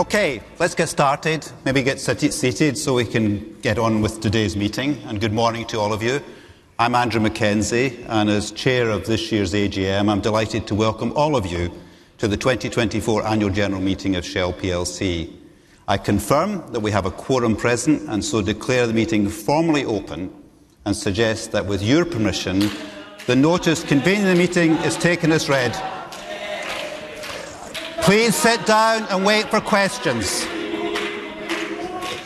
Okay, let's get started. Maybe get seated so we can get on with today's meeting, and good morning to all of you. I'm Andrew Mackenzie, and as Chair of this year's AGM, I'm delighted to welcome all of you to the 2024 Annual General Meeting of Shell PLC. I confirm that we have a quorum present and so declare the meeting formally open, and suggest that with your permission, the notice convening the meeting is taken as read. Please sit down and wait for questions.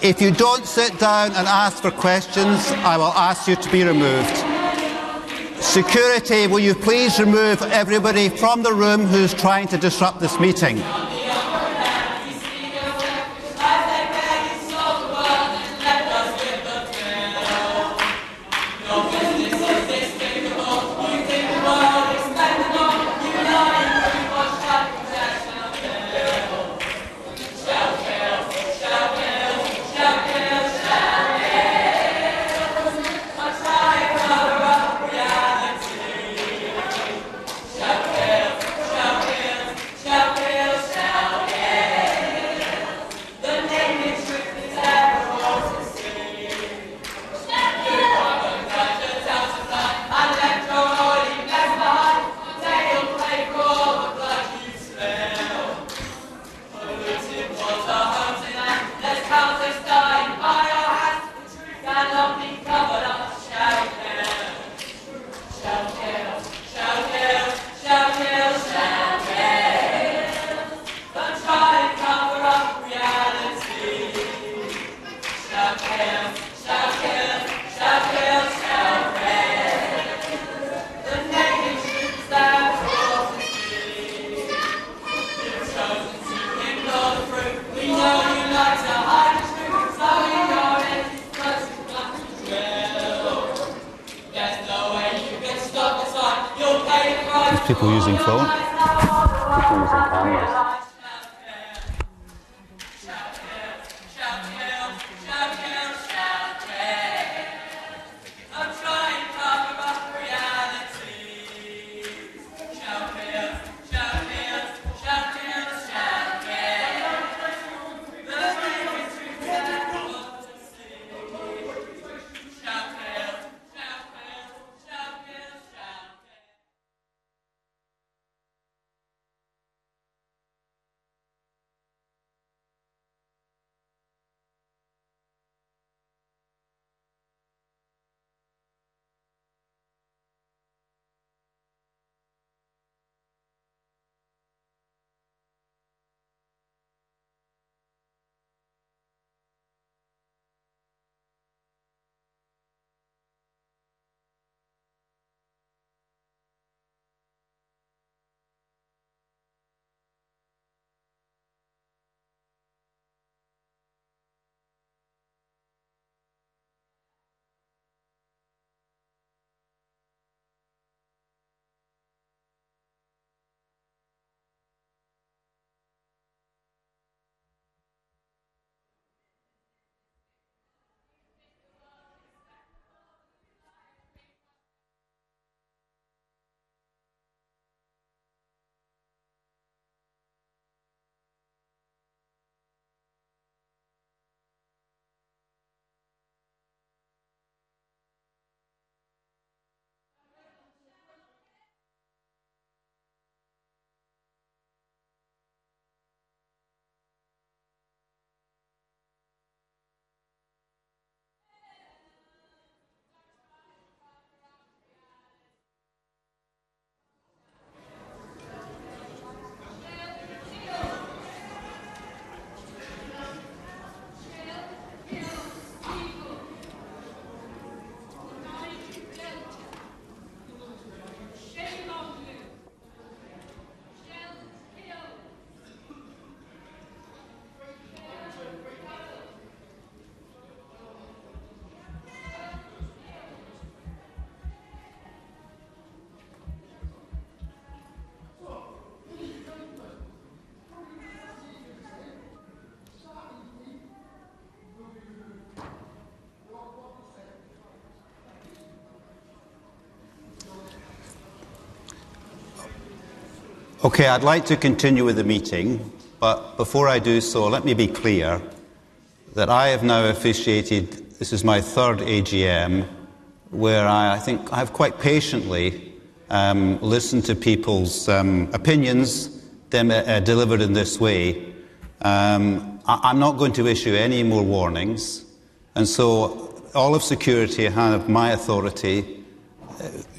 If you don't sit down and ask for questions, I will ask you to be removed. Security, will you please remove everybody from the room who's trying to disrupt this meeting?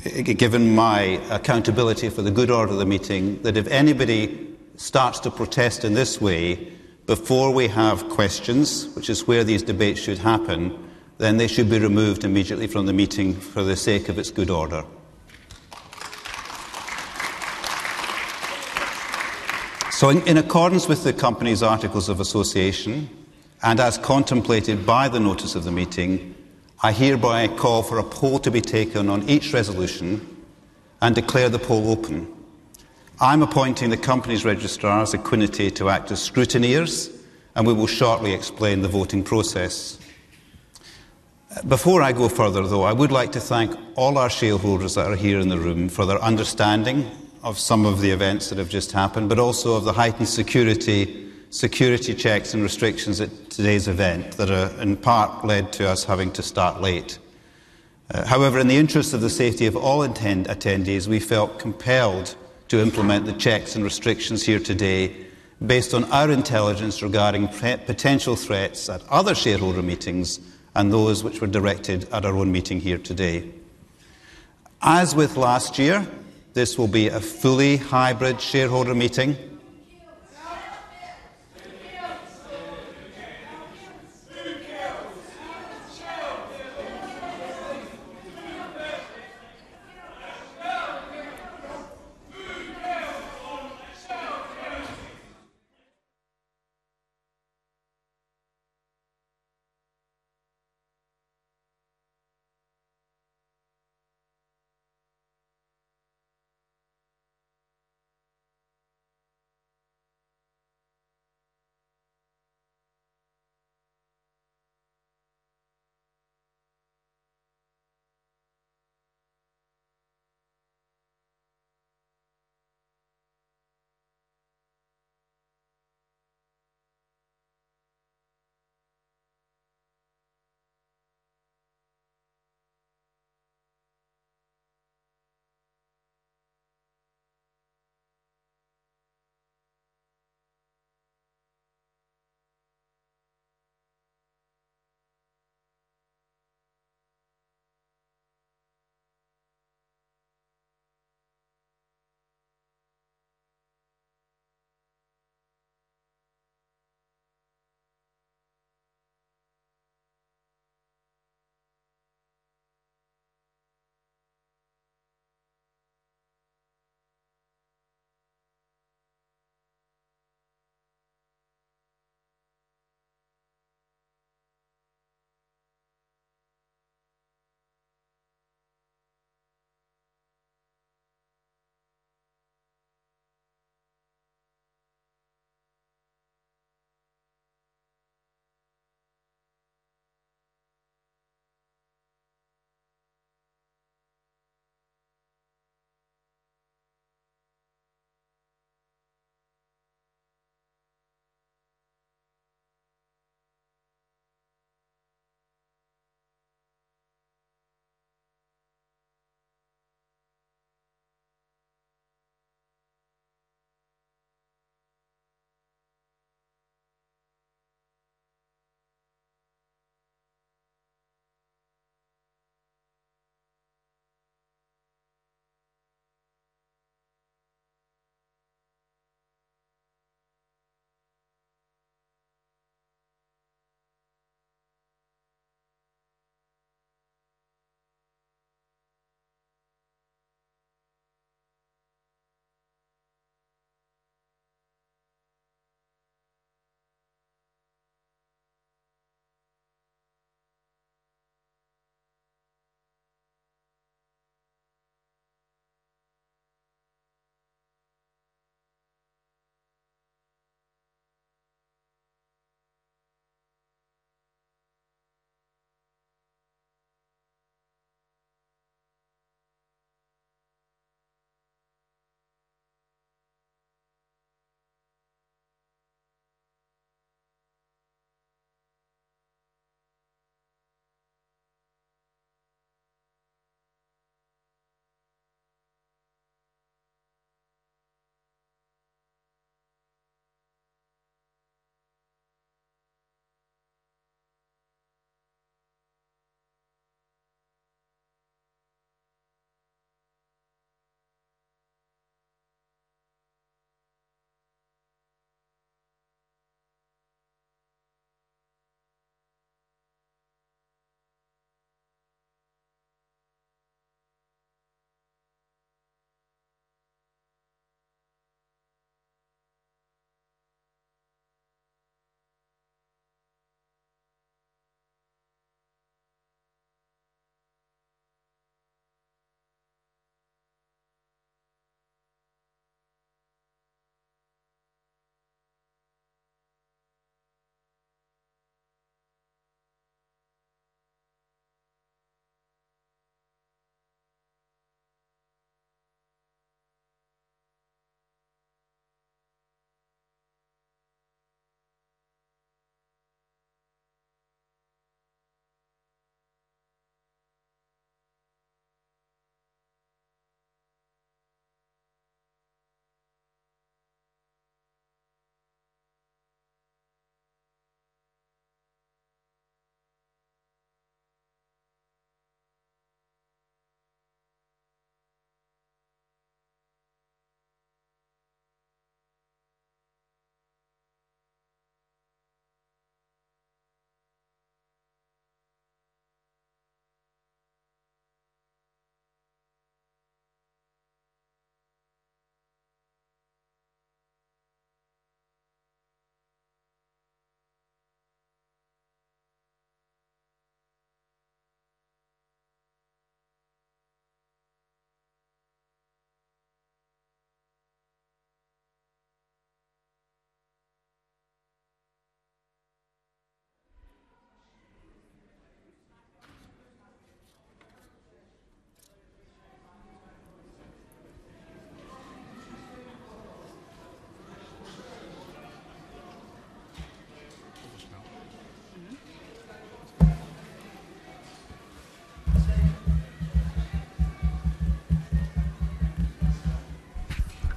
given my accountability for the good order of the meeting, that if anybody starts to protest in this way before we have questions, which is where these debates should happen, then they should be removed immediately from the meeting for the sake of its good order. So in accordance with the company's articles of association, and as contemplated by the notice of the meeting, I hereby call for a poll to be taken on each resolution and declare the poll open. I'm appointing the company's registrar as Equiniti to act as scrutineers, and we will shortly explain the voting process. Before I go further, though, I would like to thank all our shareholders that are here in the room for their understanding of some of the events that have just happened, but also of the heightened security, security checks and restrictions at today's event that are in part led to us having to start late. However, in the interest of the safety of all attendees, we felt compelled to implement the checks and restrictions here today based on our intelligence regarding potential threats at other shareholder meetings and those which were directed at our own meeting here today. As with last year, this will be a fully hybrid shareholder meeting.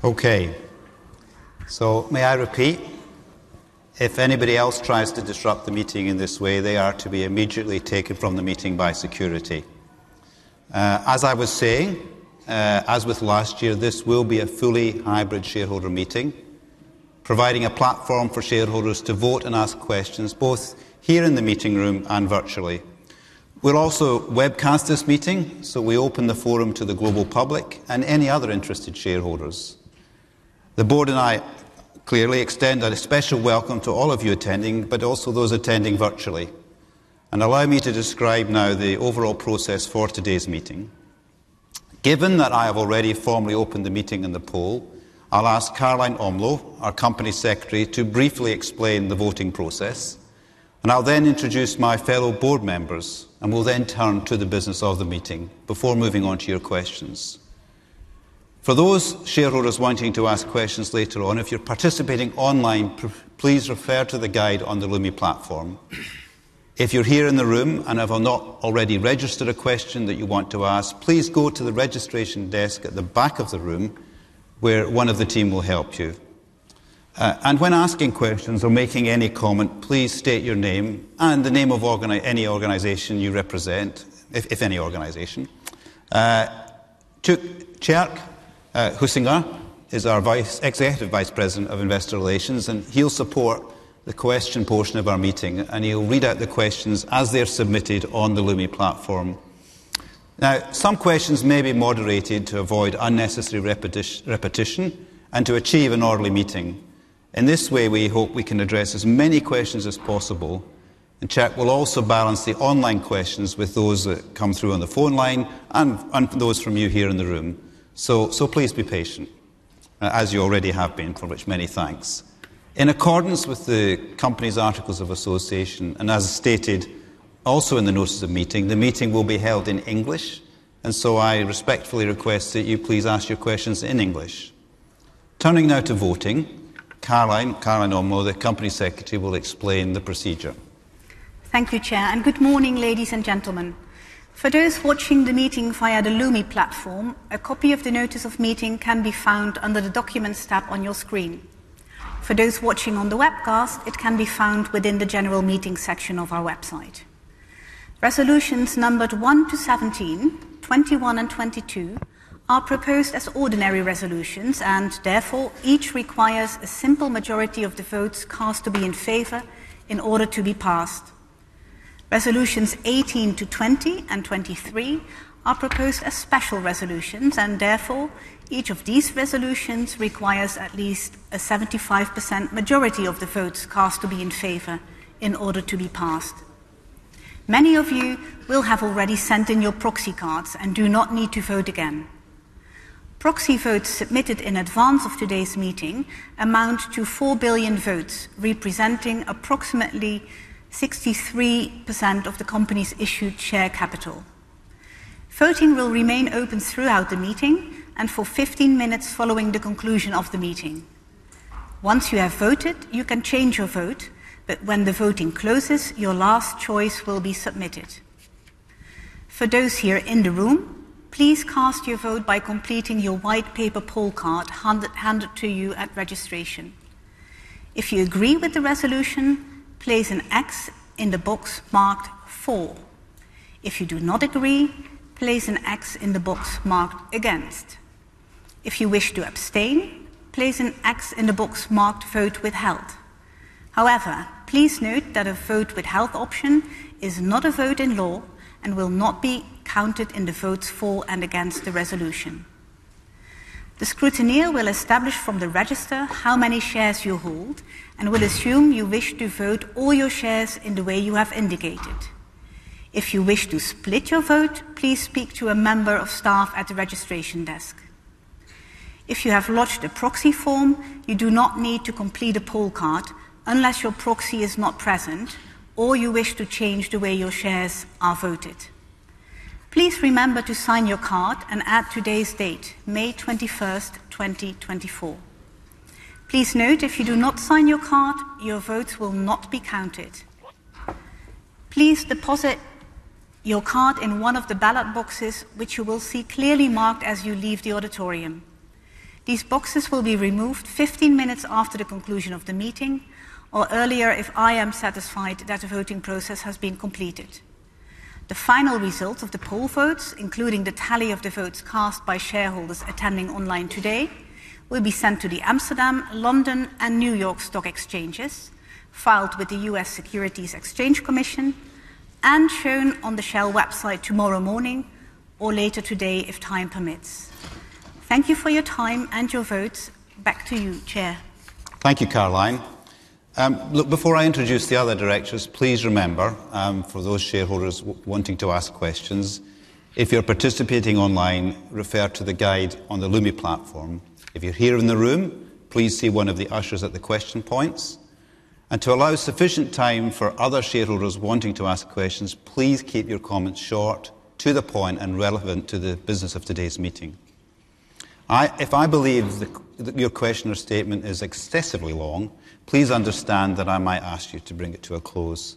Okay. So may I repeat, if anybody else tries to disrupt the meeting in this way, they are to be immediately taken from the meeting by security. As I was saying, as with last year, this will be a fully hybrid shareholder meeting, providing a platform for shareholders to vote and ask questions, both here in the meeting room and virtually. We'll also webcast this meeting, so we open the forum to the global public and any other interested shareholders. The board and I clearly extend a special welcome to all of you attending, but also those attending virtually. Allow me to describe now the overall process for today's meeting. Given that I have already formally opened the meeting and the poll, I'll ask Caroline Omloo, our Company Secretary, to briefly explain the voting process, and I'll then introduce my fellow board members, and we'll then turn to the business of the meeting before moving on to your questions. For those shareholders wanting to ask questions later on, if you're participating online, please refer to the guide on the Lumi platform. If you're here in the room and have not already registered a question that you want to ask, please go to the registration desk at the back of the room, where one of the team will help you. When asking questions or making any comment, please state your name and the name of any organization you represent, if any organization. Tjeerk Huizinga is our Executive Vice President of Investor Relations, and he'll support the question portion of our meeting, and he'll read out the questions as they're submitted on the Lumi platform. Now, some questions may be moderated to avoid unnecessary repetition and to achieve an orderly meeting. In this way, we hope we can address as many questions as possible, and Tjeerk will also balance the online questions with those that come through on the phone line and those from you here in the room. Please be patient, as you already have been, for which many thanks. In accordance with the company's articles of association, and as stated also in the notice of meeting, the meeting will be held in English, and so I respectfully request that you please ask your questions in English. Turning now to voting, Caroline, Caroline Omloo, the Company Secretary, will explain the procedure. Thank you, Chair, and good morning, ladies and gentlemen. For those watching the meeting via the Lumi platform, a copy of the notice of meeting can be found under the Documents tab on your screen. For those watching on the webcast, it can be found within the General Meeting section of our website. Resolutions numbered 1-17, 21, and 22 are proposed as ordinary resolutions, and therefore, each requires a simple majority of the votes cast to be in favor in order to be passed. Resolutions 18-20 and 23 are proposed as special resolutions, and therefore, each of these resolutions requires at least a 75% majority of the votes cast to be in favor in order to be passed. Many of you will have already sent in your proxy cards and do not need to vote again. Proxy votes submitted in advance of today's meeting amount to 4 billion votes, representing approximately 63% of the company's issued share capital. Voting will remain open throughout the meeting and for 15 minutes following the conclusion of the meeting. Once you have voted, you can change your vote, but when the voting closes, your last choice will be submitted. For those here in the room, please cast your vote by completing your white paper poll card handed to you at registration. If you agree with the resolution, place an X in the box marked "For." If you do not agree, place an X in the box marked "Against." If you wish to abstain, place an X in the box marked "Vote withheld." However, please note that a vote withheld option is not a vote in law and will not be counted in the votes for and against the resolution. The scrutineer will establish from the register how many shares you hold and will assume you wish to vote all your shares in the way you have indicated. If you wish to split your vote, please speak to a member of staff at the registration desk. If you have lodged a proxy form, you do not need to complete a poll card unless your proxy is not present or you wish to change the way your shares are voted. Please remember to sign your card and add today's date, May 21st, 2024. Please note, if you do not sign your card, your votes will not be counted. Please deposit your card in one of the ballot boxes, which you will see clearly marked as you leave the auditorium. These boxes will be removed 15 minutes after the conclusion of the meeting or earlier if I am satisfied that the voting process has been completed. The final results of the poll votes, including the tally of the votes cast by shareholders attending online today, will be sent to the Amsterdam, London, and New York Stock Exchanges, filed with the U.S. Securities and Exchange Commission, and shown on the Shell website tomorrow morning or later today, if time permits. Thank you for your time and your votes. Back to you, Chair. Thank you, Caroline. Look, before I introduce the other directors, please remember, for those shareholders wanting to ask questions, if you're participating online, refer to the guide on the Lumi platform. If you're here in the room, please see one of the ushers at the question points. And to allow sufficient time for other shareholders wanting to ask questions, please keep your comments short, to the point, and relevant to the business of today's meeting. If I believe that your question or statement is excessively long, please understand that I might ask you to bring it to a close.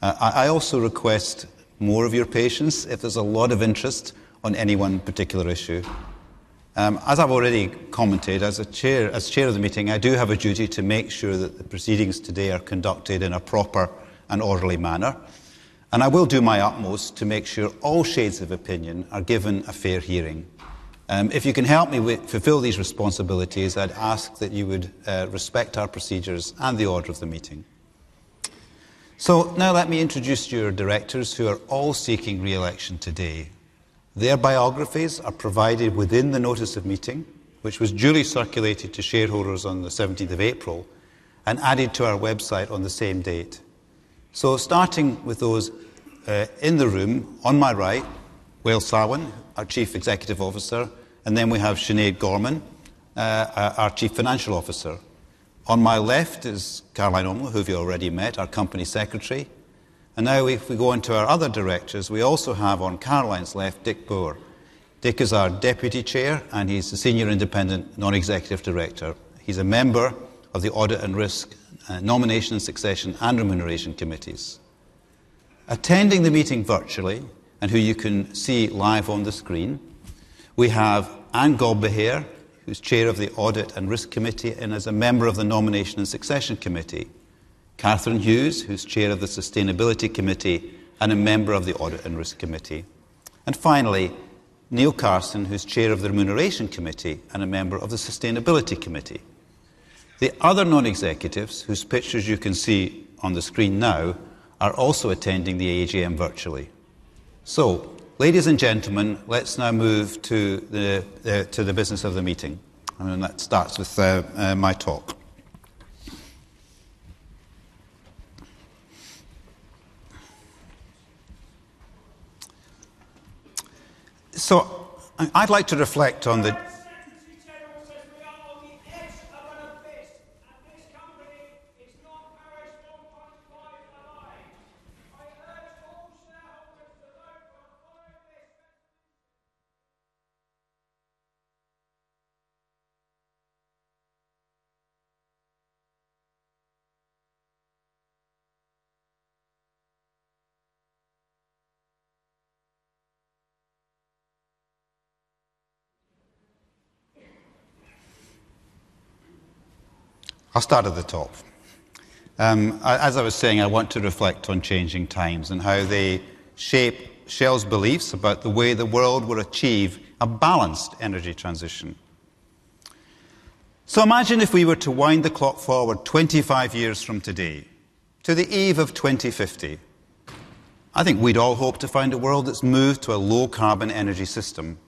I also request more of your patience if there's a lot of interest on any one particular issue. As I've already commented, as a chair, as chair of the meeting, I do have a duty to make sure that the proceedings today are conducted in a proper and orderly manner, and I will do my utmost to make sure all shades of opinion are given a fair hearing. If you can help me fulfill these responsibilities, I'd ask that you would respect our procedures and the order of the meeting. So now let me introduce your directors, who are all seeking re-election today. Their biographies are provided within the notice of meeting, which was duly circulated to shareholders on the seventeenth of April and added to our website on the same date. So starting with those in the room, on my right, Wael Sawan, our Chief Executive Officer, and then we have Sinead Gorman, our Chief Financial Officer. On my left is Caroline Omloo, who you've already met, our Company Secretary. And now if we go on to our other directors, we also have on Caroline's left, Dick Boer. Dick is our Deputy Chair, and he's the Senior Independent Non-Executive Director. He's a member of the Audit and Risk, Nomination and Succession and Remuneration committees. Attending the meeting virtually, and who you can see live on the screen, we have Anne Godbehere, who's Chair of the Audit and Risk Committee and is a member of the Nomination and Succession Committee. Catherine Hughes, who's Chair of the Sustainability Committee and a member of the Audit and Risk Committee. And finally, Neil Carson, who's Chair of the Remuneration Committee and a member of the Sustainability Committee. The other non-executives, whose pictures you can see on the screen now, are also attending the AGM virtually. So, ladies and gentlemen, let's now move to the business of the meeting, and that starts with my talk. So I'd like to reflect on the- ... The UN Secretary General says we are on the edge of an abyss, and this company is not Paris 1.5 aligned. I urge all shareholders to vote for Follow This. I'll start at the top. As I was saying, I want to reflect on changing times and how they shape Shell's beliefs about the way the world will achieve a balanced energy transition. Imagine if we were to wind the clock forward 25 years from today to the eve of 2050. I think we'd all hope to find a world that's moved to a low-carbon energy system,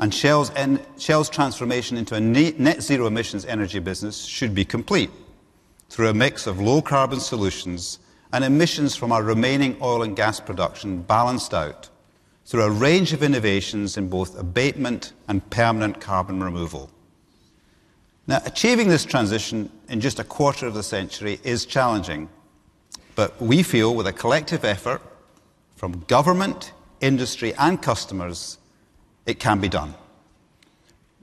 and Shell's transformation into a net zero emissions energy business should be complete through a mix of low-carbon solutions and emissions from our remaining oil and gas production balanced out through a range of innovations in both abatement and permanent carbon removal. Now, achieving this transition in just a quarter of a century is challenging, but we feel with a collective effort from government, industry, and customers, it can be done.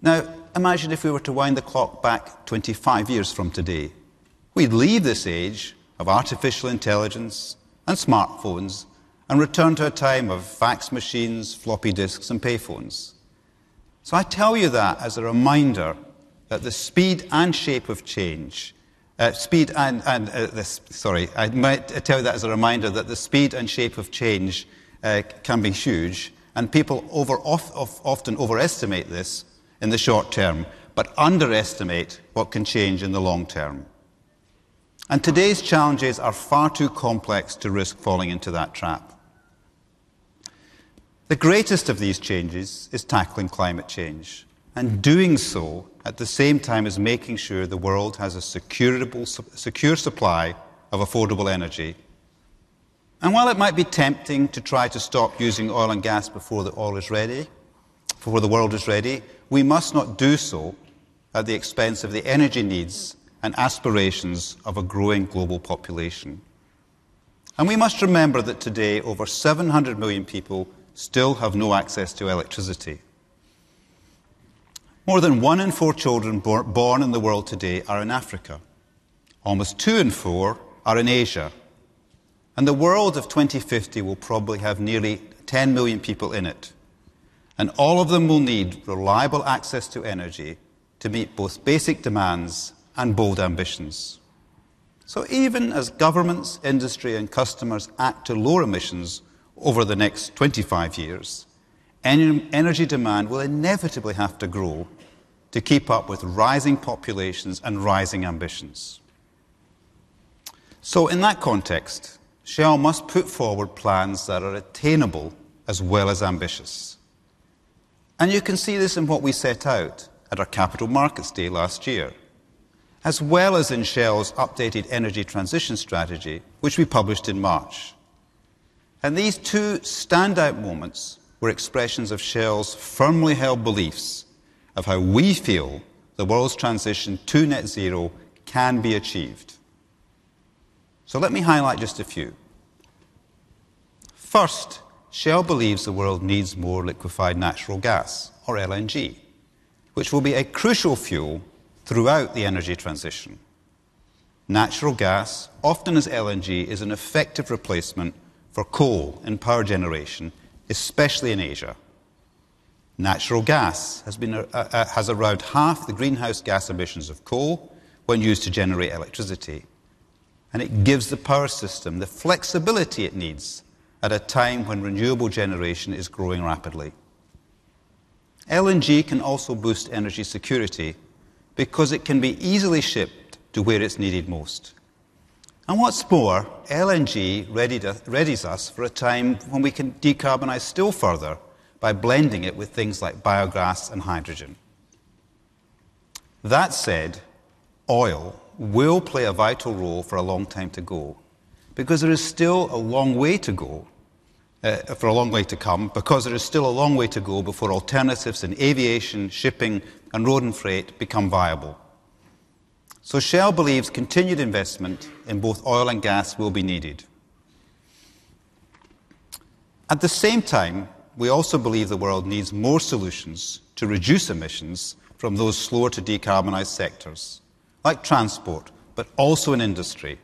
Now, imagine if we were to wind the clock back 25 years from today. We'd leave this age of artificial intelligence and smartphones and return to a time of fax machines, floppy disks, and payphones. So I tell you that as a reminder that the speed and shape of change can be huge, and people often overestimate this in the short term, but underestimate what can change in the long term. And today's challenges are far too complex to risk falling into that trap. The greatest of these changes is tackling climate change and doing so at the same time as making sure the world has a secure supply of affordable energy. While it might be tempting to try to stop using oil and gas before it all is ready, before the world is ready, we must not do so at the expense of the energy needs and aspirations of a growing global population. We must remember that today, over 700 million people still have no access to electricity. More than one in four children born in the world today are in Africa. Almost two in four are in Asia. The world of 2050 will probably have nearly 10 million people in it, and all of them will need reliable access to energy to meet both basic demands and bold ambitions. Even as governments, industry, and customers act to lower emissions over the next 25 years, energy demand will inevitably have to grow to keep up with rising populations and rising ambitions. So in that context, Shell must put forward plans that are attainable as well as ambitious. And you can see this in what we set out at our Capital Markets Day last year, as well as in Shell's updated energy transition strategy, which we published in March.... And these two standout moments were expressions of Shell's firmly held beliefs of how we feel the world's transition to net zero can be achieved. So let me highlight just a few. First, Shell believes the world needs more liquefied natural gas, or LNG, which will be a crucial fuel throughout the energy transition. Natural gas, often as LNG, is an effective replacement for coal in power generation, especially in Asia. Natural gas has been has around half the greenhouse gas emissions of coal when used to generate electricity, and it gives the power system the flexibility it needs at a time when renewable generation is growing rapidly. LNG can also boost energy security because it can be easily shipped to where it's needed most. And what's more, LNG readied us-- readies us for a time when we can decarbonize still further by blending it with things like biogas and hydrogen. That said, oil will play a vital role for a long time to go, because there is still a long way to go for a long way to come, because there is still a long way to go before alternatives in aviation, shipping, and road and freight become viable. So Shell believes continued investment in both oil and gas will be needed. At the same time, we also believe the world needs more solutions to reduce emissions from those slower-to-decarbonize sectors, like transport, but also in industry.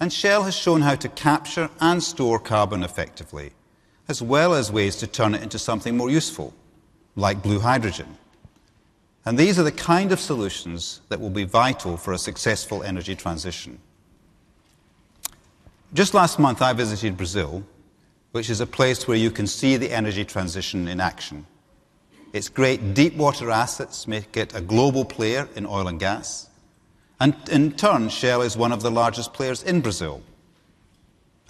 And Shell has shown how to capture and store carbon effectively, as well as ways to turn it into something more useful, like blue hydrogen. And these are the kind of solutions that will be vital for a successful energy transition. Just last month, I visited Brazil, which is a place where you can see the energy transition in action. Its great deepwater assets make it a global player in oil and gas, and in turn, Shell is one of the largest players in Brazil.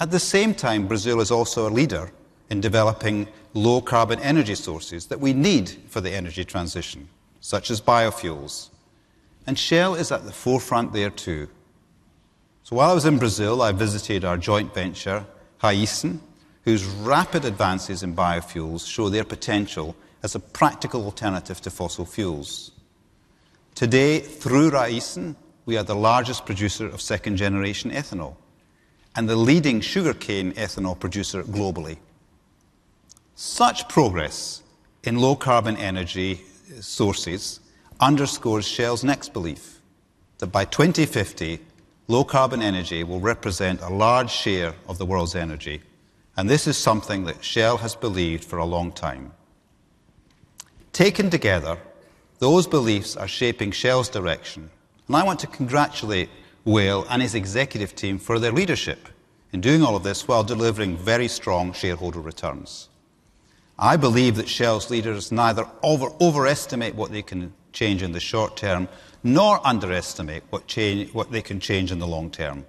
At the same time, Brazil is also a leader in developing low-carbon energy sources that we need for the energy transition, such as biofuels. And Shell is at the forefront there, too. So while I was in Brazil, I visited our joint venture, Raízen, whose rapid advances in biofuels show their potential as a practical alternative to fossil fuels. Today, through Raízen, we are the largest producer of second-generation ethanol and the leading sugarcane ethanol producer globally. Such progress in low-carbon energy sources underscores Shell's next belief, that by 2050, low-carbon energy will represent a large share of the world's energy, and this is something that Shell has believed for a long time. Taken together, those beliefs are shaping Shell's direction, and I want to congratulate Wael and his executive team for their leadership in doing all of this while delivering very strong shareholder returns. I believe that Shell's leaders neither overestimate what they can change in the short term, nor underestimate what they can change in the long term.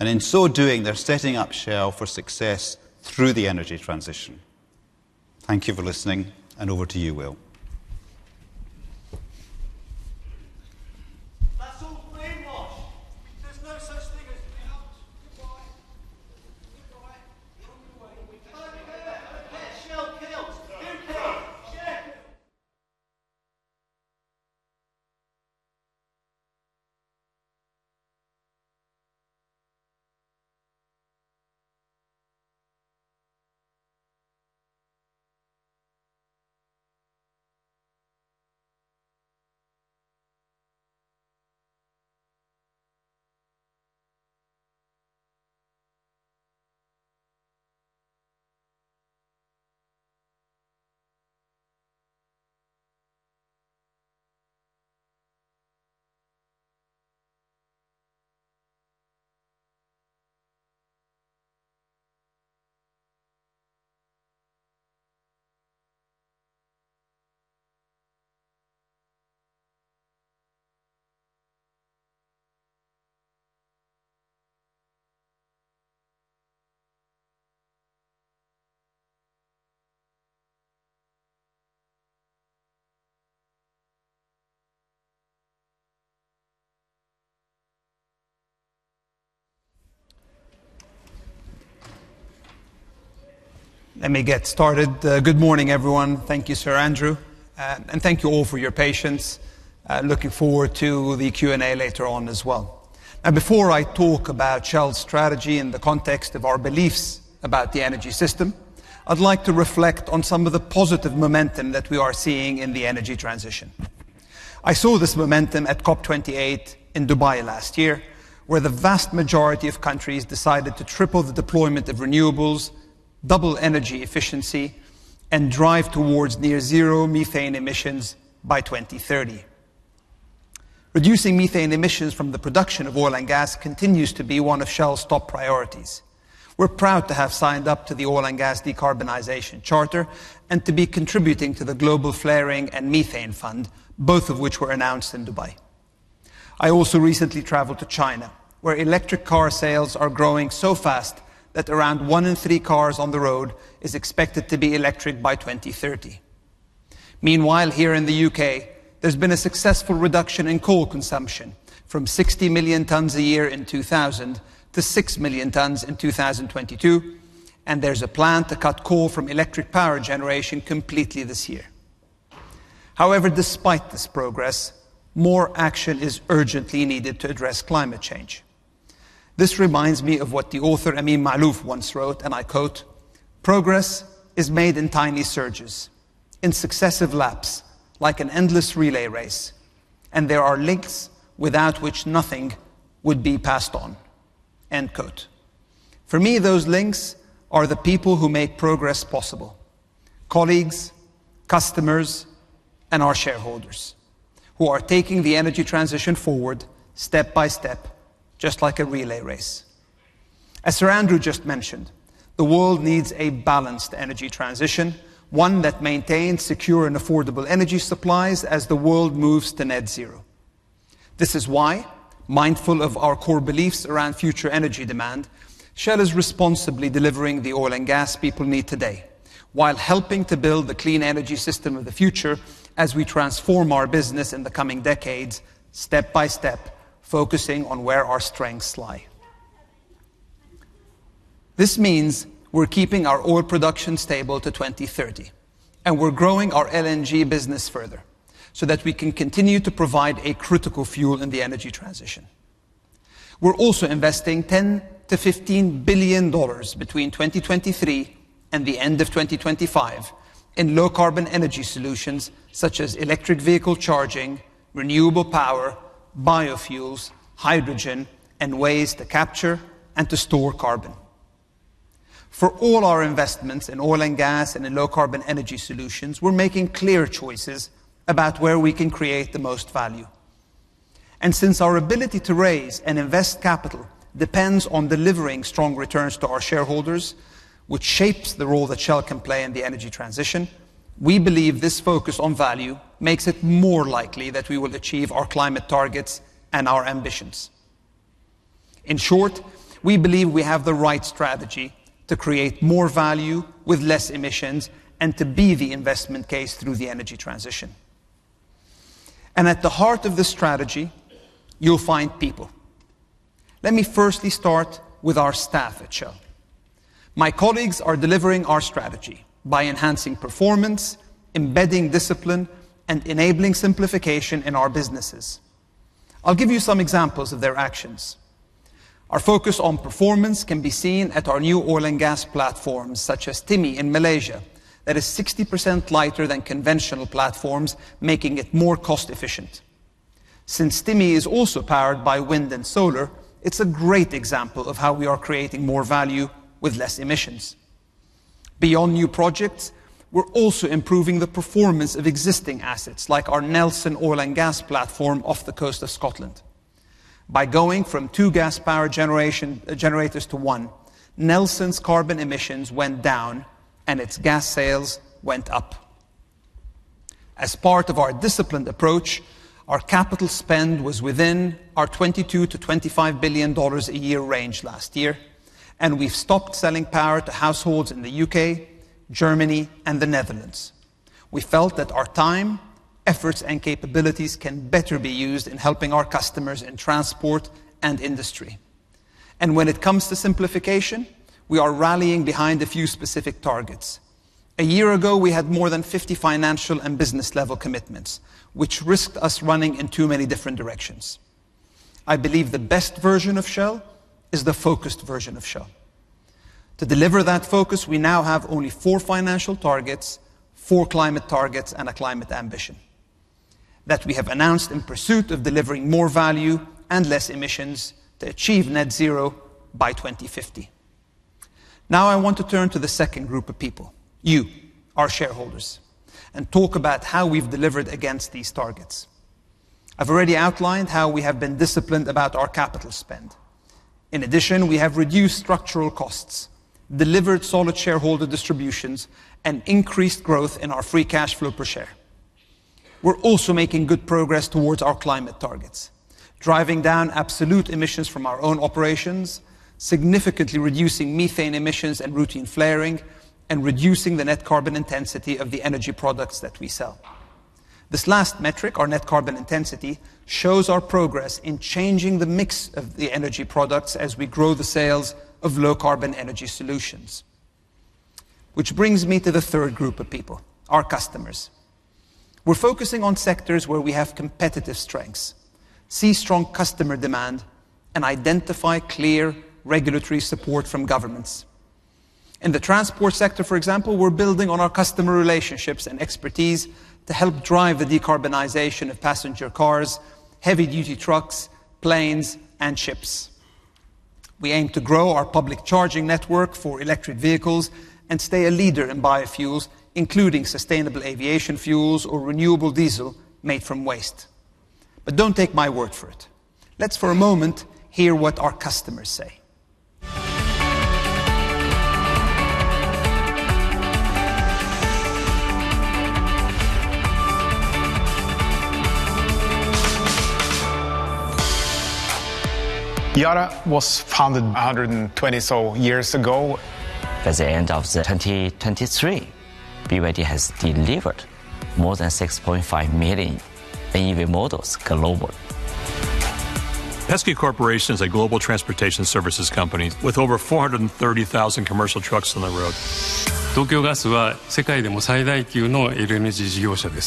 In so doing, they're setting up Shell for success through the energy transition. Thank you for listening, and over to you, Wael. That's all brainwash! There's no such thing as goodbye. Goodbye. You're on your way. Shell kills. UK, Shell kills. Let me get started. Good morning, everyone. Thank you, Sir Andrew, and thank you all for your patience. Looking forward to the Q&A later on as well. Now, before I talk about Shell's strategy in the context of our beliefs about the energy system, I'd like to reflect on some of the positive momentum that we are seeing in the energy transition. I saw this momentum at COP 28 in Dubai last year, where the vast majority of countries decided to triple the deployment of renewables, double energy efficiency, and drive towards near zero methane emissions by 2030. Reducing methane emissions from the production of oil and gas continues to be one of Shell's top priorities. We're proud to have signed up to the Oil and Gas Decarbonization Charter and to be contributing to the Global Flaring and Methane Fund, both of which were announced in Dubai. I also recently traveled to China, where electric car sales are growing so fast that around one in three cars on the road is expected to be electric by 2030. Meanwhile, here in the UK, there's been a successful reduction in coal consumption from 60 million tons a year in 2000 to 6 million tons in 2022, and there's a plan to cut coal from electric power generation completely this year. However, despite this progress, more action is urgently needed to address climate change. This reminds me of what the author Amin Maalouf once wrote, and I quote: "Progress is made in tiny surges, in successive laps, like an endless relay race, and there are links without which nothing would be passed on." End quote. For me, those links are the people who make progress possible: colleagues, customers, and our shareholders, who are taking the energy transition forward step by step, just like a relay race. As Sir Andrew just mentioned, the world needs a balanced energy transition, one that maintains secure and affordable energy supplies as the world moves to net zero. This is why, mindful of our core beliefs around future energy demand, Shell is responsibly delivering the oil and gas people need today, while helping to build the clean energy system of the future as we transform our business in the coming decades, step by step, focusing on where our strengths lie. This means we're keeping our oil production stable to 2030, and we're growing our LNG business further so that we can continue to provide a critical fuel in the energy transition. We're also investing $10-$15 billion between 2023 and the end of 2025 in low-carbon energy solutions such as electric vehicle charging, renewable power, biofuels, hydrogen, and ways to capture and to store carbon. For all our investments in oil and gas and in low-carbon energy solutions, we're making clear choices about where we can create the most value. Since our ability to raise and invest capital depends on delivering strong returns to our shareholders, which shapes the role that Shell can play in the energy transition, we believe this focus on value makes it more likely that we will achieve our climate targets and our ambitions. In short, we believe we have the right strategy to create more value with less emissions and to be the investment case through the energy transition. At the heart of this strategy, you'll find people. Let me firstly start with our staff at Shell. My colleagues are delivering our strategy by enhancing performance, embedding discipline, and enabling simplification in our businesses. I'll give you some examples of their actions. Our focus on performance can be seen at our new oil and gas platforms, such as Timi in Malaysia, that is 60% lighter than conventional platforms, making it more cost-efficient. Since Timi is also powered by wind and solar, it's a great example of how we are creating more value with less emissions. Beyond new projects, we're also improving the performance of existing assets, like our Nelson oil and gas platform off the coast of Scotland. By going from two gas-powered generation, generators to one, Nelson's carbon emissions went down, and its gas sales went up. As part of our disciplined approach, our capital spend was within our $22 billion-$25 billion a year range last year, and we've stopped selling power to households in the UK, Germany, and the Netherlands. We felt that our time, efforts, and capabilities can better be used in helping our customers in transport and industry. And when it comes to simplification, we are rallying behind a few specific targets. A year ago, we had more than 50 financial and business-level commitments, which risked us running in too many different directions. I believe the best version of Shell is the focused version of Shell. To deliver that focus, we now have only four financial targets, four climate targets, and a climate ambition that we have announced in pursuit of delivering more value and less emissions to achieve net zero by 2050. Now, I want to turn to the second group of people, you, our shareholders, and talk about how we've delivered against these targets. I've already outlined how we have been disciplined about our capital spend. In addition, we have reduced structural costs, delivered solid shareholder distributions, and increased growth in our free cash flow per share. We're also making good progress towards our climate targets, driving down absolute emissions from our own operations, significantly reducing methane emissions and routine flaring, and reducing the net carbon intensity of the energy products that we sell. This last metric, our net carbon intensity, shows our progress in changing the mix of the energy products as we grow the sales of low-carbon energy solutions. Which brings me to the third group of people, our customers. We're focusing on sectors where we have competitive strengths, see strong customer demand, and identify clear regulatory support from governments. In the transport sector, for example, we're building on our customer relationships and expertise to help drive the decarbonization of passenger cars, heavy-duty trucks, planes, and ships. We aim to grow our public charging network for electric vehicles and stay a leader in biofuels, including sustainable aviation fuels or renewable diesel made from waste. But don't take my word for it. Let's, for a moment, hear what our customers say. ... Yara was founded 120 so years ago. At the end of 2023, BYD has delivered more than 6.5 million NEV models globally. Penske Corporation is a global transportation services company with over 430,000 commercial trucks on the road. Tokyo Gas is the world's largest LNG company.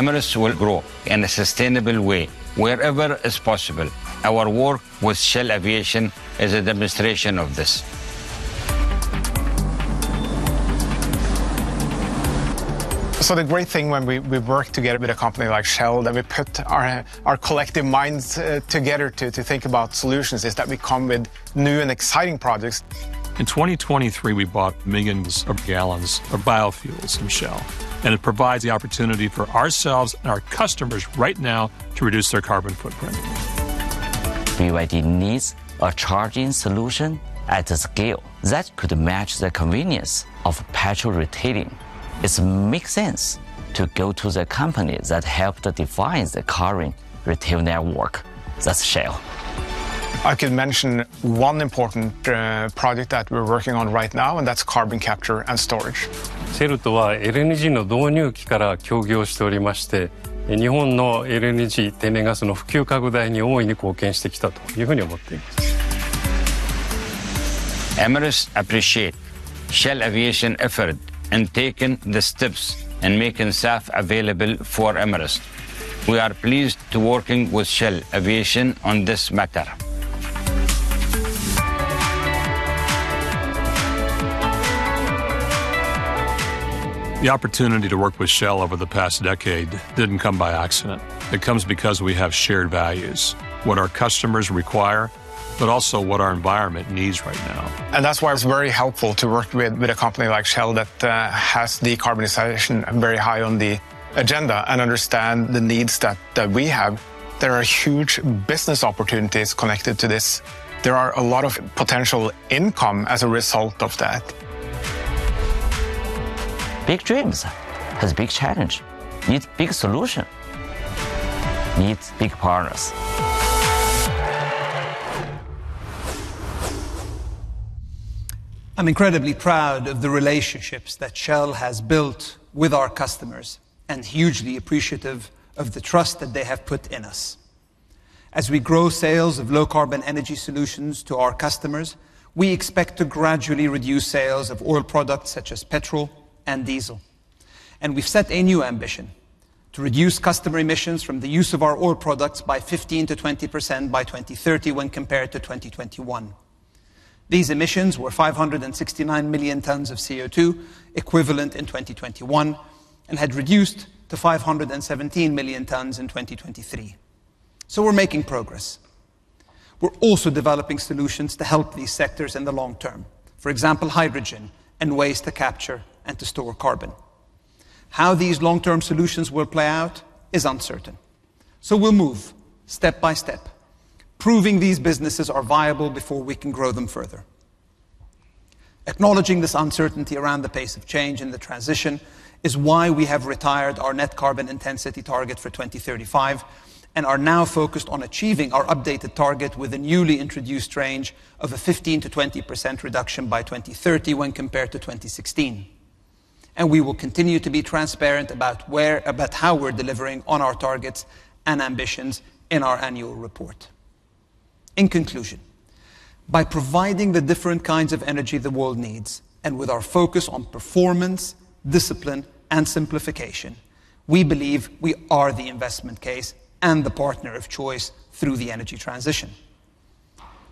Emirates will grow in a sustainable way wherever is possible. Our work with Shell Aviation is a demonstration of this. So the great thing when we work together with a company like Shell, that we put our collective minds together to think about solutions, is that we come with new and exciting projects. In 2023, we bought millions of gallons of biofuels from Shell, and it provides the opportunity for ourselves and our customers right now to reduce their carbon footprint. BYD needs a charging solution at a scale that could match the convenience of petrol retailing. It makes sense to go to the company that helped define the current retail network. That's Shell. I could mention one important project that we're working on right now, and that's carbon capture and storage. We have been working with Shell since the inception of LNG, and I believe we have greatly contributed to the promotion and expansion of LNG natural gas in Japan. Emirates appreciates Shell Aviation's effort in taking the steps in making SAF available for Emirates. We are pleased to work with Shell Aviation on this matter. The opportunity to work with Shell over the past decade didn't come by accident. It comes because we have shared values, what our customers require, but also what our environment needs right now. That's why it's very helpful to work with a company like Shell that has decarbonization very high on the agenda and understand the needs that we have. There are huge business opportunities connected to this. There are a lot of potential income as a result of that. Big dreams has big challenge, needs big solution, needs big partners. I'm incredibly proud of the relationships that Shell has built with our customers and hugely appreciative of the trust that they have put in us. As we grow sales of low-carbon energy solutions to our customers, we expect to gradually reduce sales of oil products, such as petrol and diesel. We've set a new ambition: to reduce customer emissions from the use of our oil products by 15%-20% by 2030 when compared to 2021. These emissions were 569 million tons of CO2 equivalent in 2021 and had reduced to 517 million tons in 2023. We're making progress. We're also developing solutions to help these sectors in the long term, for example, hydrogen and ways to capture and to store carbon. How these long-term solutions will play out is uncertain, so we'll move step by step, proving these businesses are viable before we can grow them further. Acknowledging this uncertainty around the pace of change in the transition is why we have retired our net carbon intensity target for 2035 and are now focused on achieving our updated target with a newly introduced range of a 15%-20% reduction by 2030 when compared to 2016. We will continue to be transparent about how we're delivering on our targets and ambitions in our annual report. In conclusion, by providing the different kinds of energy the world needs and with our focus on performance, discipline, and simplification, we believe we are the investment case and the partner of choice through the energy transition.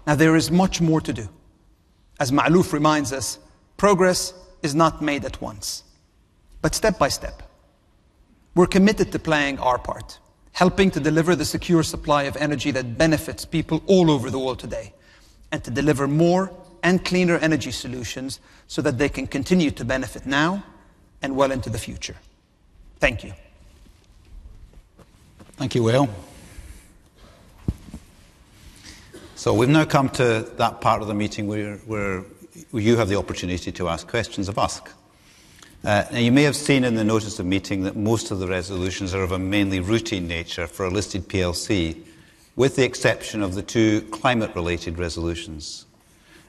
Now, there is much more to do. As Maalouf reminds us, "Progress is not made at once, but step by step." We're committed to playing our part, helping to deliver the secure supply of energy that benefits people all over the world today, and to deliver more and cleaner energy solutions so that they can continue to benefit now and well into the future. Thank you. Thank you, Wael. So we've now come to that part of the meeting where you have the opportunity to ask questions of us. Now, you may have seen in the notice of meeting that most of the resolutions are of a mainly routine nature for a listed PLC, with the exception of the two climate-related resolutions.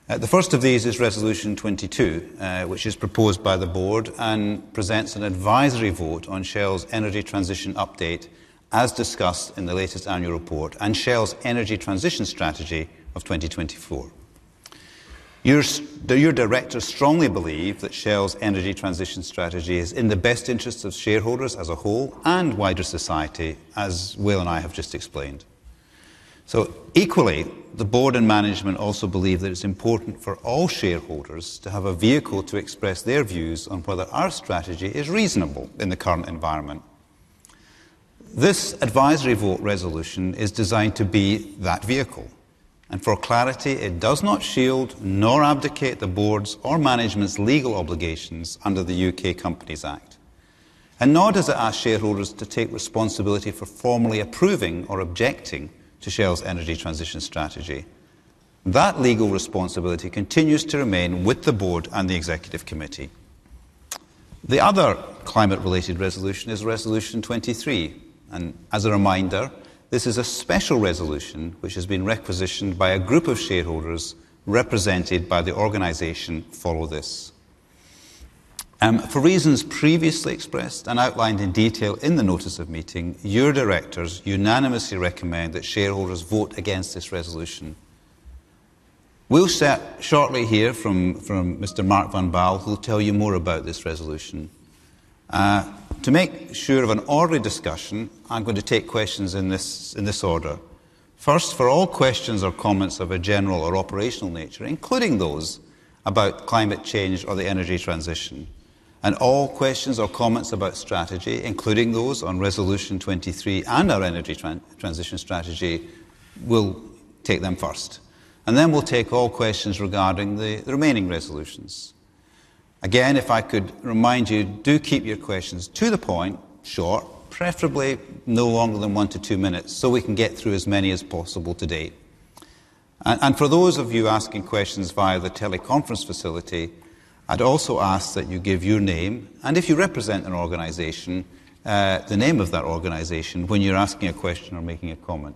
The first of these is Resolution 22, which is proposed by the board and presents an advisory vote on Shell's energy transition update, as discussed in the latest annual report and Shell's energy transition strategy of 2024. Your directors strongly believe that Shell's energy transition strategy is in the best interest of shareholders as a whole and wider society, as Wael and I have just explained. So equally, the board and management also believe that it's important for all shareholders to have a vehicle to express their views on whether our strategy is reasonable in the current environment. This advisory vote resolution is designed to be that vehicle, and for clarity, it does not shield nor abdicate the board's or management's legal obligations under the UK Companies Act, and nor does it ask shareholders to take responsibility for formally approving or objecting to Shell's energy transition strategy. That legal responsibility continues to remain with the board and the executive committee. The other climate-related resolution is Resolution 23, and as a reminder, this is a special resolution which has been requisitioned by a group of shareholders represented by the organization Follow This. For reasons previously expressed and outlined in detail in the notice of meeting, your directors unanimously recommend that shareholders vote against this resolution. We'll shortly hear from Mr. Mark van Baal, who'll tell you more about this resolution. To make sure of an orderly discussion, I'm going to take questions in this order. First, for all questions or comments of a general or operational nature, including those about climate change or the energy transition, and all questions or comments about strategy, including those on Resolution 23 and our energy transition strategy, we'll take them first, and then we'll take all questions regarding the remaining resolutions. Again, if I could remind you, do keep your questions to the point, short, preferably no longer than 1-2 minutes, so we can get through as many as possible today. For those of you asking questions via the teleconference facility, I'd also ask that you give your name, and if you represent an organization, the name of that organization when you're asking a question or making a comment.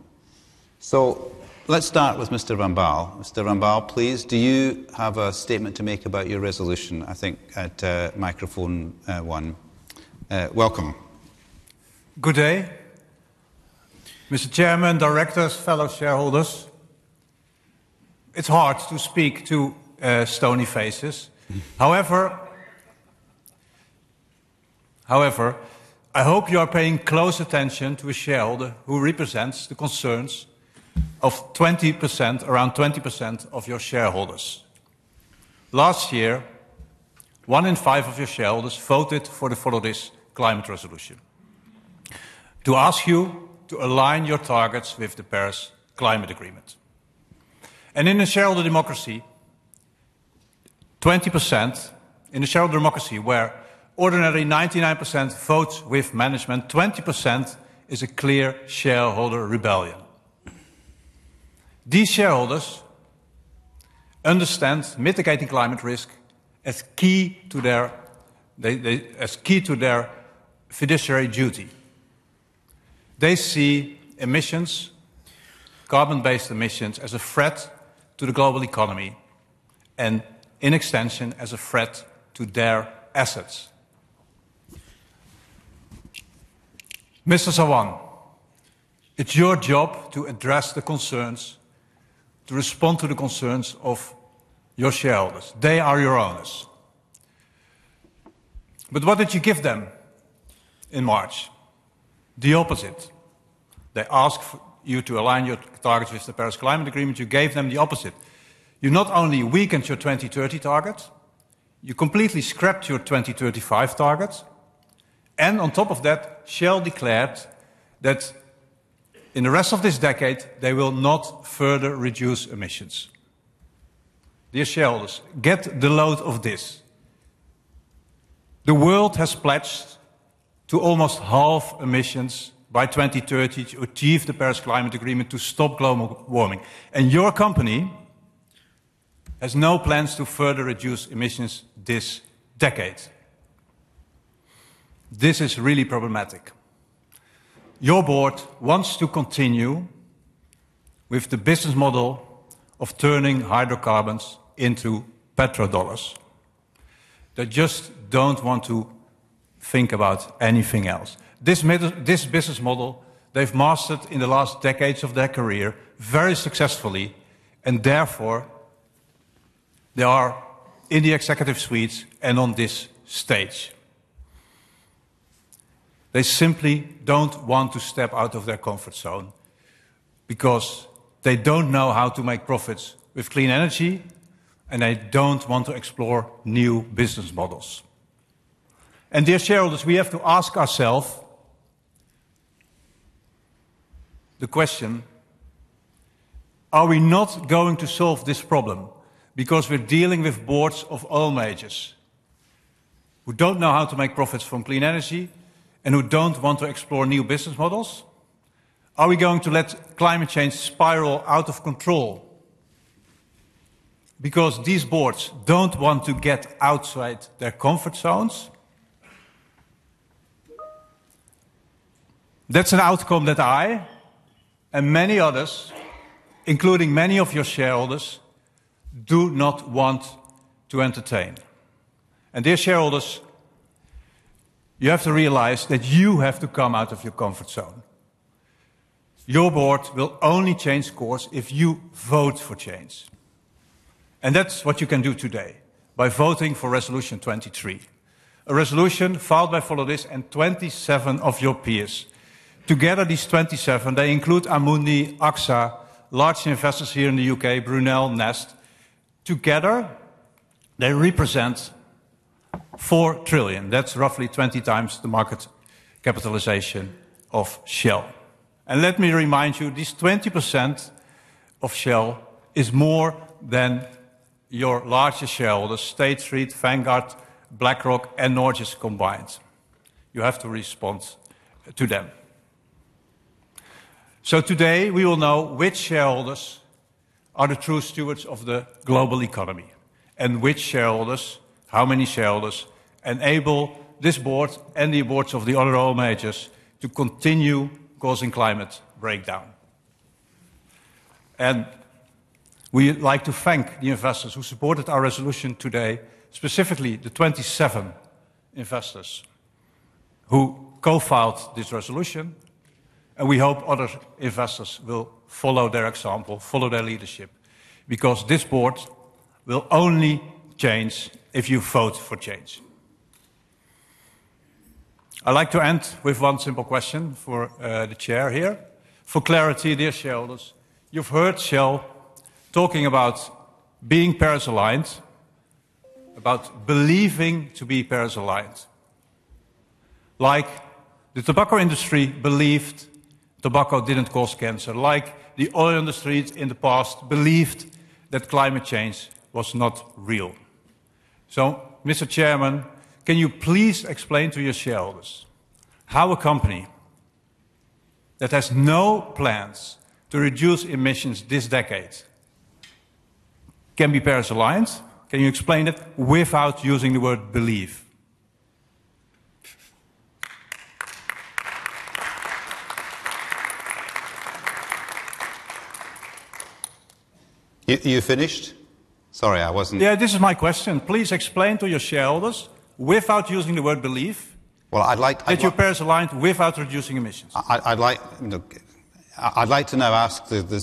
So let's start with Mr. van Baal. Mr. van Baal, please, do you have a statement to make about your resolution? I think at microphone one. Welcome. Good day, Mr. Chairman, directors, fellow shareholders. It's hard to speak to stony faces. However, I hope you are paying close attention to a shareholder who represents the concerns of 20%, around 20% of your shareholders. Last year, one in five of your shareholders voted for the Follow This climate resolution to ask you to align your targets with the Paris Climate Agreement. And in a shareholder democracy, 20%... In a shareholder democracy, where ordinarily 99% votes with management, 20% is a clear shareholder rebellion. These shareholders understand mitigating climate risk as key to their, they, as key to their fiduciary duty. They see emissions, carbon-based emissions, as a threat to the global economy and in extension, as a threat to their assets. Mr. Sawan, it's your job to address the concerns, to respond to the concerns of your shareholders. They are your owners. But what did you give them in March? The opposite. They asked fuck you to align your targets with the Paris Agreement. You gave them the opposite. You not only weakened your 2030 targets, you completely scrapped your 2035 targets, and on top of that, Shell declared that in the rest of this decade, they will not further reduce emissions. Dear shareholders, get the load of this. The world has pledged to almost halve emissions by 2030 to achieve the Paris Agreement to stop global warming, and your company has no plans to further reduce emissions this decade. This is really problematic. Your board wants to continue with the business model of turning hydrocarbons into petrodollars. They just don't want to think about anything else. This business model they've mastered in the last decades of their career very successfully, and therefore, they are in the executive suites and on this stage. They simply don't want to step out of their comfort zone because they don't know how to make profits with clean energy, and they don't want to explore new business models. Dear shareholders, we have to ask ourselves the question: Are we not going to solve this problem because we're dealing with boards of oil majors who don't know how to make profits from clean energy and who don't want to explore new business models? Are we going to let climate change spiral out of control because these boards don't want to get outside their comfort zones? That's an outcome that I and many others, including many of your shareholders, do not want to entertain. Dear shareholders, you have to realize that you have to come out of your comfort zone. Your board will only change course if you vote for change, and that's what you can do today by voting for Resolution 23, a resolution filed by Follow This and 27 of your peers. Together, these 27, they include Amundi, AXA, large investors here in the UK, Brunel, Nest. Together, they represent $4 trillion. That's roughly 20 times the market capitalization of Shell. And let me remind you, this 20% of Shell is more than your largest shareholder, State Street, Vanguard, BlackRock and Nordics combined. You have to respond to them. Today we will know which shareholders are the true stewards of the global economy and which shareholders, how many shareholders, enable this board and the boards of the other oil majors to continue causing climate breakdown. We'd like to thank the investors who supported our resolution today, specifically the 27 investors who co-filed this resolution, and we hope other investors will follow their example, follow their leadership, because this board will only change if you vote for change. I'd like to end with one simple question for the chair here. For clarity, dear shareholders, you've heard Shell talking about being Paris-aligned, about believing to be Paris-aligned. Like the tobacco industry believed tobacco didn't cause cancer, like the oil industry in the past believed that climate change was not real. So, Mr. Chairman, can you please explain to your shareholders how a company that has no plans to reduce emissions this decade can be Paris-aligned? Can you explain it without using the word believe? You finished? Sorry, I wasn't- Yeah, this is my question. Please explain to your shareholders, without using the word believe- Well, I'd like- that you're Paris-aligned without reducing emissions. I'd like... Look, I'd like to now ask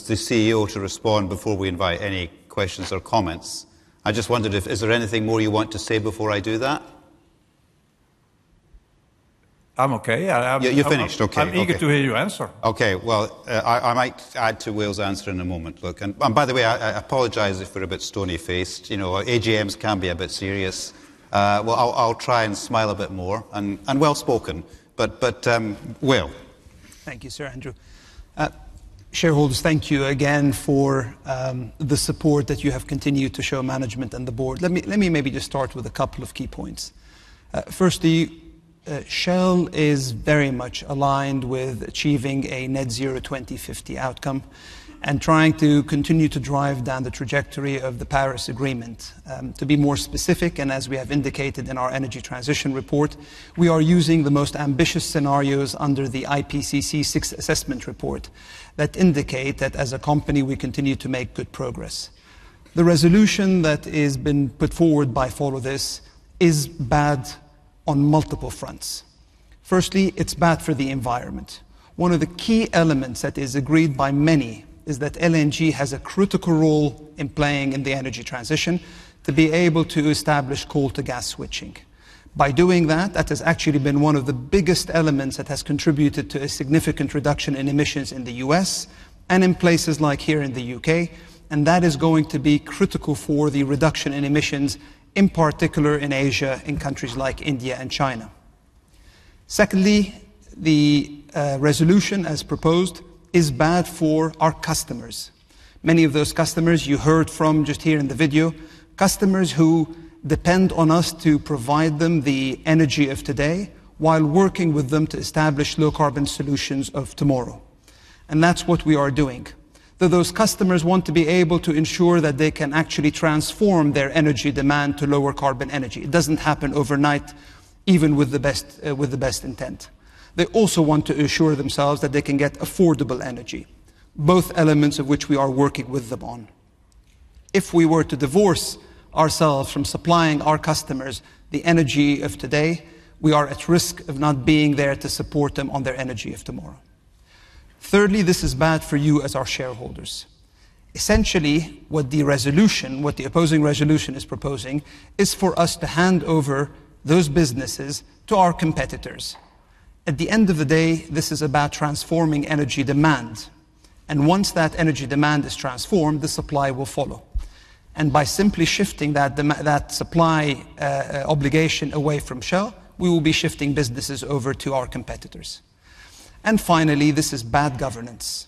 the CEO to respond before we invite any questions or comments. I just wondered if there is anything more you want to say before I do that? I'm okay. Yeah, I'm- You're finished? Okay. I'm eager to hear your answer. Okay. Well, I might add to Wael's answer in a moment. Look. And by the way, I apologize if we're a bit stony-faced. You know, AGMs can be a bit serious. Well, I'll try and smile a bit more. And well spoken, but Wael. Thank you, Sir Andrew. Shareholders, thank you again for the support that you have continued to show management and the board. Let me, let me maybe just start with a couple of key points. Firstly, Shell is very much aligned with achieving a net zero 2050 outcome and trying to continue to drive down the trajectory of the Paris Agreement. To be more specific, and as we have indicated in our energy transition report, we are using the most ambitious scenarios under the IPCC Sixth Assessment Report that indicate that as a company, we continue to make good progress. The resolution that is been put forward by Follow This is bad on multiple fronts. Firstly, it's bad for the environment. One of the key elements that is agreed by many is that LNG has a critical role in playing in the energy transition to be able to establish coal to gas switching. By doing that, that has actually been one of the biggest elements that has contributed to a significant reduction in emissions in the U.S. and in places like here in the U.K., and that is going to be critical for the reduction in emissions, in particular in Asia, in countries like India and China. Secondly, the resolution as proposed is bad for our customers. Many of those customers you heard from just here in the video, customers who depend on us to provide them the energy of today while working with them to establish low carbon solutions of tomorrow, and that's what we are doing. Though those customers want to be able to ensure that they can actually transform their energy demand to lower carbon energy, it doesn't happen overnight, even with the best, with the best intent. They also want to assure themselves that they can get affordable energy, both elements of which we are working with them on. If we were to divorce ourselves from supplying our customers the energy of today, we are at risk of not being there to support them on their energy of tomorrow. Thirdly, this is bad for you as our shareholders. Essentially, what the resolution, what the opposing resolution is proposing, is for us to hand over those businesses to our competitors. At the end of the day, this is about transforming energy demand, and once that energy demand is transformed, the supply will follow. By simply shifting that supply obligation away from Shell, we will be shifting businesses over to our competitors. Finally, this is bad governance.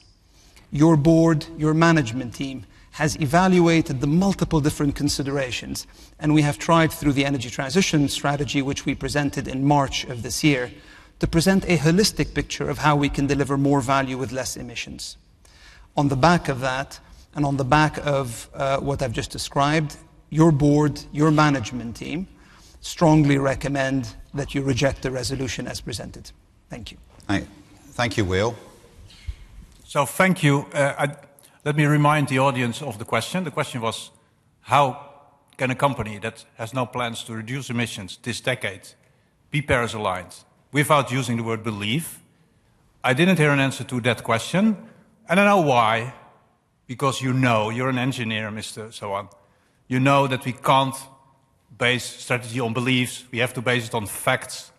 Your board, your management team, has evaluated the multiple different considerations, and we have tried through the energy transition strategy, which we presented in March of this year, to present a holistic picture of how we can deliver more value with less emissions. On the back of that, and on the back of what I've just described, your board, your management team, strongly recommend that you reject the resolution as presented. Thank you. Thank you, Wael. So thank you. Let me remind the audience of the question. The question was: How can a company that has no plans to reduce emissions this decade be Paris-aligned without using the word believe? I didn't hear an answer to that question, and I know why, because you know, you're an engineer, mister, so on. You know that we can't base strategy on beliefs. We have to base it on facts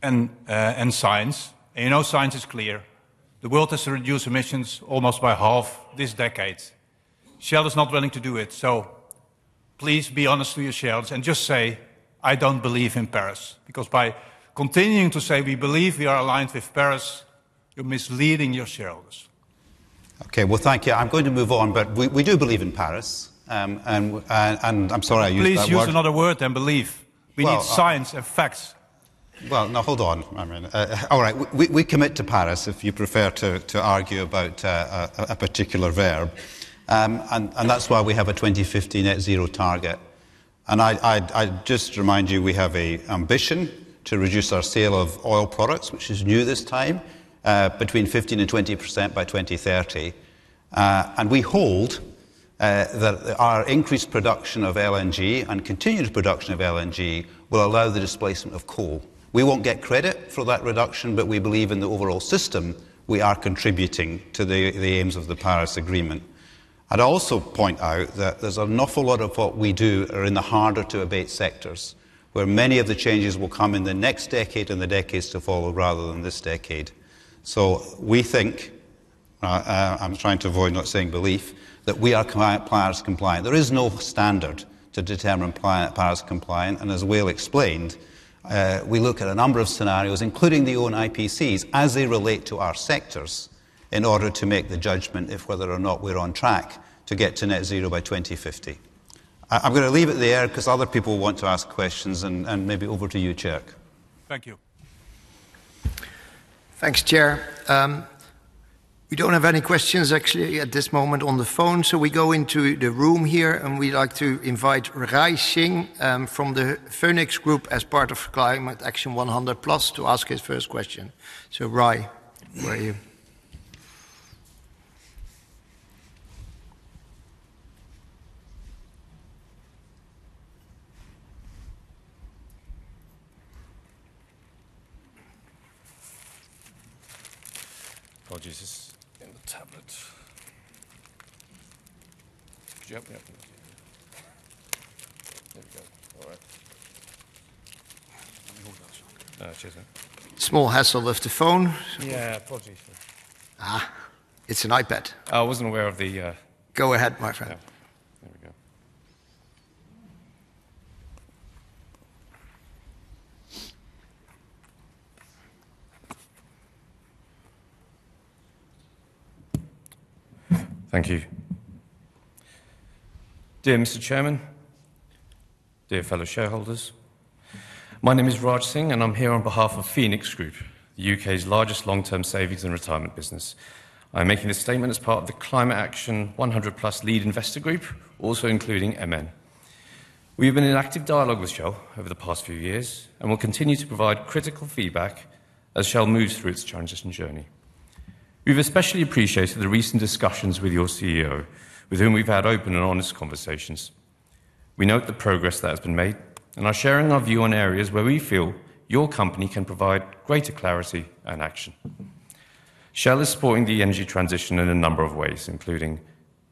and, and science. And you know, science is clear. The world has to reduce emissions almost by half this decade. Shell is not willing to do it, so please be honest to your shareholders and just say, "I don't believe in Paris." Because by continuing to say, "We believe we are aligned with Paris," you're misleading your shareholders.... Okay, well, thank you. I'm going to move on, but we do believe in Paris, and I'm sorry I used that word. Please use another word than believe. Well, uh- We need science and facts. Well, now, hold on, I mean. All right, we commit to Paris, if you prefer to argue about a particular verb. And that's why we have a 2050 net zero target. And I'd just remind you, we have a ambition to reduce our sale of oil products, which is new this time, between 15% and 20% by 2030. And we hold that our increased production of LNG and continued production of LNG will allow the displacement of coal. We won't get credit for that reduction, but we believe in the overall system, we are contributing to the aims of the Paris Agreement. I'd also point out that there's an awful lot of what we do are in the harder to abate sectors, where many of the changes will come in the next decade and the decades to follow rather than this decade. So we think, I'm trying to avoid not saying belief, that we are climate Paris compliant. There is no standard to determine Paris compliant, and as Wael explained, we look at a number of scenarios, including the IPCC's, as they relate to our sectors, in order to make the judgment of whether or not we're on track to get to net zero by 2050. I'm gonna leave it there 'cause other people want to ask questions, and maybe over to you, Chair. Thank you. Thanks, Chair. We don't have any questions actually at this moment on the phone, so we go into the room here, and we'd like to invite Raj Singh from the Phoenix Group as part of Climate Action 100+ to ask his first question. So Raj, where are you? Oh, Jesus. In the tablet. Could you help me out, please? There we go. All right. Let me hold that, sir. Cheers, man. Small hassle with the phone. Yeah, apologies. Ah, it's an iPad. Oh, I wasn't aware of the, Go ahead, my friend. Yeah. There we go. Thank you. Dear Mr. Chairman, dear fellow shareholders, my name is Raj Singh, and I'm here on behalf of Phoenix Group, the UK's largest long-term savings and retirement business. I'm making this statement as part of the Climate Action 100+ lead investor group, also including MN. We've been in active dialogue with Shell over the past few years and will continue to provide critical feedback as Shell moves through its transition journey. We've especially appreciated the recent discussions with your CEO, with whom we've had open and honest conversations. We note the progress that has been made and are sharing our view on areas where we feel your company can provide greater clarity and action. Shell is supporting the energy transition in a number of ways, including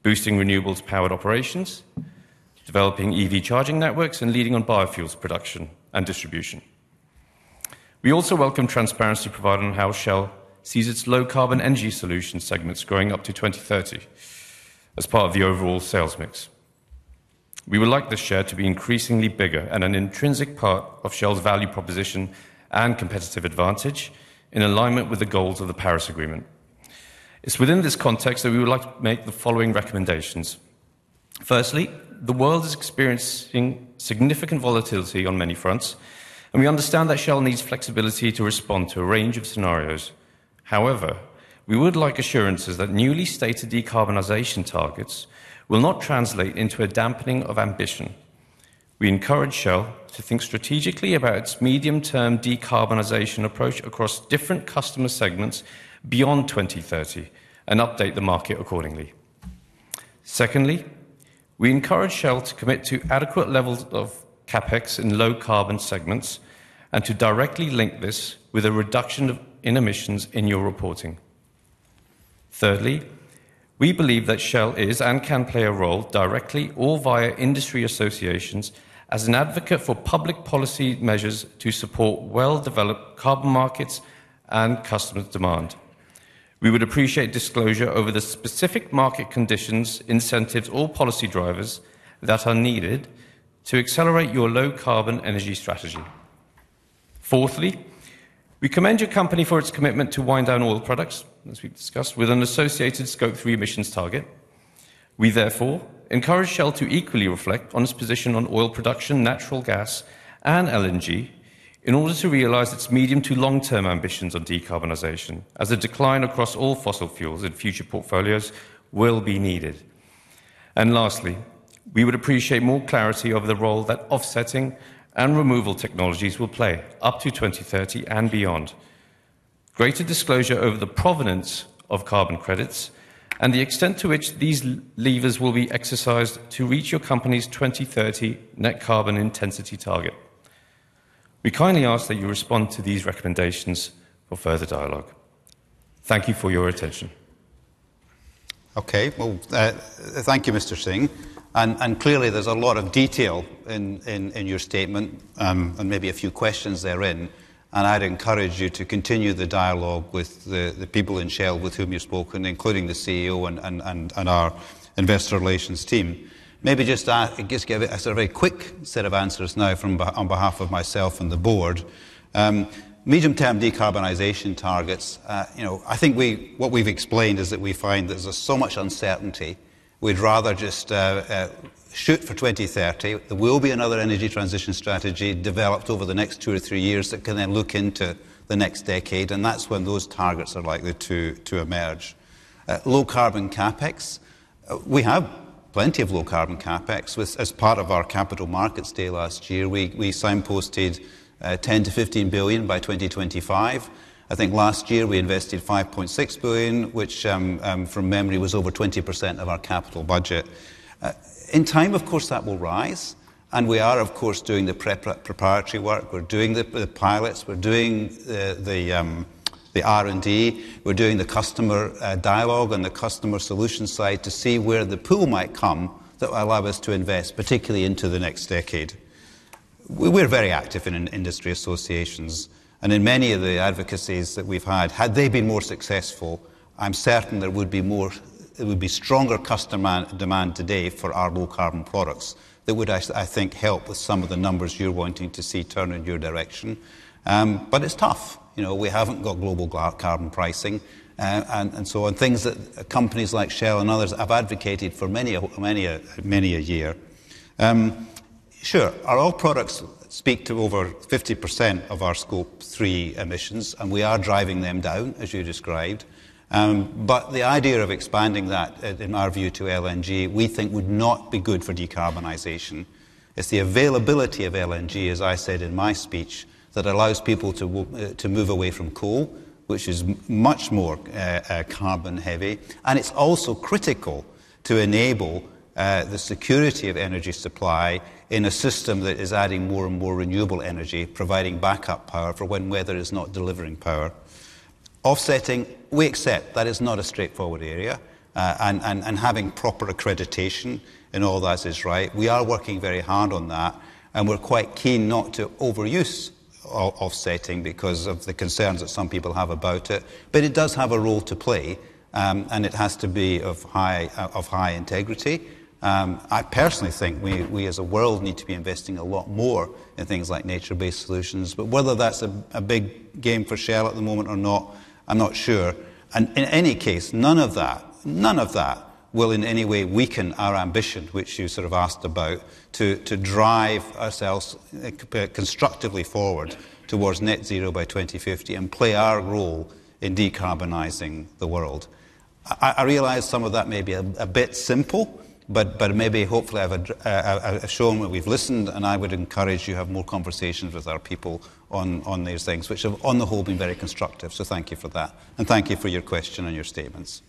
boosting renewables-powered operations, developing EV charging networks, and leading on biofuels production and distribution. We also welcome transparency provided on how Shell sees its low-carbon energy solution segments growing up to 2030 as part of the overall sales mix. We would like this share to be increasingly bigger and an intrinsic part of Shell's value proposition and competitive advantage in alignment with the goals of the Paris Agreement. It's within this context that we would like to make the following recommendations: firstly, the world is experiencing significant volatility on many fronts, and we understand that Shell needs flexibility to respond to a range of scenarios. However, we would like assurances that newly stated decarbonization targets will not translate into a dampening of ambition. We encourage Shell to think strategically about its medium-term decarbonization approach across different customer segments beyond 2030 and update the market accordingly. Secondly, we encourage Shell to commit to adequate levels of CapEx in low-carbon segments and to directly link this with a reduction in emissions in your reporting. Thirdly, we believe that Shell is and can play a role, directly or via industry associations, as an advocate for public policy measures to support well-developed carbon markets and customer demand. We would appreciate disclosure over the specific market conditions, incentives, or policy drivers that are needed to accelerate your low-carbon energy strategy. Fourthly, we commend your company for its commitment to wind down oil products, as we've discussed, with an associated Scope 3 emissions target. We therefore encourage Shell to equally reflect on its position on oil production, natural gas, and LNG in order to realize its medium to long-term ambitions on decarbonization, as a decline across all fossil fuels in future portfolios will be needed. And lastly, we would appreciate more clarity over the role that offsetting and removal technologies will play up to 2030 and beyond, greater disclosure over the provenance of carbon credits, and the extent to which these levers will be exercised to reach your company's 2030 net carbon intensity target. We kindly ask that you respond to these recommendations for further dialogue. Thank you for your attention.... Okay, well, thank you, Mr. Singh. And clearly, there's a lot of detail in your statement, and maybe a few questions therein, and I'd encourage you to continue the dialogue with the people in Shell with whom you've spoken, including the CEO and our investor relations team. Maybe just give a sort of very quick set of answers now from on behalf of myself and the board. Medium-term decarbonization targets, you know, I think what we've explained is that we find there's so much uncertainty, we'd rather just shoot for 2030. There will be another energy transition strategy developed over the next two or three years that can then look into the next decade, and that's when those targets are likely to emerge. Low-carbon CapEx, we have plenty of low-carbon CapEx. With, as part of our Capital Markets Day last year, we signposted $10 billion-$15 billion by 2025. I think last year we invested $5.6 billion, which, from memory, was over 20% of our capital budget. In time, of course, that will rise, and we are, of course, doing the proprietary work. We're doing the pilots, we're doing the R&D, we're doing the customer dialogue and the customer solution side to see where the pool might come that will allow us to invest, particularly into the next decade. We're very active in industry associations, and in many of the advocacies that we've had, had they been more successful, I'm certain there would be more... There would be stronger customer demand today for our low-carbon products. That would actually, I think, help with some of the numbers you're wanting to see turn in your direction. But it's tough. You know, we haven't got global carbon pricing, and so on, things that companies like Shell and others have advocated for many a, many a, many a year. Sure, our oil products speak to over 50% of our Scope 3 emissions, and we are driving them down, as you described. But the idea of expanding that, in our view, to LNG, we think would not be good for decarbonization. It's the availability of LNG, as I said in my speech, that allows people to, to move away from coal, which is much more carbon heavy, and it's also critical to enable the security of energy supply in a system that is adding more and more renewable energy, providing backup power for when weather is not delivering power. Offsetting, we accept that is not a straightforward area, and having proper accreditation in all that is right. We are working very hard on that, and we're quite keen not to overuse offsetting because of the concerns that some people have about it, but it does have a role to play, and it has to be of high integrity. I personally think we as a world need to be investing a lot more in things like nature-based solutions, but whether that's a big game for Shell at the moment or not, I'm not sure. And in any case, none of that will in any way weaken our ambition, which you sort of asked about, to drive ourselves constructively forward towards net zero by 2050 and play our role in decarbonizing the world. I realize some of that may be a bit simple, but maybe hopefully I've shown that we've listened, and I would encourage you to have more conversations with our people on these things, which have, on the whole, been very constructive, so thank you for that. And thank you for your question and your statements.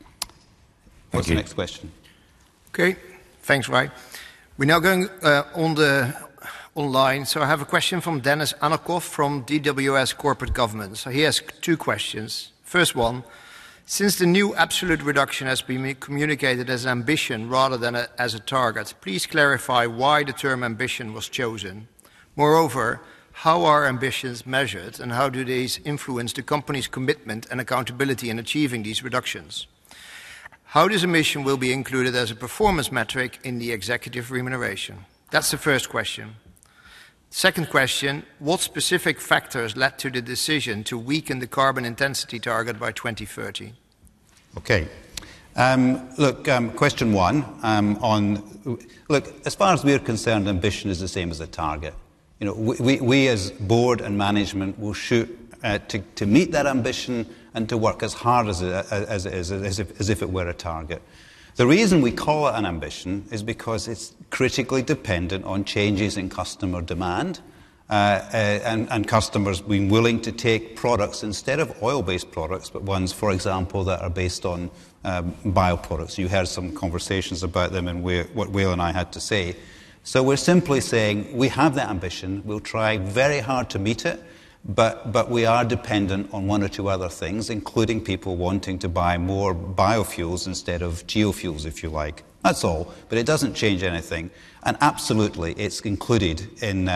Thank you. What's the next question? Okay, thanks, Wael. We're now going on the online. So I have a question from Dennis Anakov from DWS Corporate Government. So he asks two questions. First one: "Since the new absolute reduction has been communicated as an ambition rather than as a target, please clarify why the term ambition was chosen. Moreover, how are ambitions measured, and how do these influence the company's commitment and accountability in achieving these reductions? How this emission will be included as a performance metric in the executive remuneration?" That's the first question. Second question: "What specific factors led to the decision to weaken the carbon intensity target by 2030? Okay, look, question one. Look, as far as we're concerned, ambition is the same as a target. You know, we as board and management will shoot to meet that ambition and to work as hard as if it were a target. The reason we call it an ambition is because it's critically dependent on changes in customer demand, and customers being willing to take products instead of oil-based products, but ones, for example, that are based on bioproducts. You heard some conversations about them and what Wael and I had to say. So we're simply saying we have the ambition, we'll try very hard to meet it, but we are dependent on one or two other things, including people wanting to buy more biofuels instead of geo-fuels, if you like. That's all, but it doesn't change anything. And absolutely, it's included in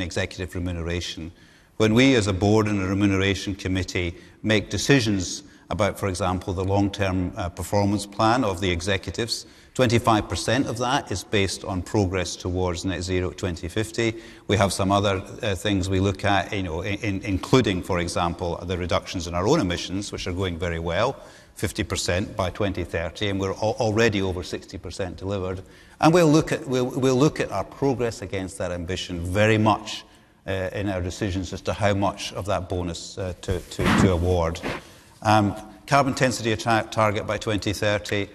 executive remuneration. When we, as a board and a remuneration committee, make decisions about, for example, the long-term performance plan of the executives, 25% of that is based on progress towards net zero 2050. We have some other things we look at, you know, including, for example, the reductions in our own emissions, which are going very well, 50% by 2030, and we're already over 60% delivered. And we'll look at our progress against that ambition very much in our decisions as to how much of that bonus to award. Carbon intensity target by 2030,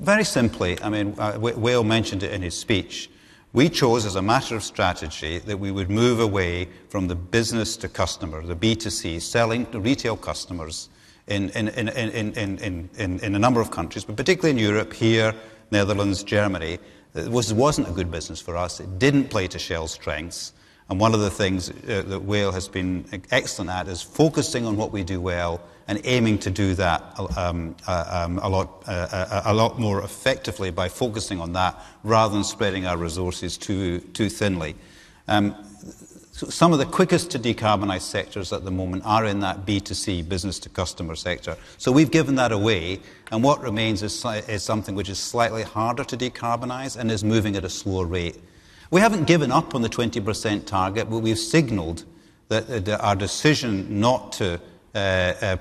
very simply, I mean, Wael mentioned it in his speech. We chose, as a matter of strategy, that we would move away from the business to customer, the B2C, selling to retail customers in a number of countries, but particularly in Europe, here, Netherlands, Germany. It wasn't a good business for us. It didn't play to Shell's strengths, and one of the things that Wael has been excellent at is focusing on what we do well and aiming to do that a lot more effectively by focusing on that rather than spreading our resources too thinly. So some of the quickest to decarbonize sectors at the moment are in that B2C, business to customer sector. So we've given that away, and what remains is something which is slightly harder to decarbonize and is moving at a slower rate. We haven't given up on the 20% target, but we've signaled that our decision not to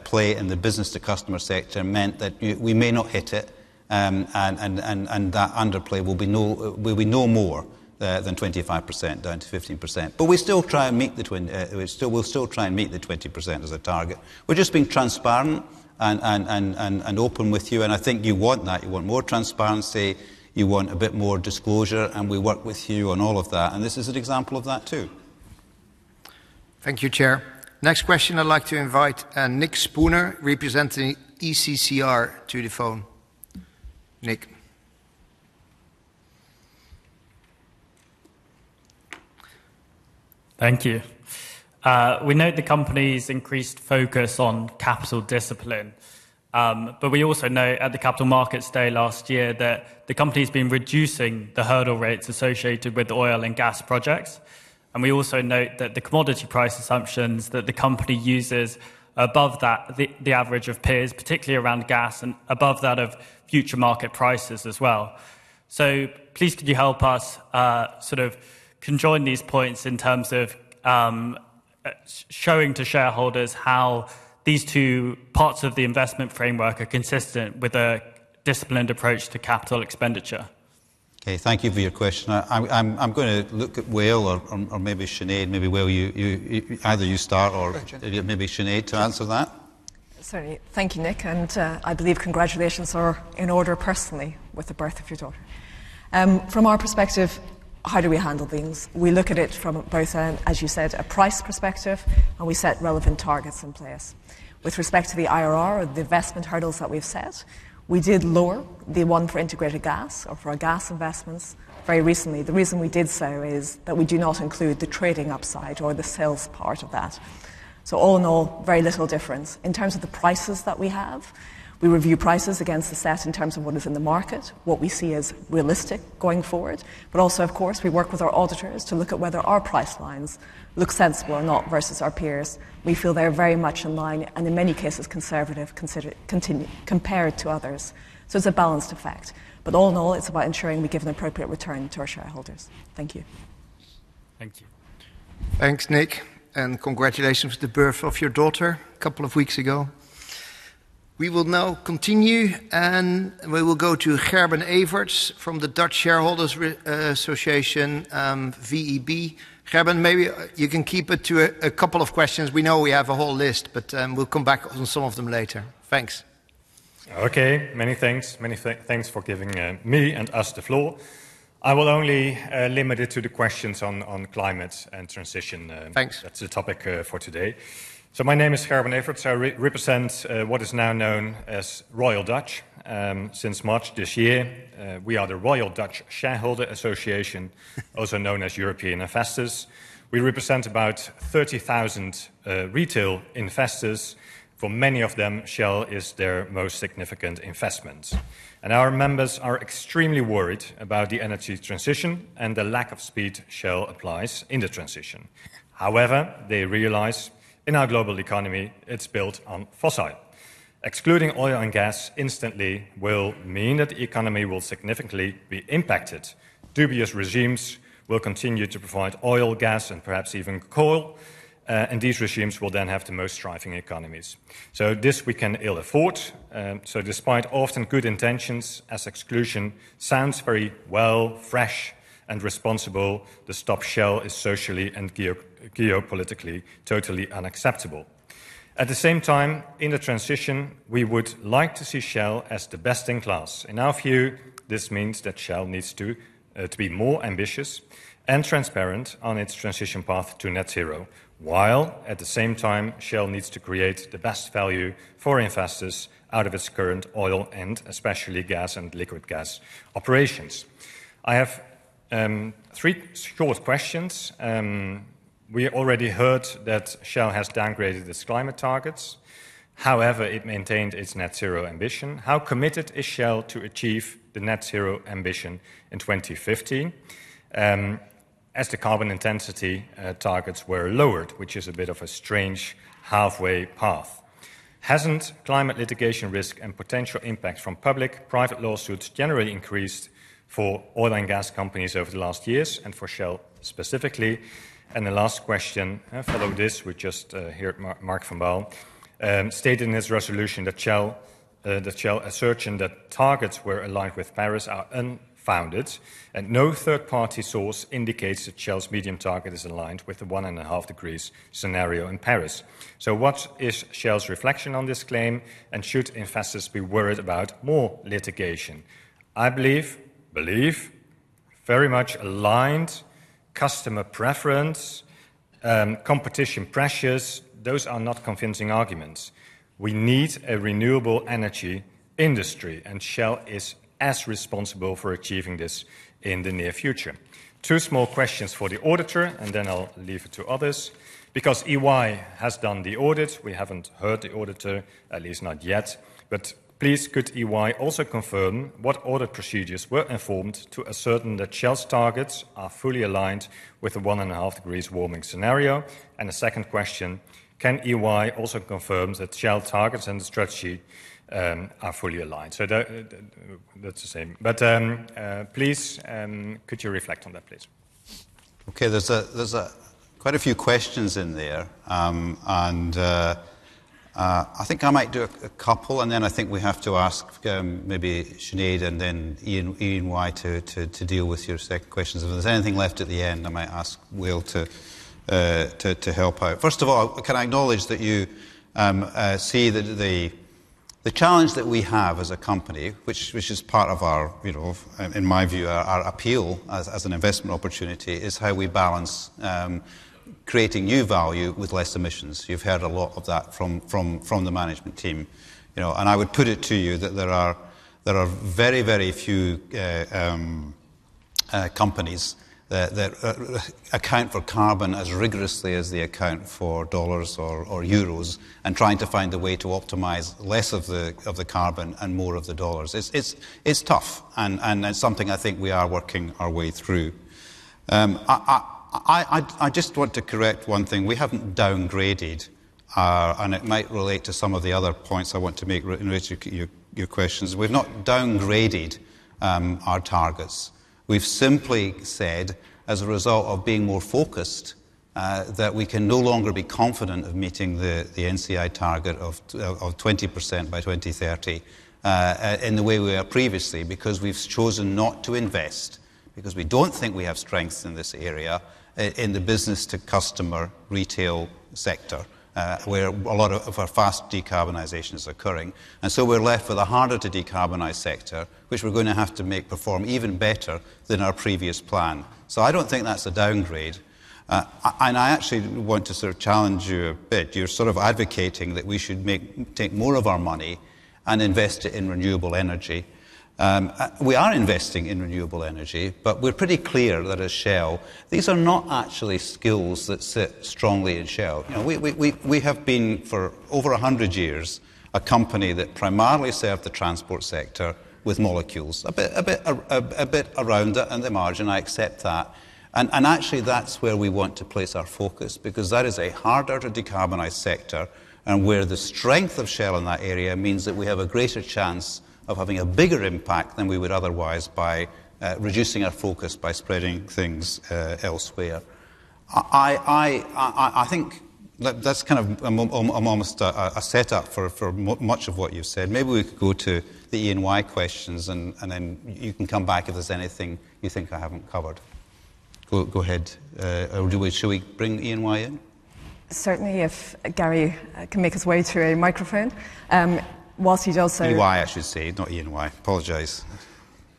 play in the business to customer sector meant that we may not hit it. And that underplay will be no more than 25%, down to 15%. But we still try and meet the 20%, we'll still try and meet the 20% as a target. We're just being transparent and open with you, and I think you want that. You want more transparency, you want a bit more disclosure, and we work with you on all of that, and this is an example of that, too. Thank you, Chair. Next question, I'd like to invite Nick Spooner, representing ACCR, to the phone. Nick? Thank you. We note the company's increased focus on capital discipline, but we also note at the Capital Markets Day last year that the company's been reducing the hurdle rates associated with oil and gas projects. And we also note that the commodity price assumptions that the company uses above that, the average of peers, particularly around gas and above that of future market prices as well. So please, could you help us, sort of conjoin these points in terms of, showing to shareholders how these two parts of the investment framework are consistent with a disciplined approach to capital expenditure? Okay, thank you for your question. I'm gonna look at Wael or maybe Sinead. Maybe, Wael, either you start or- Sure. Maybe Sinead to answer that. Certainly. Thank you, Nick, and, I believe congratulations are in order personally with the birth of your daughter. From our perspective, how do we handle things? We look at it from both an, as you said, a price perspective, and we set relevant targets in place. With respect to the IRR or the investment hurdles that we've set, we did lower the one for integrated gas or for our gas investments very recently. The reason we did so is that we do not include the trading upside or the sales part of that. So all in all, very little difference. In terms of the prices that we have, we review prices against the set in terms of what is in the market, what we see as realistic going forward, but also, of course, we work with our auditors to look at whether our price lines look sensible or not versus our peers. We feel they're very much in line, and in many cases, conservative compared to others. So it's a balanced effect, but all in all, it's about ensuring we give an appropriate return to our shareholders. Thank you. Thank you. Thanks, Nick, and congratulations with the birth of your daughter a couple of weeks ago. We will now continue, and we will go to Gerben Everts from the Dutch Shareholders Association, VEB. Gerben, maybe you can keep it to a couple of questions. We know we have a whole list, but we'll come back on some of them later. Thanks. Okay, many thanks. Many thanks for giving me and us the floor. I will only limit it to the questions on climate and transition. Thanks... That's the topic for today. So my name is Gerben Everts. I represent what is now known as Royal Dutch. Since March this year, we are the Royal Dutch Shareholder Association, also known as European Investors. We represent about 30,000 retail investors. For many of them, Shell is their most significant investment. And our members are extremely worried about the energy transition and the lack of speed Shell applies in the transition. However, they realize in our global economy, it's built on fossil. Excluding oil and gas instantly will mean that the economy will significantly be impacted. Dubious regimes will continue to provide oil, gas, and perhaps even coal, and these regimes will then have the most thriving economies. So this we can ill afford, so despite often good intentions, as exclusion sounds very well, fresh, and responsible, the stop Shell is socially and geo- geopolitically totally unacceptable. At the same time, in the transition, we would like to see Shell as the best in class. In our view, this means that Shell needs to, to be more ambitious and transparent on its transition path to net zero, while at the same time, Shell needs to create the best value for investors out of its current oil and especially gas and liquid gas operations. I have, three short questions. We already heard that Shell has downgraded its climate targets, however, it maintained its net zero ambition. How committed is Shell to achieve the net zero ambition in 2050, as the carbon intensity targets were lowered, which is a bit of a strange halfway path? Hasn't climate litigation risk and potential impacts from public, private lawsuits generally increased for oil and gas companies over the last years, and for Shell specifically? And the last question, Follow This, we just heard Mark van Baal state in his resolution that Shell asserting that targets were aligned with Paris are unfounded, and no third-party source indicates that Shell's medium target is aligned with the 1.5 degrees scenario in Paris. So what is Shell's reflection on this claim, and should investors be worried about more litigation? I believe very much aligned customer preference, competition pressures, those are not convincing arguments. We need a renewable energy industry, and Shell is as responsible for achieving this in the near future. Two small questions for the auditor, and then I'll leave it to others. Because EY has done the audit, we haven't heard the auditor, at least not yet, but please, could EY also confirm what audit procedures were informed to ascertain that Shell's targets are fully aligned with the 1.5 degrees warming scenario? And the second question: Can EY also confirm that Shell targets and strategy are fully aligned? So that, that's the same. But, please, could you reflect on that, please?... Okay, there's quite a few questions in there, and I think I might do a couple, and then I think we have to ask maybe Sinead and then Ian Wye to deal with your sec questions. If there's anything left at the end, I might ask Wael to help out. First of all, can I acknowledge that you see that the challenge that we have as a company, which is part of our, you know, in my view, our appeal as an investment opportunity, is how we balance creating new value with less emissions. You've heard a lot of that from the management team. You know, and I would put it to you that there are very, very few companies that account for carbon as rigorously as they account for dollars or euros, and trying to find a way to optimize less of the carbon and more of the dollars. It's tough, and it's something I think we are working our way through. I just want to correct one thing. We haven't downgraded, and it might relate to some of the other points I want to make re in relation to your questions. We've not downgraded our targets. We've simply said, as a result of being more focused, that we can no longer be confident of meeting the NCI target of t... of 20% by 2030, in the way we were previously, because we've chosen not to invest, because we don't think we have strengths in this area, in the business-to-customer retail sector, where a lot of our fast decarbonization is occurring. And so we're left with a harder to decarbonize sector, which we're gonna have to make perform even better than our previous plan. So I don't think that's a downgrade. And I actually want to sort of challenge you a bit. You're sort of advocating that we should make take more of our money and invest it in renewable energy. We are investing in renewable energy, but we're pretty clear that at Shell, these are not actually skills that sit strongly in Shell. You know, we have been, for over a hundred years, a company that primarily served the transport sector with molecules. A bit around it in the margin, I accept that. Actually, that's where we want to place our focus, because that is a harder to decarbonize sector and where the strength of Shell in that area means that we have a greater chance of having a bigger impact than we would otherwise by reducing our focus, by spreading things elsewhere. I think that that's kind of almost a setup for much of what you've said. Maybe we could go to the EY questions, and then you can come back if there's anything you think I haven't covered. Go ahead. Or do we, should we bring EY in? Certainly, if Gary can make his way to a microphone. While he does so- EY, I should say, not E&Y. Apologize.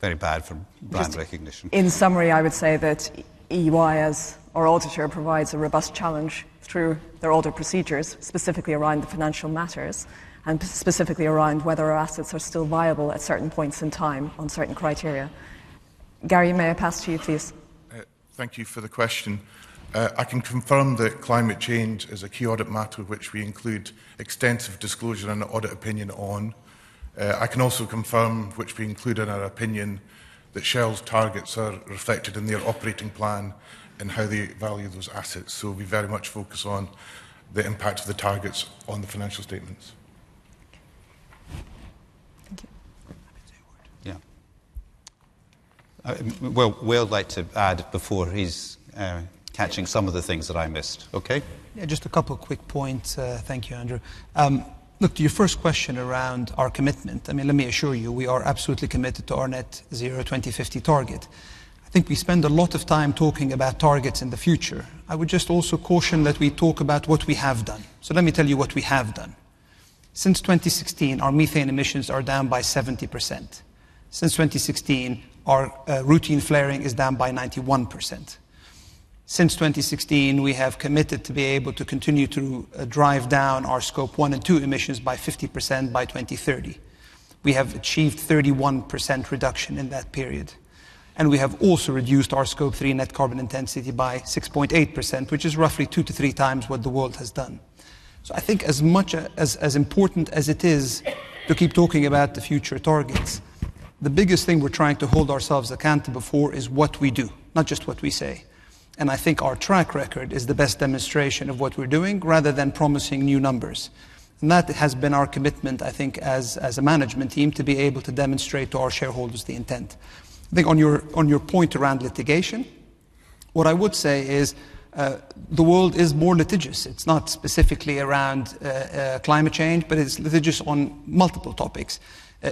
Very bad for brand recognition. In summary, I would say that EY, as our auditor, provides a robust challenge through their audit procedures, specifically around the financial matters, and specifically around whether our assets are still viable at certain points in time on certain criteria. Gary, may I pass to you, please? Thank you for the question. I can confirm that climate change is a key audit matter, which we include extensive disclosure and audit opinion on. I can also confirm, which we include in our opinion, that Shell's targets are reflected in their operating plan and how they value those assets. So we very much focus on the impact of the targets on the financial statements. Thank you. Yeah. Wael, Wael like to add before he's catching some of the things that I missed. Okay? Yeah, just a couple of quick points. Thank you, Andrew. Look, to your first question around our commitment, I mean, let me assure you, we are absolutely committed to our net-zero 2050 target. I think we spend a lot of time talking about targets in the future. I would just also caution that we talk about what we have done. So let me tell you what we have done. Since 2016, our methane emissions are down by 70%. Since 2016, our routine flaring is down by 91%. Since 2016, we have committed to be able to continue to drive down our Scope 1 and 2 emissions by 50% by 2030. We have achieved 31% reduction in that period, and we have also reduced our Scope 3 net carbon intensity by 6.8%, which is roughly 2-3 times what the world has done. So I think as much as, as important as it is to keep talking about the future targets, the biggest thing we're trying to hold ourselves accountable for is what we do, not just what we say. And I think our track record is the best demonstration of what we're doing, rather than promising new numbers. And that has been our commitment, I think, as, as a management team, to be able to demonstrate to our shareholders the intent. I think on your, on your point around litigation, what I would say is, the world is more litigious. It's not specifically around, climate change, but it's litigious on multiple topics.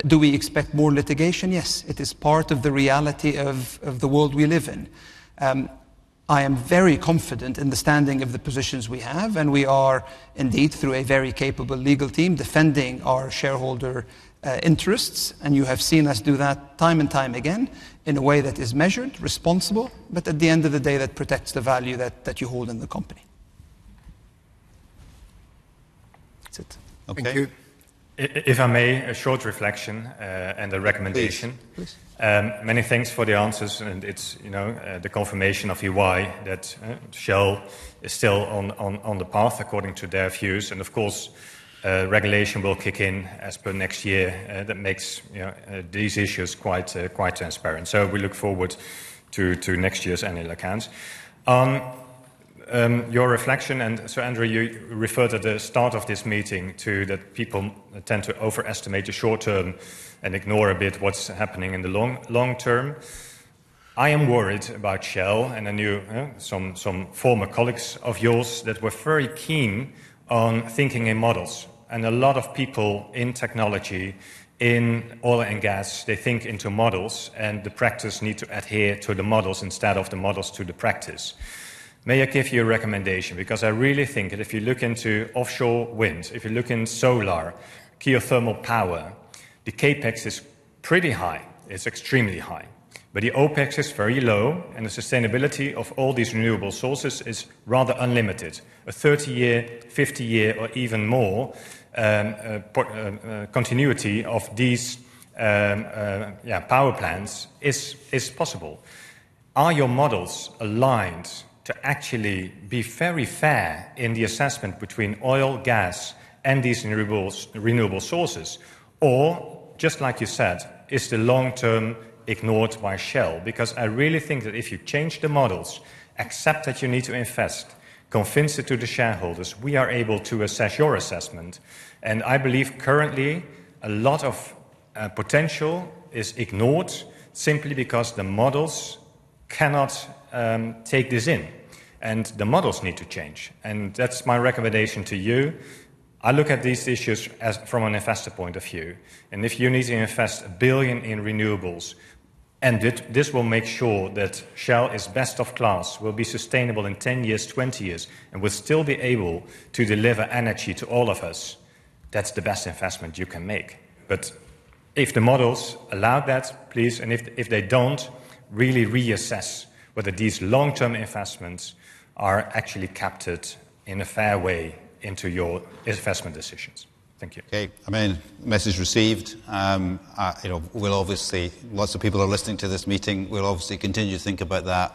Do we expect more litigation? Yes, it is part of the reality of the world we live in. I am very confident in the standing of the positions we have, and we are indeed, through a very capable legal team, defending our shareholder interests. And you have seen us do that time and time again in a way that is measured, responsible, but at the end of the day, that protects the value that you hold in the company. That's it. Okay. Thank you. If I may, a short reflection and a recommendation. Please, please. Many thanks for the answers, and it's, you know, the confirmation of EY that Shell is still on the path according to their views. And of course, regulation will kick in as per next year, that makes, you know, these issues quite transparent. So we look forward to next year's annual accounts. Your reflection, and Sir Andrew, you referred at the start of this meeting to that people tend to overestimate the short term and ignore a bit what's happening in the long term. I am worried about Shell, and I knew some former colleagues of yours that were very keen on thinking in models. A lot of people in technology, in oil and gas, they think into models, and the practice need to adhere to the models instead of the models to the practice. May I give you a recommendation? Because I really think that if you look into offshore wind, if you look in solar, geothermal power, the CapEx is pretty high, it's extremely high. But the OpEx is very low, and the sustainability of all these renewable sources is rather unlimited. A 30-year, 50-year, or even more, continuity of these power plants is possible. Are your models aligned to actually be very fair in the assessment between oil, gas, and these renewables, renewable sources? Or just like you said, is the long term ignored by Shell? Because I really think that if you change the models, accept that you need to invest, convince it to the shareholders, we are able to assess your assessment. And I believe currently, a lot of potential is ignored simply because the models cannot take this in, and the models need to change, and that's my recommendation to you. I look at these issues as from an investor point of view, and if you need to invest $1 billion in renewables, and it, this will make sure that Shell is best of class, will be sustainable in 10 years, 20 years, and will still be able to deliver energy to all of us, that's the best investment you can make. But if the models allow that, please, and if, if they don't, really reassess whether these long-term investments are actually captured in a fair way into your investment decisions. Thank you. Okay, I mean, message received. You know, we'll obviously, lots of people are listening to this meeting, we'll obviously continue to think about that.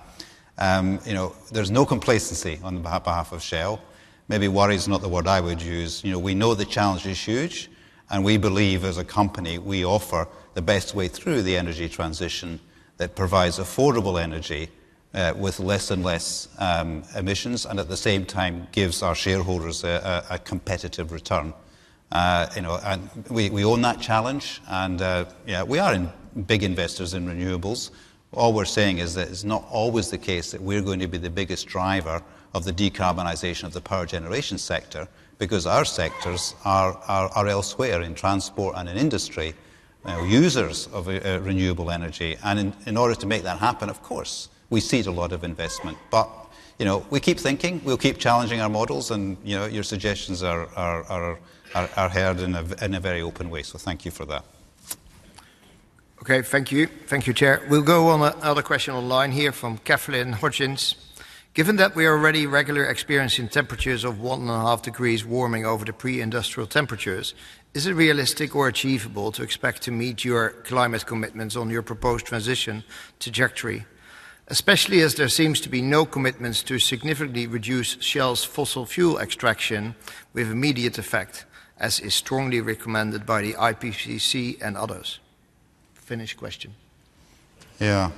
You know, there's no complacency on behalf of Shell. Maybe worry is not the word I would use. You know, we know the challenge is huge, and we believe as a company, we offer the best way through the energy transition that provides affordable energy, with less and less emissions, and at the same time, gives our shareholders a competitive return. You know, and we own that challenge, and yeah, we're big investors in renewables. All we're saying is that it's not always the case that we're going to be the biggest driver of the decarbonization of the power generation sector, because our sectors are elsewhere in transport and in industry, users of renewable energy. And in order to make that happen, of course, we cede a lot of investment. But, you know, we keep thinking, we'll keep challenging our models, and, you know, your suggestions are heard in a very open way. So thank you for that. Okay, thank you. Thank you, Chair. We'll go on to another question online here from Kathleen Hodgins. "Given that we are already regularly experiencing temperatures of 1.5 degrees warming over the pre-industrial temperatures, is it realistic or achievable to expect to meet your climate commitments on your proposed transition trajectory, especially as there seems to be no commitments to significantly reduce Shell's fossil fuel extraction with immediate effect, as is strongly recommended by the IPCC and others?" Finish question. Yeah.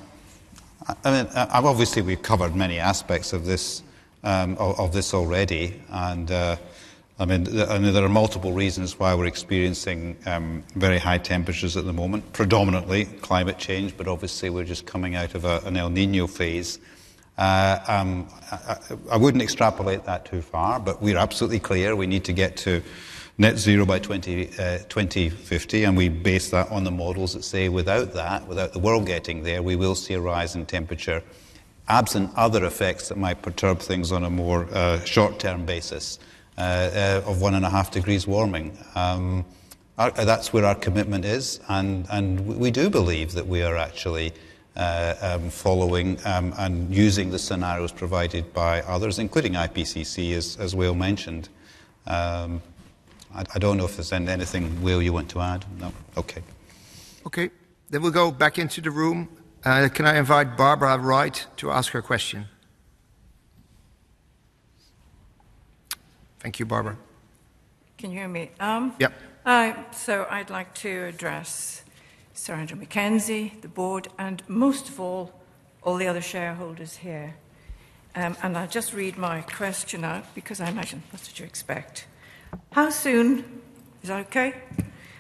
I mean, obviously, we've covered many aspects of this, of this already, and, I mean, and there are multiple reasons why we're experiencing very high temperatures at the moment, predominantly climate change, but obviously, we're just coming out of an El Niño phase. I wouldn't extrapolate that too far, but we're absolutely clear we need to get to Net Zero by 2050, and we base that on the models that say without that, without the world getting there, we will see a rise in temperature, absent other effects that might perturb things on a more short-term basis, of 1.5 degrees warming. That's where our commitment is, and, and we do believe that we are actually following and using the scenarios provided by others, including IPCC, as, as Will mentioned. I, I don't know if there's anything, Will, you want to add? No. Okay. Okay. Then we'll go back into the room. Can I invite Barbara Wright to ask her question? Thank you, Barbara. Can you hear me? Yeah. So I'd like to address Sir Andrew Mackenzie, the board, and most of all, all the other shareholders here. And I'll just read my question out because I imagine that's what you expect. How soon... Is that okay?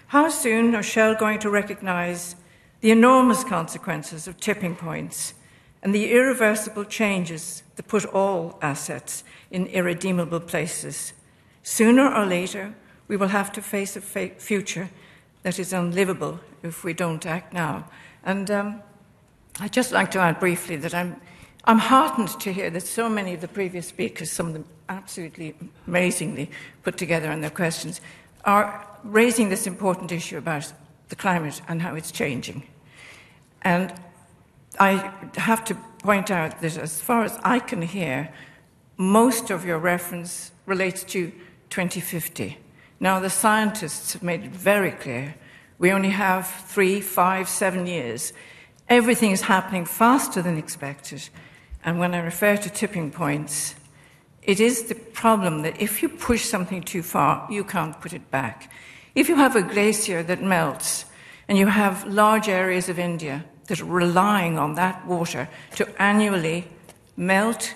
How soon are Shell going to recognize the enormous consequences of tipping points and the irreversible changes that put all assets in irredeemable places? Sooner or later, we will have to face a future that is unlivable if we don't act now. And I'd just like to add briefly that I'm heartened to hear that so many of the previous speakers, some of them absolutely amazingly put together in their questions, are raising this important issue about the climate and how it's changing. And I have to point out that as far as I can hear, most of your reference relates to 2050. Now, the scientists have made it very clear, we only have 3, 5, 7 years. Everything is happening faster than expected, and when I refer to tipping points, it is the problem that if you push something too far, you can't put it back. If you have a glacier that melts, and you have large areas of India that are relying on that water to annually-... melt,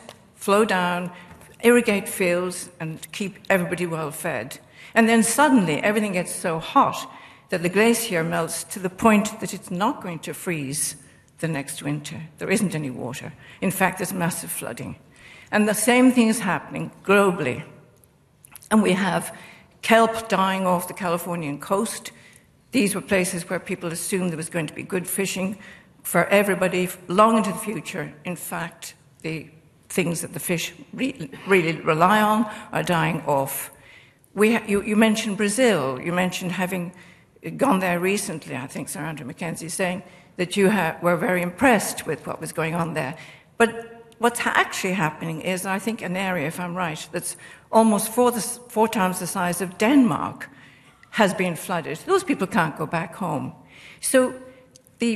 flow down, irrigate fields, and keep everybody well-fed. And then suddenly, everything gets so hot that the glacier melts to the point that it's not going to freeze the next winter. There isn't any water. In fact, there's massive flooding. And the same thing is happening globally, and we have kelp dying off the Californian coast. These were places where people assumed there was going to be good fishing for everybody long into the future. In fact, the things that the fish really rely on are dying off. We have... You mentioned Brazil. You mentioned having gone there recently. I think Sir Andrew Mackenzie is saying that you were very impressed with what was going on there. But what's actually happening is, and I think an area, if I'm right, that's almost four times the size of Denmark has been flooded. Those people can't go back home. So the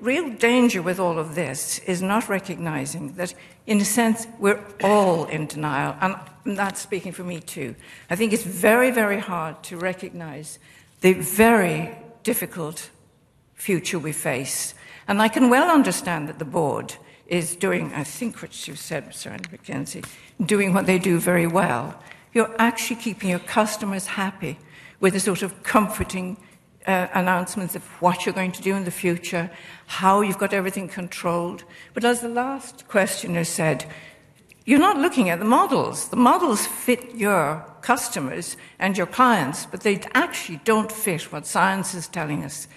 real danger with all of this is not recognizing that, in a sense, we're all in denial, and that's speaking for me, too. I think it's very hard to recognize the very difficult future we face. And I can well understand that the board is doing, I think, which you've said, Sir Andrew Mackenzie, doing what they do very well. You're actually keeping your customers happy with the sort of comforting announcements of what you're going to do in the future, how you've got everything controlled. But as the last questioner said, you're not looking at the models. The models fit your customers and your clients, but they actually don't fit what science is telling us.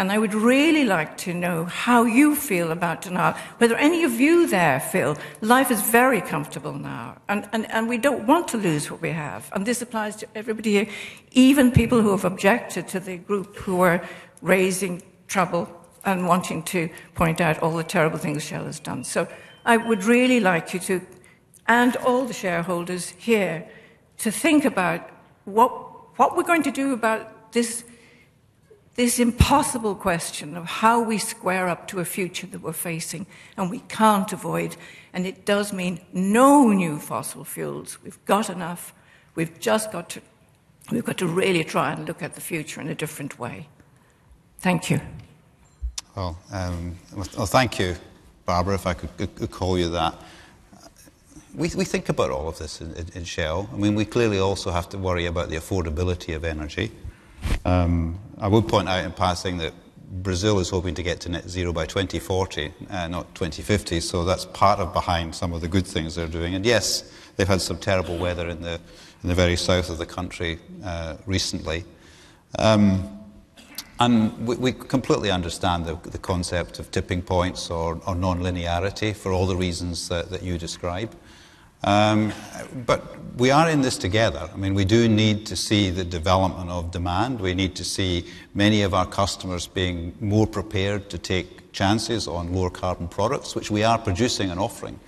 And I would really like to know how you feel about denial, whether any of you there feel life is very comfortable now, and, and, and we don't want to lose what we have. And this applies to everybody here, even people who have objected to the group who are raising trouble and wanting to point out all the terrible things Shell has done. So I would really like you to, and all the shareholders here, to think about what, what we're going to do about this, this impossible question of how we square up to a future that we're facing and we can't avoid. And it does mean no new fossil fuels. We've got enough. We've just got to... We've got to really try and look at the future in a different way. Thank you. Well, well, thank you, Barbara, if I could call you that. We, we think about all of this in Shell. I mean, we clearly also have to worry about the affordability of energy. I would point out in passing that Brazil is hoping to get to net zero by 2040, not 2050, so that's part of behind some of the good things they're doing. And yes, they've had some terrible weather in the very south of the country recently. And we, we completely understand the concept of tipping points or nonlinearity for all the reasons that you describe. But we are in this together. I mean, we do need to see the development of demand. We need to see many of our customers being more prepared to take chances on lower carbon products, which we are producing and offering.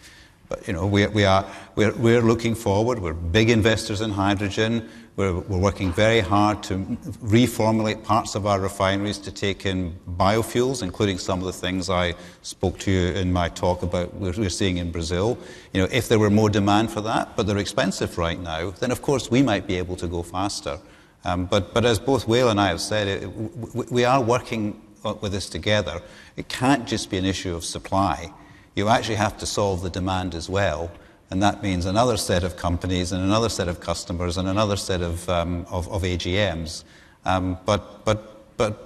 But, you know, we are looking forward. We're big investors in hydrogen. We're working very hard to reformulate parts of our refineries to take in biofuels, including some of the things I spoke to you in my talk about what we're seeing in Brazil. You know, if there were more demand for that, but they're expensive right now, then, of course, we might be able to go faster. But as both Wael and I have said, we are working with this together. It can't just be an issue of supply. You actually have to solve the demand as well, and that means another set of companies and another set of customers and another set of AGMs. But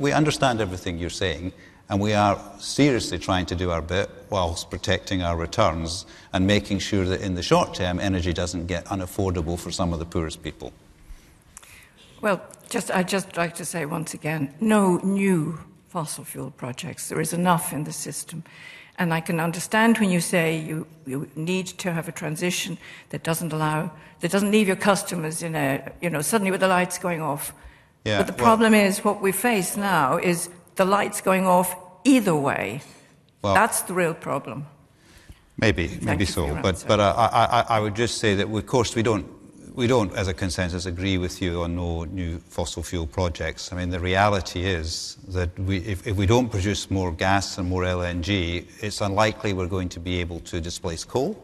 we understand everything you're saying, and we are seriously trying to do our bit whilst protecting our returns and making sure that in the short term, energy doesn't get unaffordable for some of the poorest people. Well, just, I'd just like to say once again, no new fossil fuel projects. There is enough in the system. And I can understand when you say you, you need to have a transition that doesn't allow, that doesn't leave your customers in a, you know, suddenly with the lights going off. Yeah, well- But the problem is, what we face now is the lights going off either way. Well- That's the real problem. Maybe. Thank you. Maybe so. But I would just say that of course, we don't, as a consensus, agree with you on no new fossil fuel projects. I mean, the reality is that if we don't produce more gas and more LNG, it's unlikely we're going to be able to displace coal,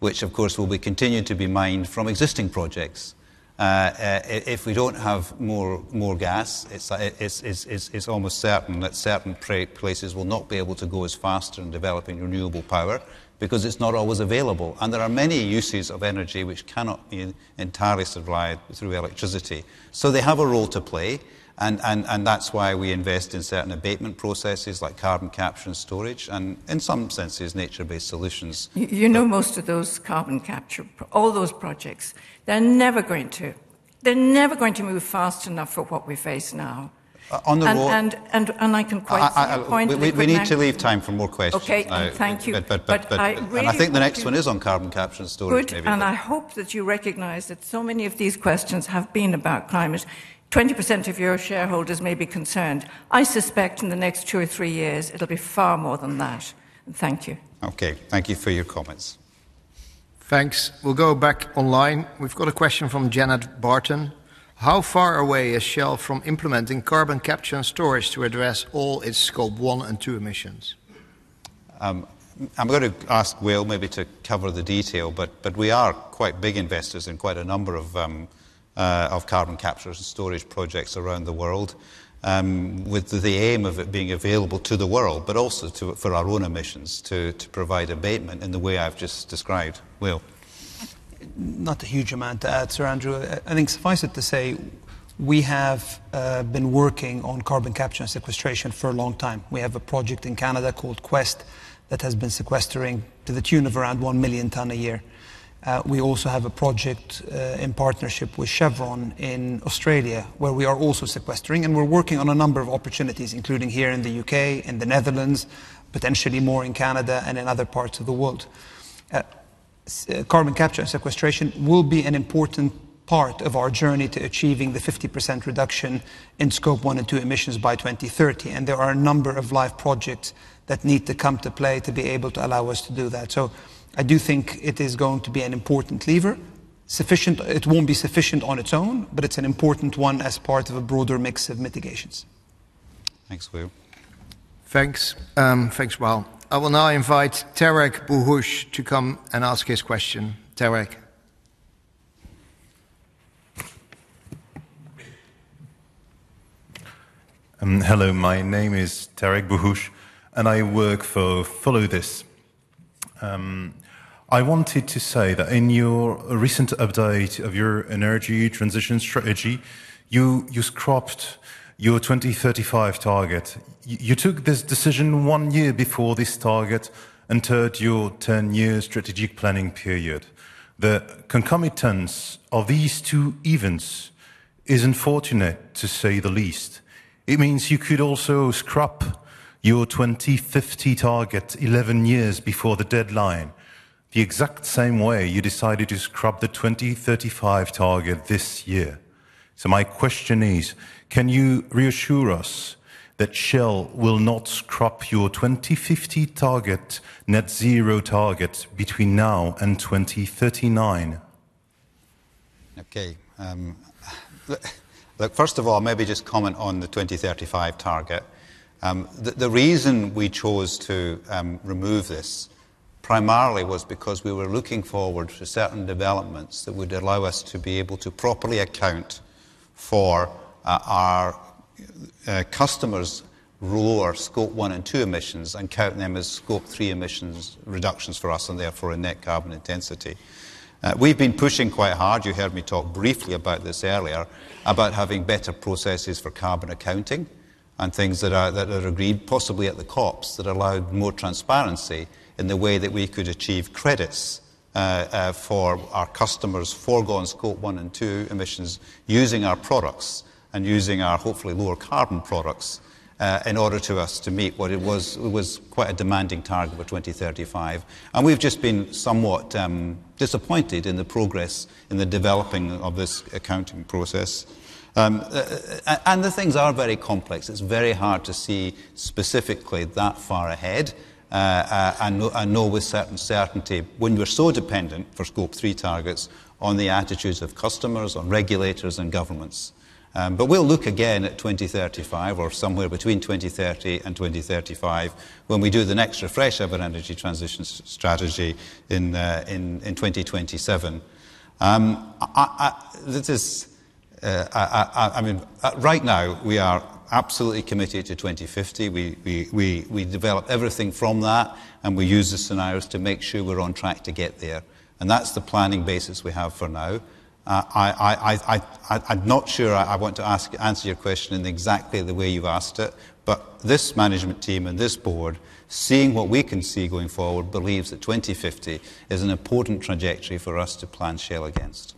which of course will be continued to be mined from existing projects. If we don't have more gas, it's almost certain that certain places will not be able to go as fast in developing renewable power because it's not always available. And there are many uses of energy which cannot be entirely supplied through electricity. So they have a role to play, and that's why we invest in certain abatement processes like carbon capture and storage, and in some senses, nature-based solutions. You know, most of those carbon capture, all those projects, they're never going to, they're never going to move fast enough for what we face now. On the whole- I can quite sort of point to the next- We need to leave time for more questions. Okay, thank you. But- I really- I think the next one is on Carbon Capture and Storage, maybe. Good, and I hope that you recognize that so many of these questions have been about climate. 20% of your shareholders may be concerned. I suspect in the next two or three years, it'll be far more than that. Thank you. Okay, thank you for your comments. Thanks. We'll go back online. We've got a question from Janet Barton: How far away is Shell from implementing Carbon Capture and Storage to address all its Scope 1 and 2 emissions? I'm going to ask Wael maybe to cover the detail, but, but we are quite big investors in quite a number of, of carbon capture and storage projects around the world, with the aim of it being available to the world, but also to, for our own emissions, to, to provide abatement in the way I've just described. Wael?... not a huge amount to add, Sir Andrew. I, I think suffice it to say, we have been working on carbon capture and sequestration for a long time. We have a project in Canada called Quest that has been sequestering to the tune of around 1 million tons a year. We also have a project in partnership with Chevron in Australia, where we are also sequestering, and we're working on a number of opportunities, including here in the UK, in the Netherlands, potentially more in Canada and in other parts of the world. Carbon capture and sequestration will be an important part of our journey to achieving the 50% reduction in Scope 1 and 2 emissions by 2030, and there are a number of live projects that need to come to play to be able to allow us to do that. So I do think it is going to be an important lever. It won't be sufficient on its own, but it's an important one as part of a broader mix of mitigations. Thanks, Wael. Thanks. Thanks, Wael. I will now invite Tarek Bouhouch to come and ask his question. Tarek? Hello, my name is Tarek Bouhouch, and I work for Follow This. I wanted to say that in your recent update of your energy transition strategy, you scrapped your 2035 target. You took this decision 1 year before this target entered your 10-year strategic planning period. The concomitance of these two events is unfortunate, to say the least. It means you could also scrap your 2050 target 11 years before the deadline, the exact same way you decided to scrap the 2035 target this year. So my question is, can you reassure us that Shell will not scrap your 2050 target, net zero target between now and 2039? Okay. Look, first of all, maybe just comment on the 2035 target. The reason we chose to remove this primarily was because we were looking forward to certain developments that would allow us to be able to properly account for our customers' or Scope 1 and 2 emissions and count them as Scope 3 emissions reductions for us and therefore a net carbon intensity. We've been pushing quite hard, you heard me talk briefly about this earlier, about having better processes for carbon accounting and things that are, that are agreed, possibly at the COPs, that allow more transparency in the way that we could achieve credits, for our customers' foregone Scope 1 and 2 emissions, using our products and using our, hopefully, lower carbon products, in order to us to meet what it was, it was quite a demanding target for 2035. And we've just been somewhat disappointed in the progress in the developing of this accounting process. And the things are very complex. It's very hard to see specifically that far ahead, and know, and know with certain certainty when we're so dependent for Scope 3 targets on the attitudes of customers, on regulators and governments. But we'll look again at 2035 or somewhere between 2030 and 2035 when we do the next refresh of our energy transition strategy in 2027. I mean, right now, we are absolutely committed to 2050. We develop everything from that, and we use the scenarios to make sure we're on track to get there. And that's the planning basis we have for now. I'm not sure I want to answer your question in exactly the way you've asked it, but this management team and this board, seeing what we can see going forward, believes that 2050 is an important trajectory for us to plan Shell against.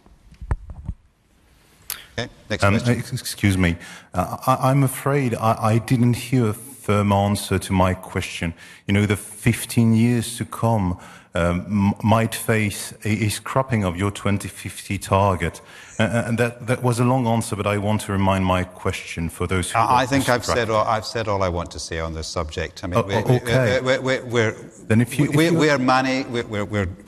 Okay, next question. Excuse me. I'm afraid I didn't hear a firm answer to my question. You know, the 15 years to come might face a scrapping of your 2050 target. And that was a long answer, but I want to remind my question for those who got distracted. I think I've said all I want to say on this subject. I mean, we're- Oh, okay... we're- Then if you-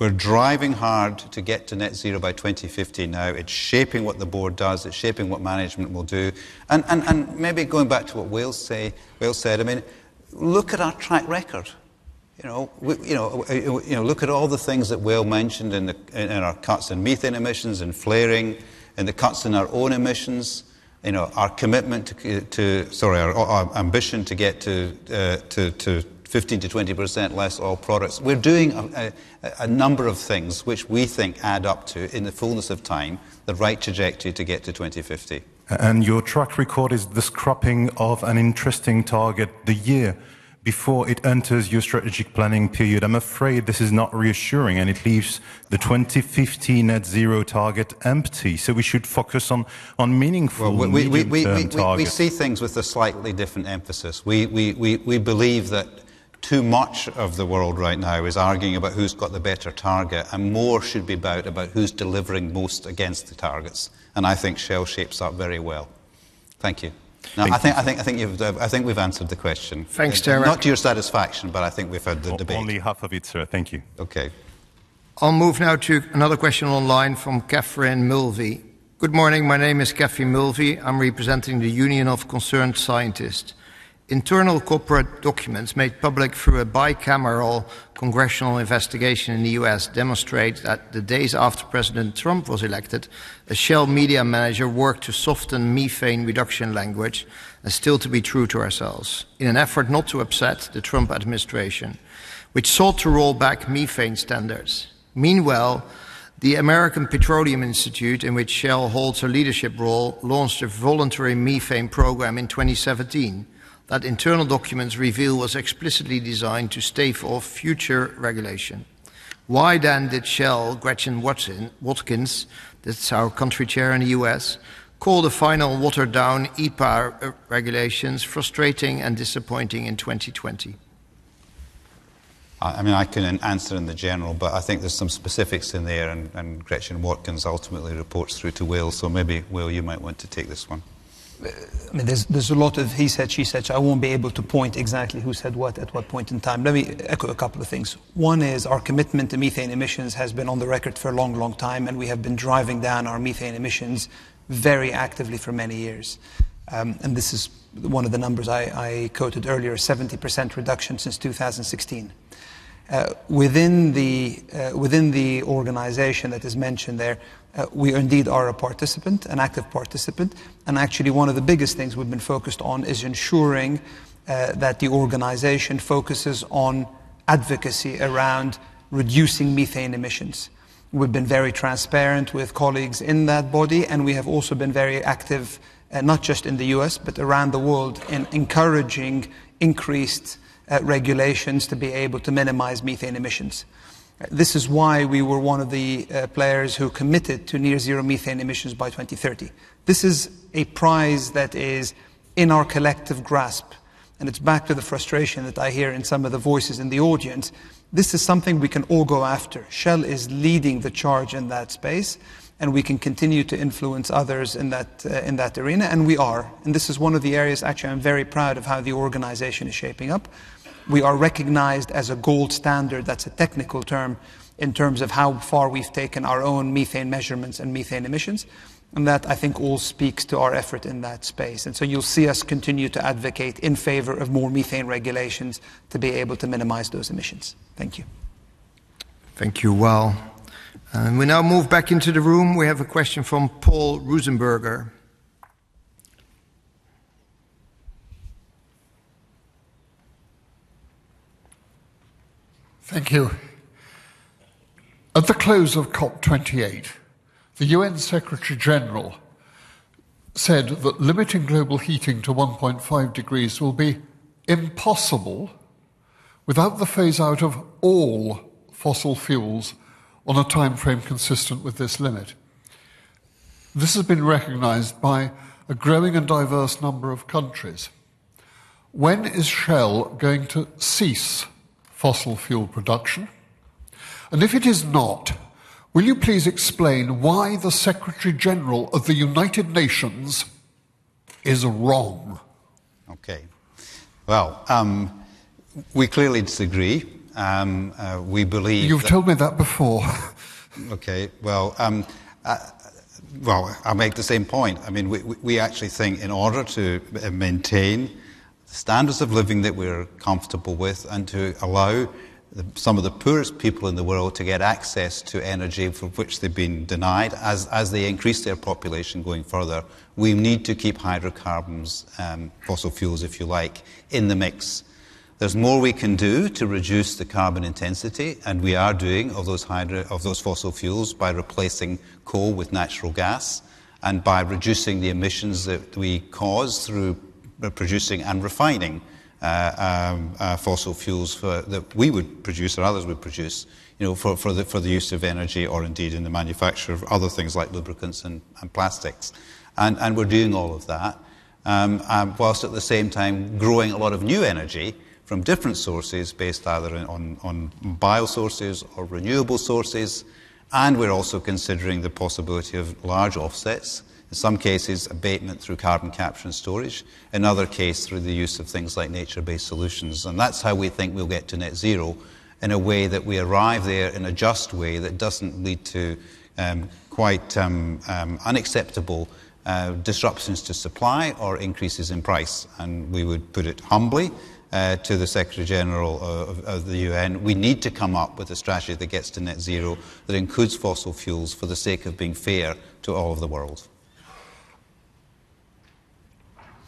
We're driving hard to get to net zero by 2050 now. It's shaping what the board does, it's shaping what management will do. And maybe going back to what Wael said, I mean, look at our track record. You know, we, you know, look at all the things that Wael mentioned in our cuts in methane emissions and flaring and the cuts in our own emissions. You know, our commitment to... Sorry, our ambition to get to 15%-20% less oil products. We're doing a number of things which we think add up to, in the fullness of time, the right trajectory to get to 2050. Your track record is the scrapping of an interesting target the year before it enters your strategic planning period. I'm afraid this is not reassuring, and it leaves the 2050 net zero target empty, so we should focus on meaningful medium-term targets. Well, we see things with a slightly different emphasis. We believe that too much of the world right now is arguing about who's got the better target, and more should be about who's delivering most against the targets. And I think Shell shapes up very well. Thank you. Thank you. Now, I think we've answered the question. Thanks, Tarek. Not to your satisfaction, but I think we've had the debate. Only half of it, sir. Thank you. Okay.... I'll move now to another question online from Kathryn Mulvey. "Good morning, my name is Kathy Mulvey. I'm representing the Union of Concerned Scientists. Internal corporate documents made public through a bicameral congressional investigation in the U.S. demonstrate that the days after President Trump was elected, a Shell media manager worked to soften methane reduction language and still to be true to ourselves in an effort not to upset the Trump administration, which sought to roll back methane standards. Meanwhile, the American Petroleum Institute, in which Shell holds a leadership role, launched a voluntary methane program in 2017 that internal documents reveal was explicitly designed to stave off future regulation. Why then did Shell, Gretchen Watkins," that's our country chair in the U.S., "call the final watered-down EPA regulations frustrating and disappointing in 2020? I mean, I can answer in general, but I think there's some specifics in there, and Gretchen Watkins ultimately reports through to Wael, so maybe, Wael, you might want to take this one. I mean, there's a lot of he said, she said, so I won't be able to point exactly who said what at what point in time. Let me echo a couple of things. One is our commitment to methane emissions has been on the record for a long, long time, and we have been driving down our methane emissions very actively for many years. And this is one of the numbers I quoted earlier, 70% reduction since 2016. Within the organization that is mentioned there, we indeed are a participant, an active participant, and actually one of the biggest things we've been focused on is ensuring that the organization focuses on advocacy around reducing methane emissions. We've been very transparent with colleagues in that body, and we have also been very active, not just in the U.S., but around the world in encouraging increased regulations to be able to minimize methane emissions. This is why we were one of the players who committed to near zero methane emissions by 2030. This is a prize that is in our collective grasp, and it's back to the frustration that I hear in some of the voices in the audience. This is something we can all go after. Shell is leading the charge in that space, and we can continue to influence others in that, in that arena, and we are, and this is one of the areas actually I'm very proud of how the organization is shaping up. We are recognized as a gold standard, that's a technical term, in terms of how far we've taken our own methane measurements and methane emissions, and that, I think, all speaks to our effort in that space. And so you'll see us continue to advocate in favor of more methane regulations to be able to minimize those emissions. Thank you. Thank you, Wael. We now move back into the room. We have a question from Paul Rosenberger. Thank you. At the close of COP28, the UN Secretary-General said that limiting global heating to 1.5 degrees will be impossible without the phase out of all fossil fuels on a timeframe consistent with this limit. This has been recognized by a growing and diverse number of countries. When is Shell going to cease fossil fuel production? And if it is not, will you please explain why the Secretary-General of the United Nations is wrong? Okay. Well, we clearly disagree. We believe- You've told me that before. Okay, well, I make the same point. I mean, we actually think in order to maintain standards of living that we're comfortable with and to allow some of the poorest people in the world to get access to energy from which they've been denied, as they increase their population going further, we need to keep hydrocarbons, fossil fuels, if you like, in the mix. There's more we can do to reduce the carbon intensity, and we are doing of those fossil fuels by replacing coal with natural gas and by reducing the emissions that we cause through producing and refining, fossil fuels for that we would produce or others would produce, you know, for the use of energy or indeed in the manufacture of other things like lubricants and plastics. And we're doing all of that, and whilst at the same time growing a lot of new energy from different sources based either on bio sources or renewable sources, and we're also considering the possibility of large offsets, in some cases, abatement through carbon capture and storage, in other case, through the use of things like nature-based solutions. And that's how we think we'll get to net zero in a way that we arrive there in a just way that doesn't lead to quite unacceptable disruptions to supply or increases in price. And we would put it humbly to the Secretary-General of the UN; we need to come up with a strategy that gets to net zero, that includes fossil fuels for the sake of being fair to all of the world.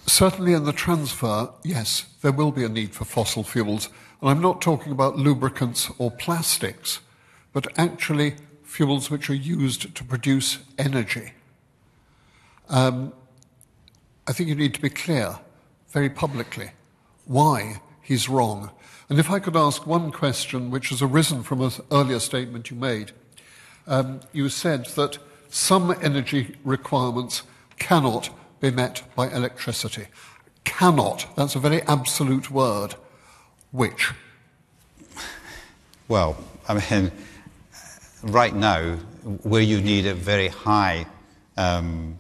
Certainly in the transfer, yes, there will be a need for fossil fuels. And I'm not talking about lubricants or plastics, but actually fuels which are used to produce energy. I think you need to be clear, very publicly, why he's wrong. And if I could ask one question which has arisen from an earlier statement you made. You said that some energy requirements cannot be met by electricity. Cannot, that's a very absolute word. Which? Well, I mean, right now, where you need a very high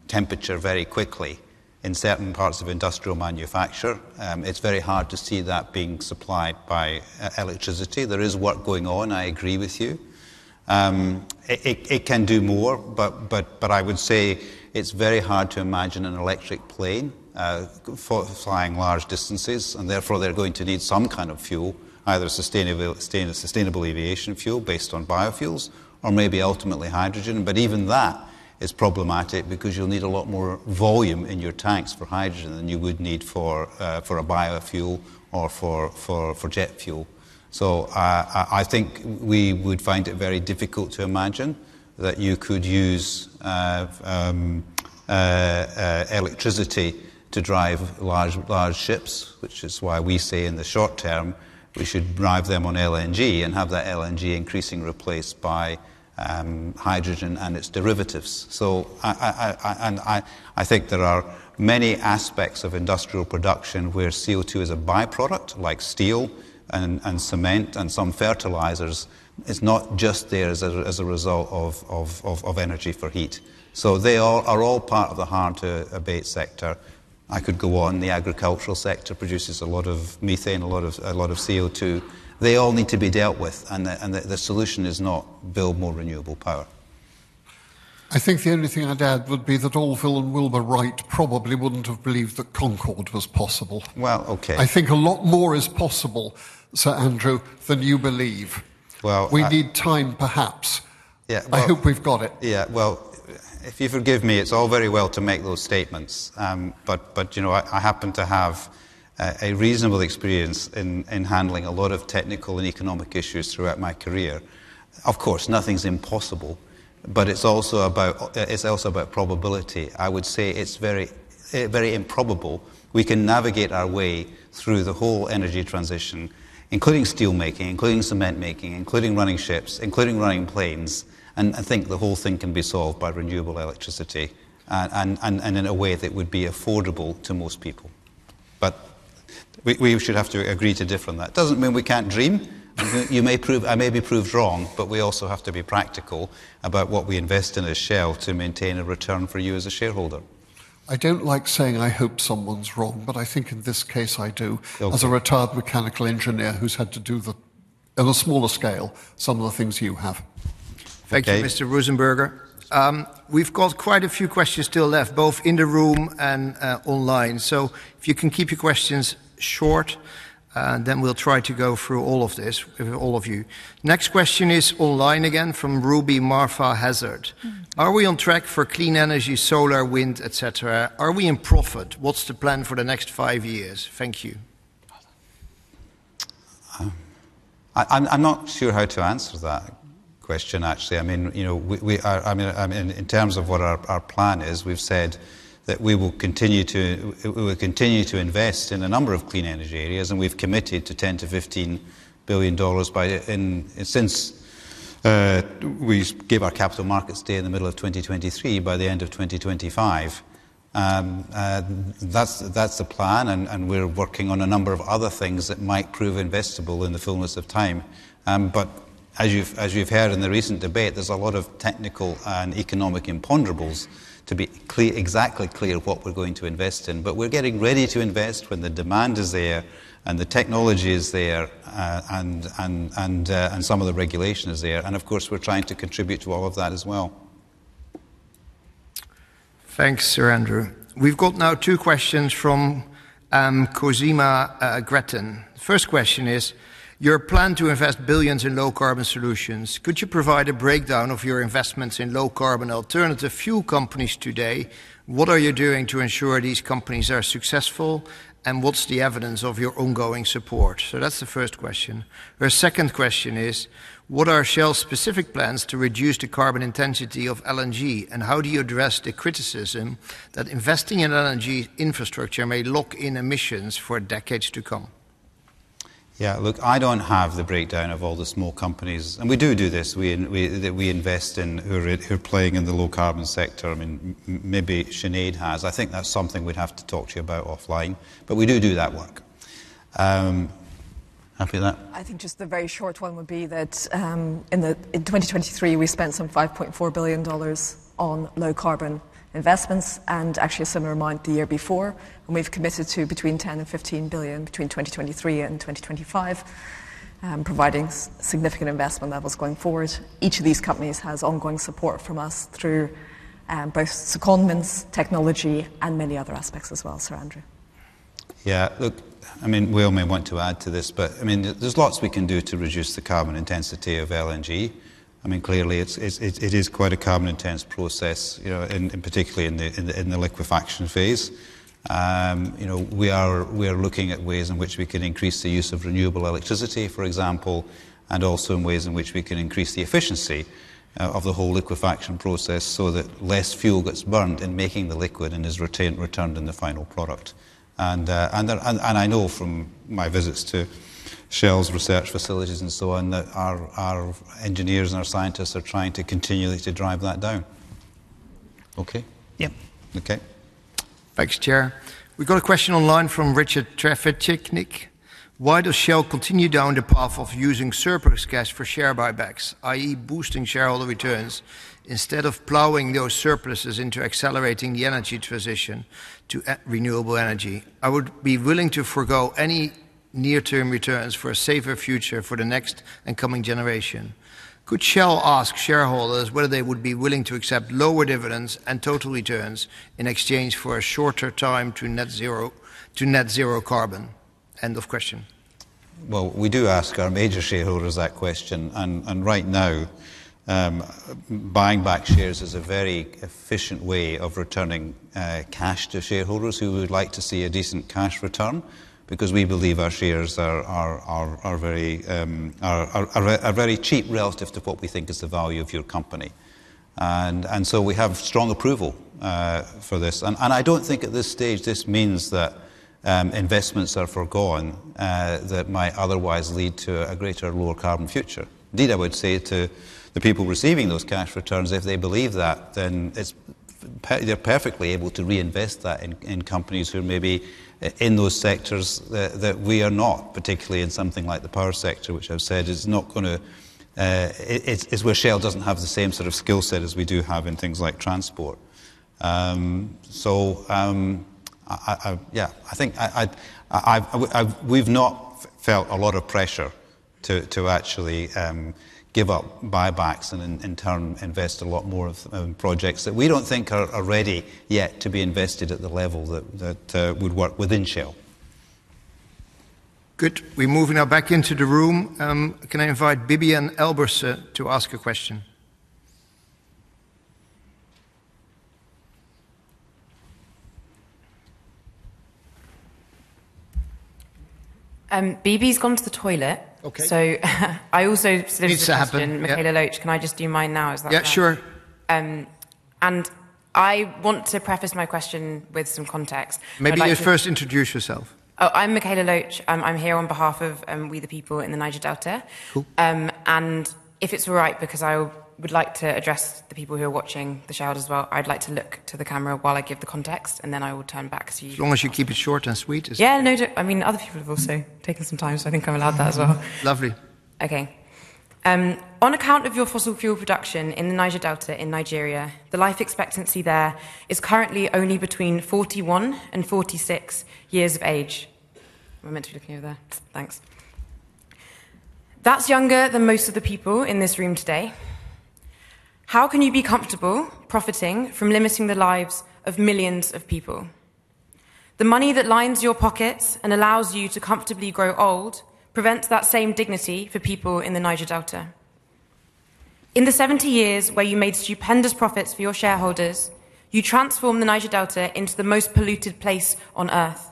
temperature very quickly in certain parts of industrial manufacture. It's very hard to see that being supplied by electricity. There is work going on, I agree with you. It can do more, but I would say it's very hard to imagine an electric plane for flying large distances, and therefore, they're going to need some kind of fuel, either Sustainable Aviation Fuel based on biofuels, or maybe ultimately hydrogen. But even that is problematic because you'll need a lot more volume in your tanks for hydrogen than you would need for a biofuel or for jet fuel. So, I think we would find it very difficult to imagine that you could use electricity to drive large ships, which is why we say in the short term, we should drive them on LNG and have that LNG increasingly replaced by hydrogen and its derivatives. So I think there are many aspects of industrial production where CO₂ is a byproduct, like steel and cement and some fertilizers. It's not just there as a result of energy for heat. So they all are part of the hard-to-abate sector. I could go on. The agricultural sector produces a lot of methane, a lot of CO₂. They all need to be dealt with, and the solution is not build more renewable power. I think the only thing I'd add would be that Orville and Wilbur Wright probably wouldn't have believed that Concorde was possible. Well, okay. I think a lot more is possible, Sir Andrew, than you believe. Well, I- We need time, perhaps. Yeah, well- I hope we've got it. Yeah, well, if you forgive me, it's all very well to make those statements. But you know, I happen to have a reasonable experience in handling a lot of technical and economic issues throughout my career. Of course, nothing's impossible, but it's also about probability. I would say it's very, very improbable we can navigate our way through the whole energy transition, including steelmaking, including cement making, including running ships, including running planes, and I think the whole thing can be solved by renewable electricity, and in a way that would be affordable to most people. But we should have to agree to differ on that. Doesn't mean we can't dream. You may prove... I may be proved wrong, but we also have to be practical about what we invest in as Shell to maintain a return for you as a shareholder. I don't like saying I hope someone's wrong, but I think in this case, I do- Okay. as a retired mechanical engineer who's had to do the, on a smaller scale, some of the things you have. Okay. Thank you, Mr. Rosenberger. We've got quite a few questions still left, both in the room and online. So if you can keep your questions short, then we'll try to go through all of this with all of you. Next question is online again from Ruby Marfa Hazard: "Are we on track for clean energy, solar, wind, et cetera? Are we in profit? What's the plan for the next five years? Thank you. I'm not sure how to answer that question, actually. I mean, you know, we are, I mean, in terms of what our plan is, we've said that we will continue to invest in a number of clean energy areas, and we've committed to $10 billion-$15 billion by, in, since we gave our capital markets day in the middle of 2023, by the end of 2025. That's the plan, and we're working on a number of other things that might prove investable in the fullness of time. But as you've heard in the recent debate, there's a lot of technical and economic imponderables to be clear exactly what we're going to invest in. But we're getting ready to invest when the demand is there and the technology is there, and some of the regulation is there. And of course, we're trying to contribute to all of that as well. Thanks, Sir Andrew. We've got now two questions from Cosima Gretton. First question is: "Your plan to invest billions in low-carbon solutions, could you provide a breakdown of your investments in low-carbon alternative fuel companies today? What are you doing to ensure these companies are successful, and what's the evidence of your ongoing support?" So that's the first question. Her second question is: "What are Shell's specific plans to reduce the carbon intensity of LNG, and how do you address the criticism that investing in LNG infrastructure may lock in emissions for decades to come? Yeah, look, I don't have the breakdown of all the small companies. And we do this. We that we invest in, who are playing in the low-carbon sector. I mean, maybe Sinead has. I think that's something we'd have to talk to you about offline, but we do that work. Happy with that? I think just the very short one would be that, in 2023, we spent some $5.4 billion on low-carbon investments, and actually a similar amount the year before, and we've committed to between $10 billion and $15 billion between 2023 and 2025, providing significant investment levels going forward. Each of these companies has ongoing support from us through, both secondments, technology, and many other aspects as well, Sir Andrew. Yeah, look, I mean, Wael may want to add to this, but, I mean, there's lots we can do to reduce the carbon intensity of LNG. I mean, clearly, it is quite a carbon-intense process, you know, particularly in the liquefaction phase. You know, we are looking at ways in which we can increase the use of renewable electricity, for example, and also in ways in which we can increase the efficiency of the whole liquefaction process so that less fuel gets burned in making the liquid and is retained, returned in the final product. And there, I know from my visits to Shell's research facilities and so on, that our engineers and our scientists are trying to continually drive that down. Okay? Yeah. Okay.... Thanks, Chair. We've got a question online from Richard Trafetchnik: Why does Shell continue down the path of using surplus cash for share buybacks, i.e., boosting shareholder returns, instead of plowing those surpluses into accelerating the energy transition to e- renewable energy? I would be willing to forego any near-term returns for a safer future for the next and coming generation. Could Shell ask shareholders whether they would be willing to accept lower dividends and total returns in exchange for a shorter time to net zero, to net zero carbon? End of question. Well, we do ask our major shareholders that question, and right now, buying back shares is a very efficient way of returning cash to shareholders who would like to see a decent cash return, because we believe our shares are very cheap relative to what we think is the value of your company. And so we have strong approval for this. And I don't think at this stage this means that investments are forgone that might otherwise lead to a greater lower carbon future. Indeed, I would say to the people receiving those cash returns, if they believe that, then it's they're perfectly able to reinvest that in companies who may be in those sectors that we are not, particularly in something like the power sector, which I've said is not gonna. It's where Shell doesn't have the same sort of skill set as we do have in things like transport. So, yeah, I think we've not felt a lot of pressure to actually give up buybacks and in turn, invest a lot more of projects that we don't think are ready yet to be invested at the level that would work within Shell. Good. We're moving now back into the room. Can I invite Bibian Elbers to ask a question? Bibi's gone to the toilet. Okay. So I also submitted a question- Needs to happen. Yeah. Michaela Loach. Can I just do mine now? Is that fine? Yeah, sure. I want to preface my question with some context. Maybe you first introduce yourself. Oh, I'm Michaela Loach. I'm here on behalf of We The People in the Niger Delta. Cool. If it's all right, because I would like to address the people who are watching the show as well, I'd like to look to the camera while I give the context, and then I will turn back so you can see. As long as you keep it short and sweet, it's- Yeah, no doubt. I mean, other people have also taken some time, so I think I'm allowed that as well. Lovely. Okay. On account of your fossil fuel production in the Niger Delta in Nigeria, the life expectancy there is currently only between 41 and 46 years of age. Am I meant to be looking over there? Thanks. That's younger than most of the people in this room today. How can you be comfortable profiting from limiting the lives of millions of people? The money that lines your pockets and allows you to comfortably grow old prevents that same dignity for people in the Niger Delta. In the 70 years where you made stupendous profits for your shareholders, you transformed the Niger Delta into the most polluted place on Earth,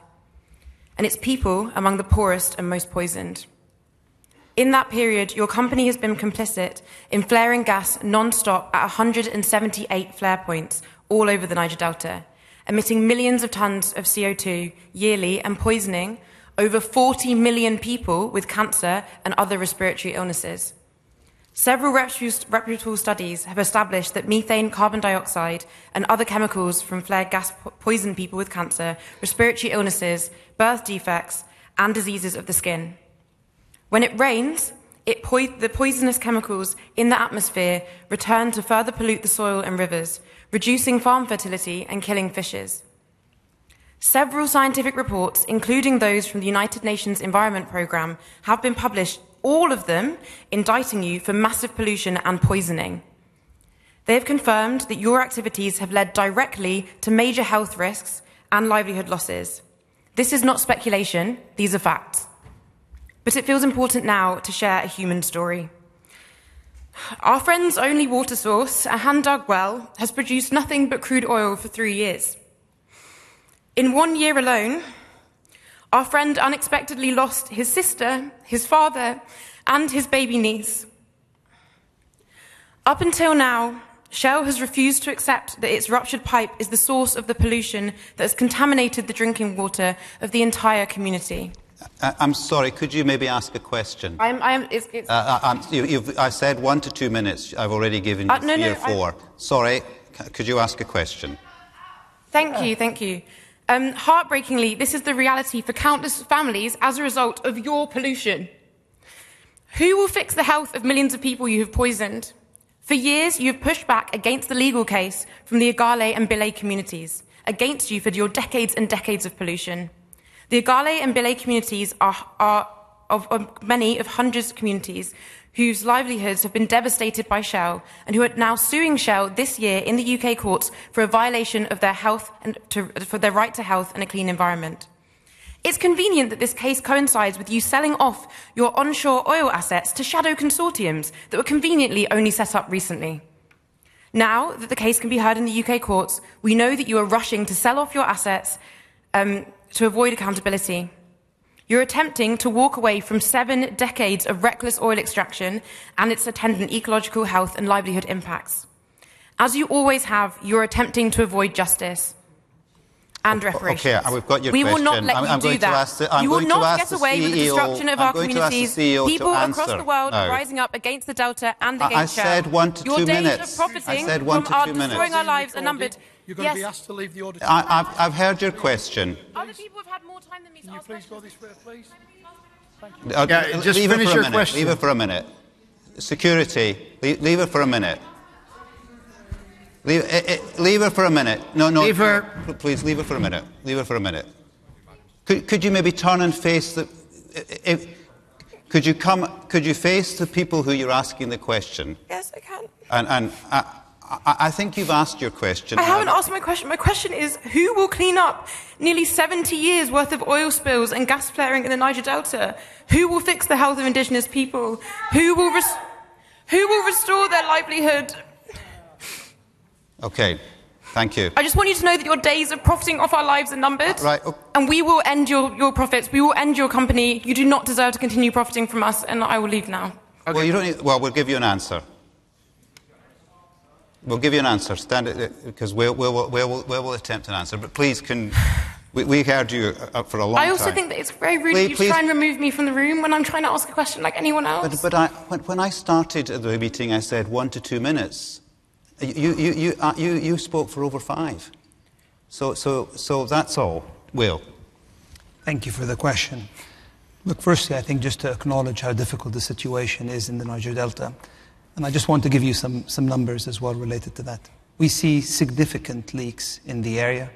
and its people among the poorest and most poisoned. In that period, your company has been complicit in flaring gas nonstop at 178 flare points all over the Niger Delta, emitting millions of tons of CO₂ yearly and poisoning over 40 million people with cancer and other respiratory illnesses. Several reputable studies have established that methane, carbon dioxide, and other chemicals from flared gas poison people with cancer, respiratory illnesses, birth defects, and diseases of the skin. When it rains, the poisonous chemicals in the atmosphere return to further pollute the soil and rivers, reducing farm fertility and killing fishes. Several scientific reports, including those from the United Nations Environment Program, have been published, all of them indicting you for massive pollution and poisoning. They have confirmed that your activities have led directly to major health risks and livelihood losses. This is not speculation, these are facts. But it feels important now to share a human story. Our friend's only water source, a hand-dug well, has produced nothing but crude oil for three years. In one year alone, our friend unexpectedly lost his sister, his father, and his baby niece. Up until now, Shell has refused to accept that its ruptured pipe is the source of the pollution that has contaminated the drinking water of the entire community. I'm sorry, could you maybe ask a question? I'm, I'm, it's, it's- I said one to two minutes. I've already given you near four. No, no, no- Sorry. Could you ask a question? Thank you. Thank you. Heartbreakingly, this is the reality for countless families as a result of your pollution. Who will fix the health of millions of people you have poisoned? For years, you've pushed back against the legal case from the Ogale and Bille communities against you for your decades and decades of pollution. The Ogale and Bille communities are of many hundreds of communities whose livelihoods have been devastated by Shell and who are now suing Shell this year in the UK courts for a violation of their health and to... for their right to health and a clean environment. It's convenient that this case coincides with you selling off your onshore oil assets to shadow consortiums that were conveniently only set up recently. Now, that the case can be heard in the UK courts, we know that you are rushing to sell off your assets, to avoid accountability. You're attempting to walk away from seven decades of reckless oil extraction and its attendant ecological health and livelihood impacts. As you always have, you're attempting to avoid justice and reparations. Okay, we've got your question. We will not let you do that. I'm going to ask the- You will not get away- I'm going to ask the CEO-... with the destruction of our communities I'm going to ask the CEO to answer- People across the world are rising up against the Delta and against Shell. I said 1-2 minutes. Your days of profiting- I said 1-2 minutes.... from destroying our lives are numbered. Yes- You're gonna be asked to leave the auditorium. I've heard your question. Other people have-... Can you please go this way, please? Thank you. Okay, just finish your question. Leave her for a minute. Leave her for a minute. Security, leave her for a minute. Leave her for a minute. No, no- Leave her- Please, leave her for a minute. Leave her for a minute. Could you maybe turn and face the people who you're asking the question? Yes, I can. I think you've asked your question. I haven't asked my question. My question is, who will clean up nearly 70 years' worth of oil spills and gas flaring in the Niger Delta? Who will fix the health of indigenous people? Down! Who will res- Sit down! Who will restore their livelihood? Okay, thank you. I just want you to know that your days of profiting off our lives are numbered. Right, o- We will end your, your profits. We will end your company. You do not deserve to continue profiting from us, and I will leave now. Well, you don't need... Well, we'll give you an answer. We'll give you an answer. Stand at, 'cause we'll, we'll, Wael will, Wael will attempt an answer, but please, can... We've heard you for a long time. I also think that it's very rude- Please, please-... you try and remove me from the room when I'm trying to ask a question like anyone else. But when I started the meeting, I said 1-2 minutes. You spoke for over 5. So that's all. Wael. Thank you for the question. Look, firstly, I think just to acknowledge how difficult the situation is in the Niger Delta, and I just want to give you some, some numbers as well related to that. We see significant leaks in the area,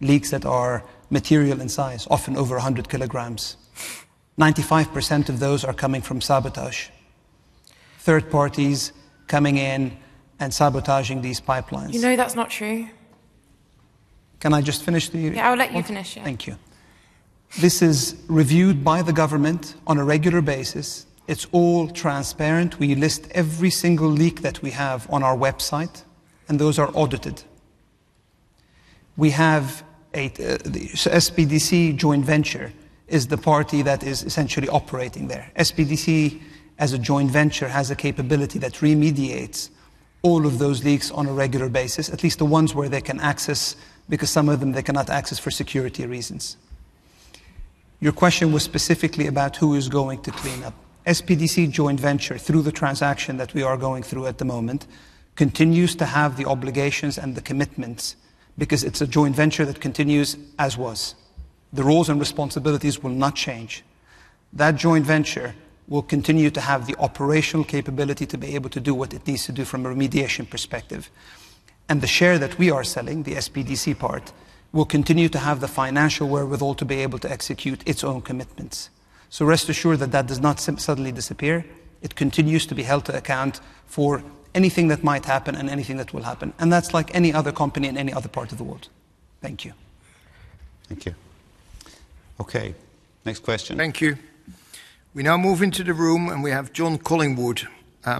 leaks that are material in size, often over 100 kilograms. 95% of those are coming from sabotage, third parties coming in and sabotaging these pipelines. You know that's not true. Can I just finish the- Yeah, I'll let you finish. Yeah. Thank you. This is reviewed by the government on a regular basis. It's all transparent. We list every single leak that we have on our website, and those are audited. We have a, the SPDC joint venture is the party that is essentially operating there. SPDC, as a joint venture, has a capability that remediates all of those leaks on a regular basis, at least the ones where they can access, because some of them they cannot access for security reasons. Your question was specifically about who is going to clean up. SPDC joint venture, through the transaction that we are going through at the moment, continues to have the obligations and the commitments because it's a joint venture that continues as was. The roles and responsibilities will not change. That joint venture will continue to have the operational capability to be able to do what it needs to do from a remediation perspective, and the share that we are selling, the SPDC part, will continue to have the financial wherewithal to be able to execute its own commitments. So rest assured that that does not suddenly disappear. It continues to be held to account for anything that might happen and anything that will happen, and that's like any other company in any other part of the world. Thank you. Thank you. Okay, next question. Thank you. We now move into the room, and we have John Collingwood, who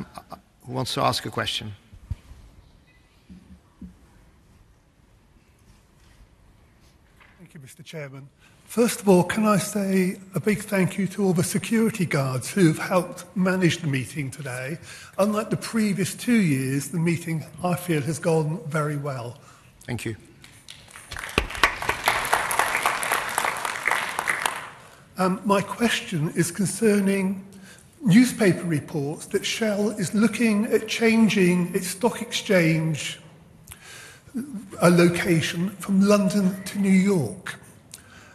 wants to ask a question. Thank you, Mr. Chairman. First of all, can I say a big thank you to all the security guards who have helped manage the meeting today? Unlike the previous two years, the meeting, I feel, has gone very well. Thank you. My question is concerning newspaper reports that Shell is looking at changing its stock exchange location from London to New York.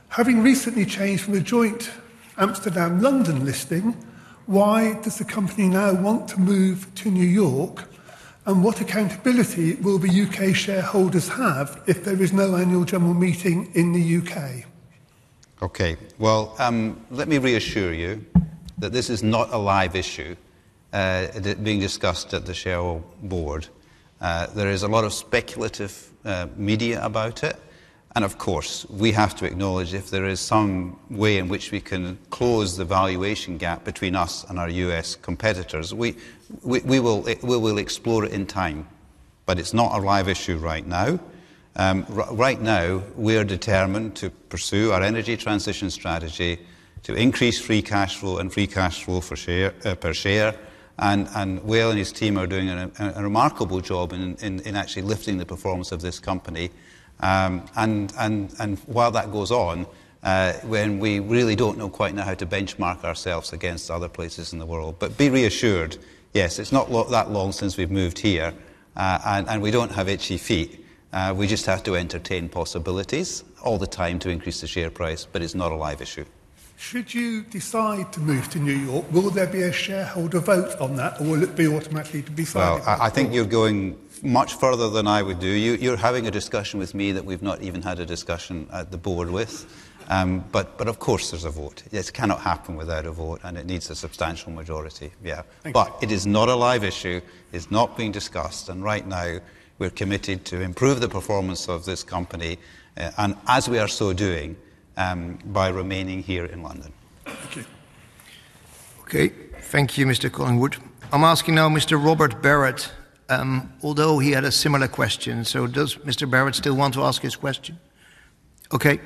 Having recently changed from a joint Amsterdam-London listing, why does the company now want to move to New York, and what accountability will the UK shareholders have if there is no annual general meeting in the UK? Okay, well, let me reassure you that this is not a live issue that is being discussed at the Shell board. There is a lot of speculative media about it, and of course, we have to acknowledge if there is some way in which we can close the valuation gap between us and our U.S. competitors, we will explore it in time, but it's not a live issue right now. Right now, we are determined to pursue our energy transition strategy to increase free cash flow and free cash flow per share, and Wael and his team are doing a remarkable job in actually lifting the performance of this company. While that goes on, when we really don't know quite how to benchmark ourselves against other places in the world. But be reassured, yes, it's not that long since we've moved here, and we don't have itchy feet. We just have to entertain possibilities all the time to increase the share price, but it's not a live issue. Should you decide to move to New York, will there be a shareholder vote on that, or will it be automatically to be fine? Well, I think you're going much further than I would do. You're having a discussion with me that we've not even had a discussion at the board with. But of course there's a vote. It cannot happen without a vote, and it needs a substantial majority. Yeah. Thank you. It is not a live issue. It's not being discussed, and right now, we're committed to improve the performance of this company, and as we are so doing, by remaining here in London. Thank you. Okay. Thank you, Mr. Collingwood. I'm asking now Mr. Robert Barrett, although he had a similar question, so does Mr. Barrett still want to ask his question? Okay,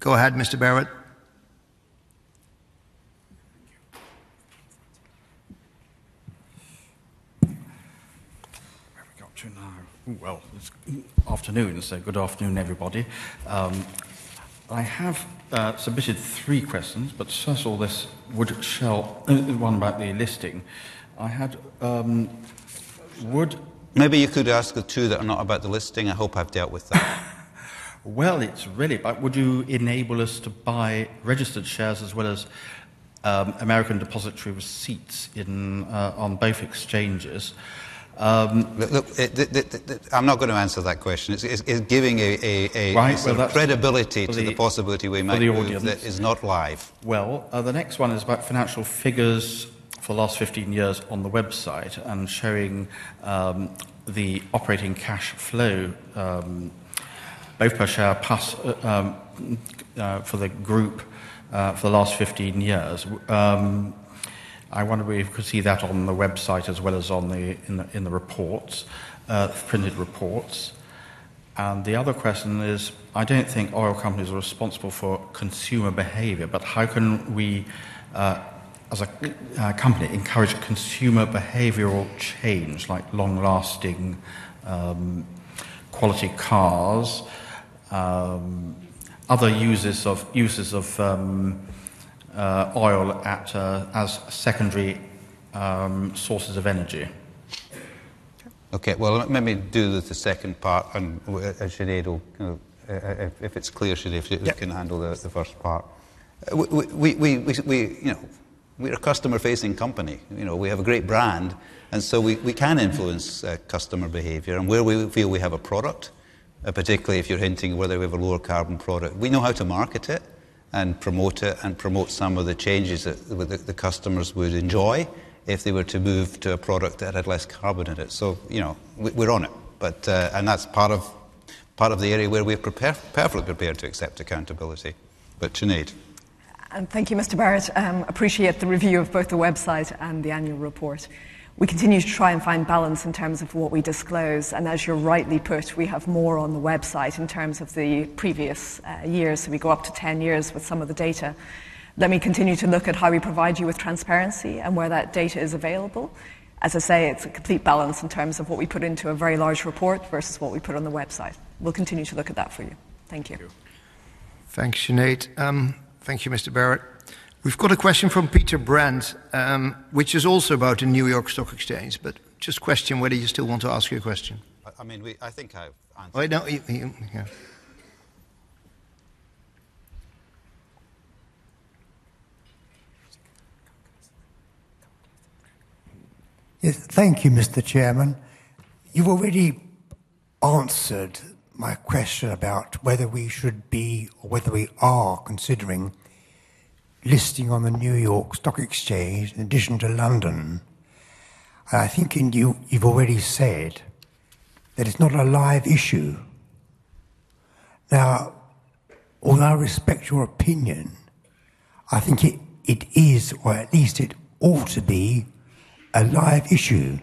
go ahead, Mr. Barrett. Thank you. Where we got to now? Well, it's afternoon, so good afternoon, everybody. I have submitted three questions, but first of all, this would Shell, one about the listing. I had, ... Maybe you could ask the two that are not about the listing. I hope I've dealt with that. Well, it's really about would you enable us to buy registered shares as well as American depositary receipts in on both exchanges, Look, I'm not going to answer that question. It's giving a— Right - credibility to the possibility we might- For the audience. that is not live. Well, the next one is about financial figures for the last 15 years on the website and showing the operating cash flow, both per share plus for the group, for the last 15 years. I wonder if we could see that on the website as well as on the, in the, in the reports, printed reports. And the other question is, I don't think oil companies are responsible for consumer behavior, but how can we, as a c- a company, encourage consumer behavioral change, like long-lasting quality cars, other uses of, uses of oil at, as secondary sources of energy? Okay, well, let me do the second part, and Sinead will, you know, if, if it's clear, Sinead- Yeah. You can handle the first part. You know, we're a customer-facing company. You know, we have a great brand, and so we can influence customer behavior. And where we feel we have a product, particularly if you're hinting whether we have a lower carbon product, we know how to market it and promote it and promote some of the changes that the customers would enjoy if they were to move to a product that had less carbon in it. So, you know, we're on it. But... And that's part of the area where we're prepared, perfectly prepared to accept accountability. But Sinead. Thank you, Mr. Barrett. Appreciate the review of both the website and the annual report. We continue to try and find balance in terms of what we disclose, and as you rightly put, we have more on the website in terms of the previous years, so we go up to 10 years with some of the data. Let me continue to look at how we provide you with transparency and where that data is available. As I say, it's a complete balance in terms of what we put into a very large report versus what we put on the website. We'll continue to look at that for you. Thank you. Thank you. Thanks, Sinead. Thank you, Mr. Barrett. We've got a question from Peter Brandt, which is also about the New York Stock Exchange, but just question whether you still want to ask your question. I mean, I think I've answered- Oh, no, you yeah. Yes. Thank you, Mr. Chairman. You've already answered my question about whether we should be, or whether we are considering listing on the New York Stock Exchange in addition to London. I think and you, you've already said that it's not a live issue. Now, although I respect your opinion, I think it, it is, or at least it ought to be, a live issue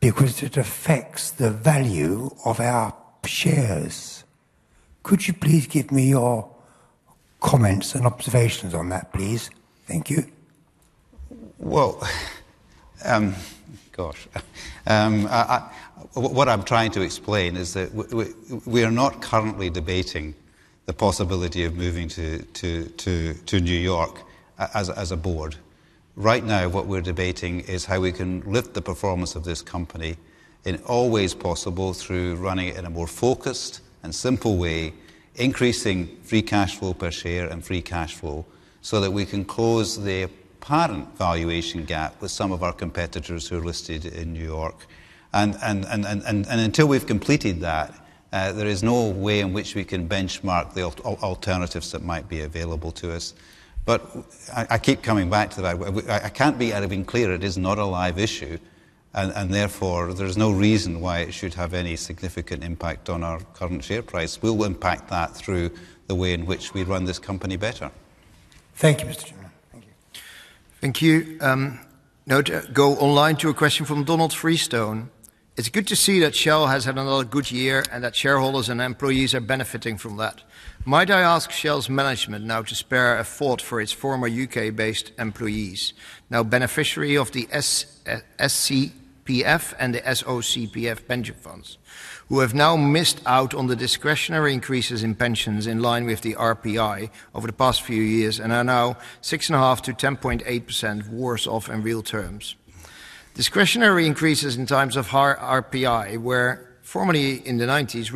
because it affects the value of our shares. Could you please give me your comments and observations on that, please? Thank you. Well, what I'm trying to explain is that we are not currently debating the possibility of moving to New York as a board. Right now, what we're debating is how we can lift the performance of this company in all ways possible through running it in a more focused and simple way, increasing free cash flow per share and free cash flow, so that we can close the apparent valuation gap with some of our competitors who are listed in New York. Until we've completed that, there is no way in which we can benchmark the alternatives that might be available to us. But I keep coming back to that. I can't be any clearer, it is not a live issue, and therefore, there's no reason why it should have any significant impact on our current share price. We'll impact that through the way in which we run this company better. Thank you, Mr. Chairman. Thank you. Thank you. Now to go online to a question from Donald Freestone. It's good to see that Shell has had another good year and that shareholders and employees are benefiting from that. Might I ask Shell's management now to spare a thought for its former U.K.-based employees, now beneficiary of the SCPF and the SOCPF pension funds, who have now missed out on the discretionary increases in pensions in line with the RPI over the past few years and are now 6.5%-10.8% worse off in real terms. Discretionary increases in times of high RPI were formerly in the 1990s,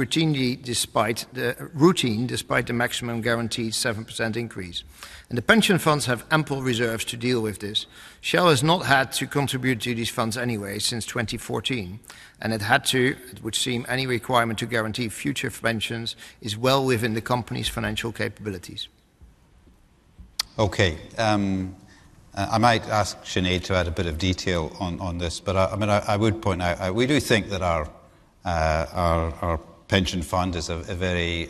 routinely despite the maximum guaranteed 7% increase, and the pension funds have ample reserves to deal with this. Shell has not had to contribute to these funds anyway since 2014, and it had to, it would seem any requirement to guarantee future pensions is well within the company's financial capabilities. Okay, I might ask Sinead to add a bit of detail on this, but I mean, I would point out, we do think that our pension fund is a very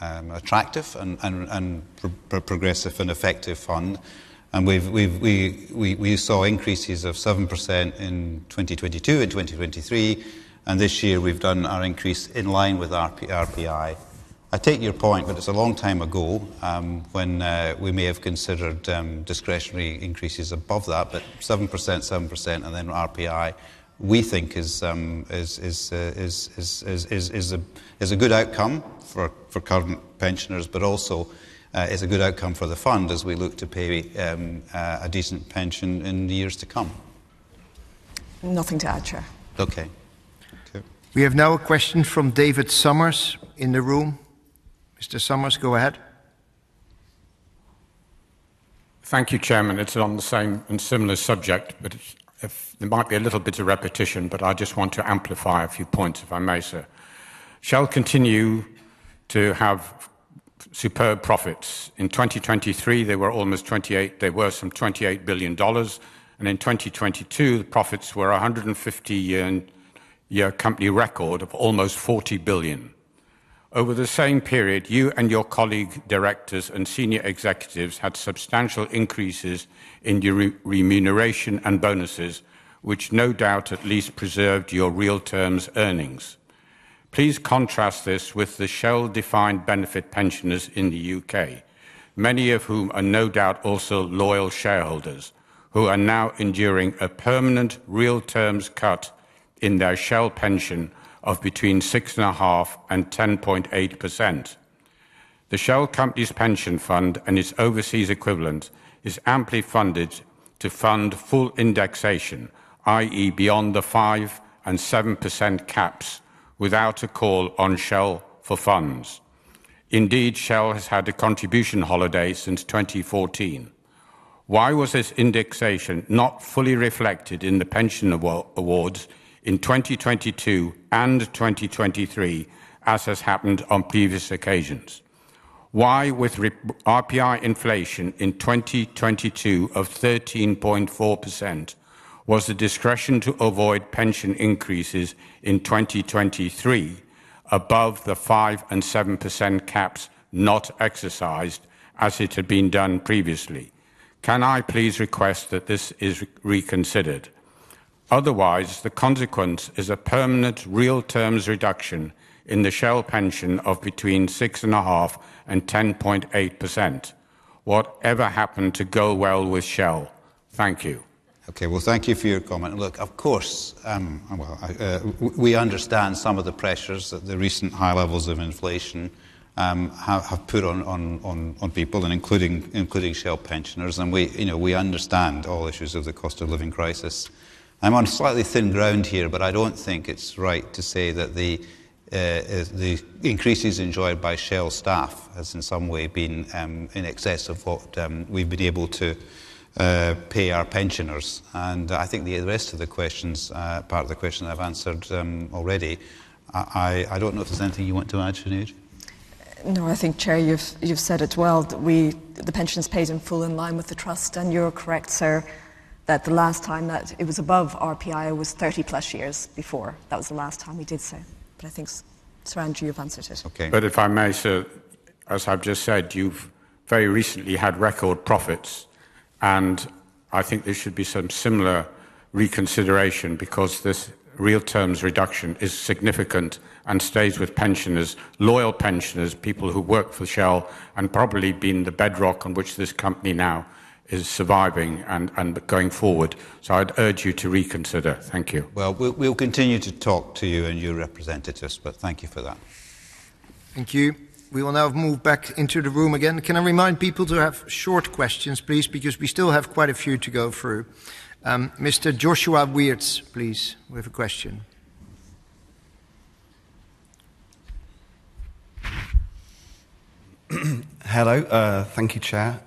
attractive and progressive and effective fund. And we've seen increases of 7% in 2022 and 2023, and this year we've done our increase in line with RPI. I take your point, but it's a long time ago, when we may have considered discretionary increases above that, but 7%, 7%, and then RPI, we think is a good outcome for current pensioners, but also is a good outcome for the fund as we look to pay a decent pension in the years to come.... Nothing to add, Chair. Okay. We have now a question from David Somers in the room. Mr. Somers, go ahead. Thank you, Chairman. It's on the same and similar subject, but if there might be a little bit of repetition, but I just want to amplify a few points, if I may, sir. Shell continue to have superb profits. In 2023, they were almost $28-- they were some $28 billion, and in 2022, the profits were a 150-year company record of almost $40 billion. Over the same period, you and your colleague, directors and senior executives had substantial increases in your re- remuneration and bonuses, which no doubt at least preserved your real terms earnings. Please contrast this with the Shell defined benefit pensioners in the UK, many of whom are no doubt also loyal shareholders, who are now enduring a permanent real terms cut in their Shell pension of between 6.5% and 10.8%. The Shell Company's pension fund and its overseas equivalent is amply funded to fund full indexation, i.e., beyond the 5% and 7% caps, without a call on Shell for funds. Indeed, Shell has had a contribution holiday since 2014. Why was this indexation not fully reflected in the pension award, awards in 2022 and 2023, as has happened on previous occasions? Why, with RPI inflation in 2022 of 13.4%, was the discretion to avoid pension increases in 2023 above the 5% and 7% caps not exercised as it had been done previously? Can I please request that this is reconsidered? Otherwise, the consequence is a permanent real terms reduction in the Shell pension of between 6.5% and 10.8%. Whatever happened to go well with Shell? Thank you. Okay, well, thank you for your comment. Look, of course, well, we understand some of the pressures that the recent high levels of inflation have put on people, including Shell pensioners, and we, you know, we understand all issues of the cost of living crisis. I'm on slightly thin ground here, but I don't think it's right to say that the increases enjoyed by Shell staff has in some way been in excess of what we've been able to pay our pensioners. And I think the rest of the questions, part of the question I've answered already. I don't know if there's anything you want to add, Sinead? No, I think, Chair, you've, you've said it well, that we, the pension is paid in full in line with the trust, and you're correct, sir, that the last time that it was above RPI was 30-plus years before. That was the last time we did so. But I think, Sir Andrew, you've answered it. Okay. But if I may, sir, as I've just said, you've very recently had record profits, and I think there should be some similar reconsideration because this real terms reduction is significant and stays with pensioners, loyal pensioners, people who worked for Shell and probably been the bedrock on which this company now is surviving and, and going forward. So I'd urge you to reconsider. Thank you. Well, we'll continue to talk to you and your representatives, but thank you for that. Thank you. We will now move back into the room again. Can I remind people to have short questions, please, because we still have quite a few to go through. Mr. Joshua Wiertz, please, you have a question. Hello, thank you, Chair.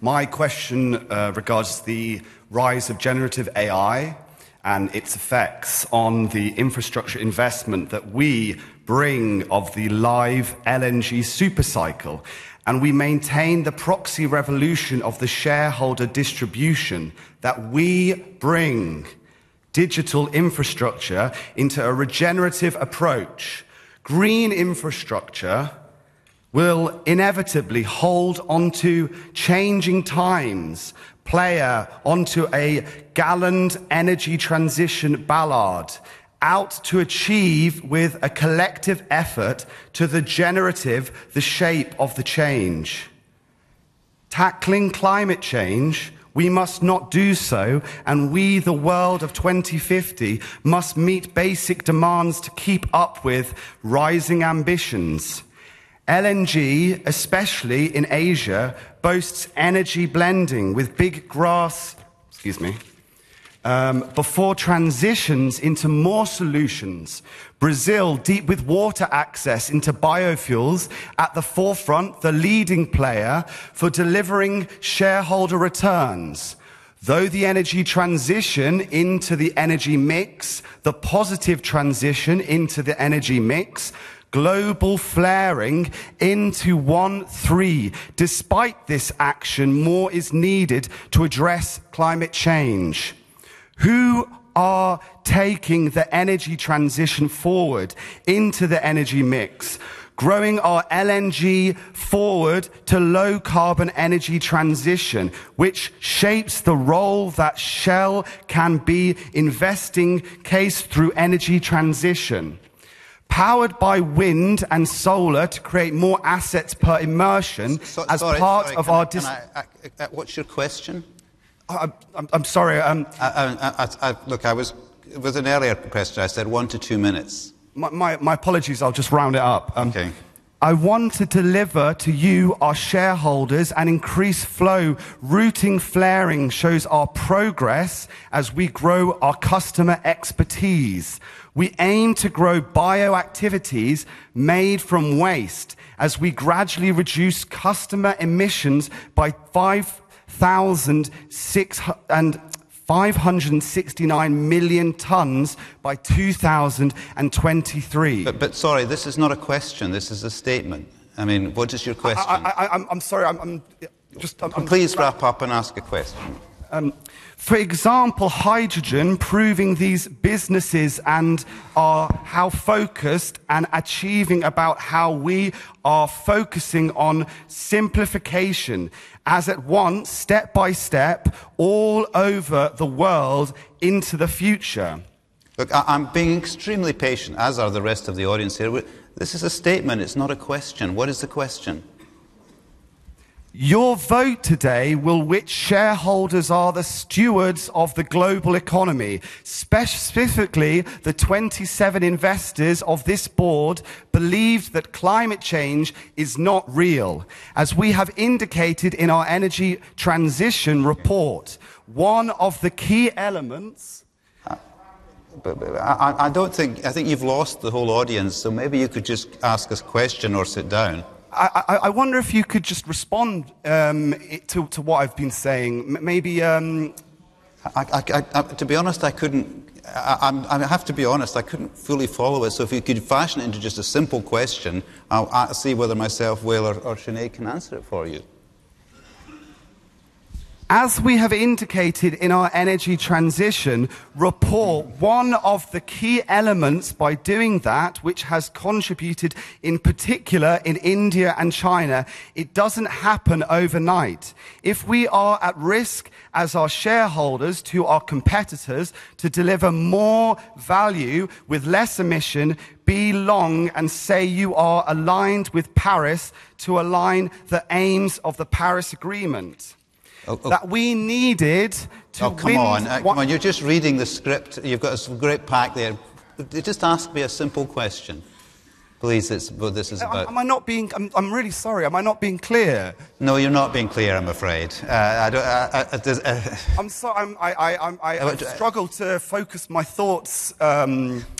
My question regards the rise of generative AI and its effects on the infrastructure investment that we bring of the live LNG super cycle, and we maintain the proxy revolution of the shareholder distribution that we bring digital infrastructure into a regenerative approach. Green infrastructure will inevitably hold onto changing times, player onto a gallant energy transition ballad out to achieve with a collective effort to the generative, the shape of the change. Tackling climate change, we must not do so, and we, the world of 2050, must meet basic demands to keep up with rising ambitions. LNG, especially in Asia, boasts energy blending with big gas... Excuse me, before transitions into more solutions. Brazil, deepwater access into biofuels at the forefront, the leading player for delivering shareholder returns. Through the energy transition in the energy mix, the positive transition in the energy mix, global flaring in 2013. Despite this action, more is needed to address climate change. We are taking the energy transition forward in the energy mix, growing our LNG portfolio to low carbon energy transition, which shapes the role that Shell can play in the investment case through energy transition, powered by wind and solar to create more assets per emission as part of our dis- Sorry. Can I... what's your question? I'm sorry, Look, I was, with an earlier question, I said 1-2 minutes. My, my, my apologies, I'll just round it up. Okay.... I want to deliver to you, our shareholders, an increased flow. Reducing flaring shows our progress as we grow our customer expertise. We aim to grow bio activities made from waste as we gradually reduce customer emissions by 5,669 million tons by 2023. But, but sorry, this is not a question, this is a statement. I mean, what is your question? I'm sorry, I'm just Please wrap up and ask a question. For example, hydrogen, proving these businesses and are how focused and achieving about how we are focusing on simplification as at once, step by step, all over the world into the future. Look, I, I'm being extremely patient, as are the rest of the audience here. But this is a statement, it's not a question. What is the question? Your vote today will which shareholders are the stewards of the global economy. Specifically, the 27 investors of this board believe that climate change is not real. As we have indicated in our energy transition report, one of the key elements- But I don't think... I think you've lost the whole audience, so maybe you could just ask this question or sit down. I wonder if you could just respond to what I've been saying. Maybe To be honest, I couldn't fully follow it, so if you could fashion it into just a simple question, I'll see whether myself, Wael or Sinead can answer it for you. As we have indicated in our energy transition report, one of the key elements by doing that, which has contributed, in particular in India and China, it doesn't happen overnight. If we are at risk as our shareholders to our competitors to deliver more value with less emission, be long and say you are aligned with Paris to align the aims of the Paris Agreement- Oh, oh- that we needed to win. Oh, come on. Come on, you're just reading the script. You've got a great pack there. Just ask me a simple question. Please, this, well, this is about- Am I not being... I'm really sorry, am I not being clear? No, you're not being clear, I'm afraid. I don't, there's, I struggle to focus my thoughts. Can you just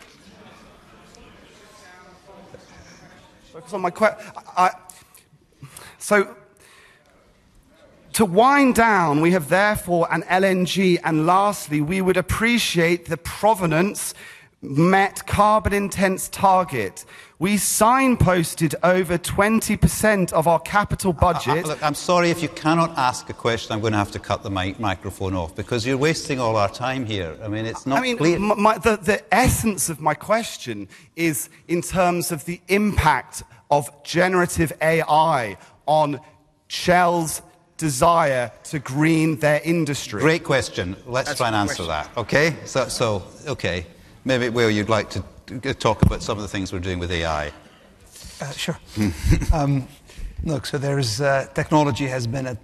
sit down and focus on the question? So to wind down, we have therefore an LNG, and lastly, we would appreciate the proven net carbon intensity target. We signposted over 20% of our capital budget. Look, I'm sorry, if you cannot ask a question, I'm going to have to cut the microphone off because you're wasting all our time here. I mean, it's not clear. I mean, the essence of my question is in terms of the impact of Generative AI on Shell's desire to green their industry. Great question. That's a good question. Let's try and answer that. Okay? So, okay. Maybe, Wael, you'd like to talk about some of the things we're doing with AI. Sure. Look, so there is... technology has been at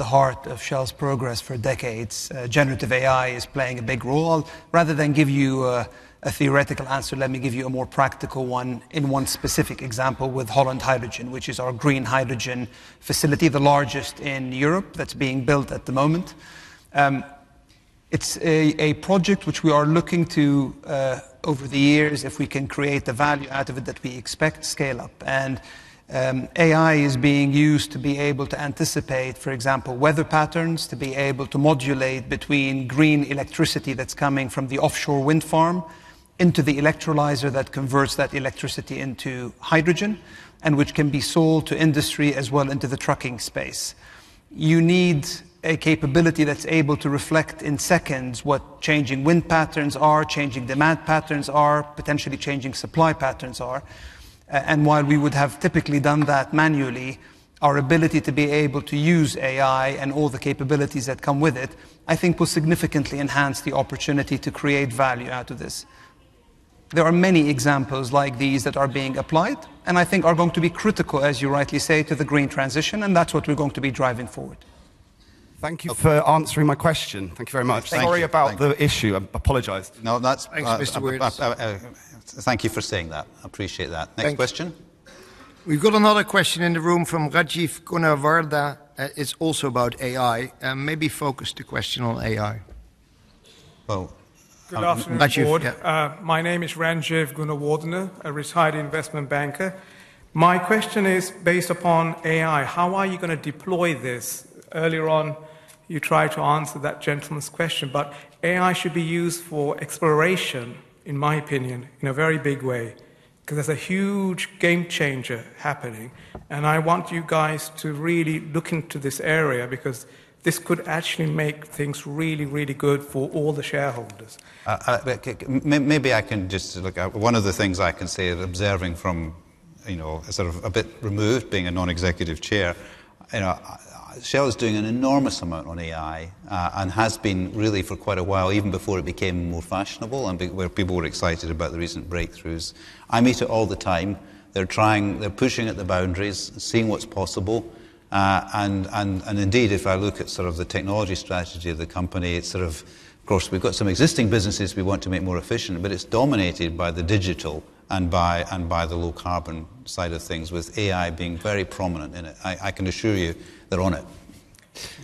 the heart of Shell's progress for decades. Generative AI is playing a big role. Rather than give you a theoretical answer, let me give you a more practical one in one specific example with Holland Hydrogen, which is our green hydrogen facility, the largest in Europe, that's being built at the moment. It's a project which we are looking to, over the years, if we can create the value out of it, that we expect to scale up. And, AI is being used to be able to anticipate, for example, weather patterns, to be able to modulate between green electricity that's coming from the offshore wind farm into the electrolyzer that converts that electricity into hydrogen, and which can be sold to industry as well into the trucking space. You need a capability that's able to reflect in seconds what changing wind patterns are, changing demand patterns are, potentially changing supply patterns are. While we would have typically done that manually, our ability to be able to use AI and all the capabilities that come with it, I think will significantly enhance the opportunity to create value out of this. There are many examples like these that are being applied, and I think are going to be critical, as you rightly say, to the green transition, and that's what we're going to be driving forward. Thank you for answering my question. Thank you very much. Thank you. Sorry about the issue. I apologize. No, that's, Thanks, Mr. Wijers.... thank you for saying that. I appreciate that. Thank you. Next question? We've got another question in the room from Rajeev Gunawardana. It's also about AI. Maybe focus the question on AI. Rajeev, yeah. Good afternoon, board. My name is Rajeev Gunawardana, a retired investment banker. My question is based upon AI: How are you going to deploy this? Earlier on, you tried to answer that gentleman's question, but AI should be used for exploration, in my opinion, in a very big way, because there's a huge game changer happening, and I want you guys to really look into this area because this could actually make things really, really good for all the shareholders. Maybe I can just look at... One of the things I can say, observing from, you know, sort of a bit removed, being a non-executive chair, you know, Shell is doing an enormous amount on AI, and has been really for quite a while, even before it became more fashionable and where people were excited about the recent breakthroughs. I meet it all the time. They're trying, they're pushing at the boundaries, seeing what's possible. And indeed, if I look at sort of the technology strategy of the company, it's sort of, of course, we've got some existing businesses we want to make more efficient, but it's dominated by the digital and by the low carbon side of things, with AI being very prominent in it. I can assure you they're on it....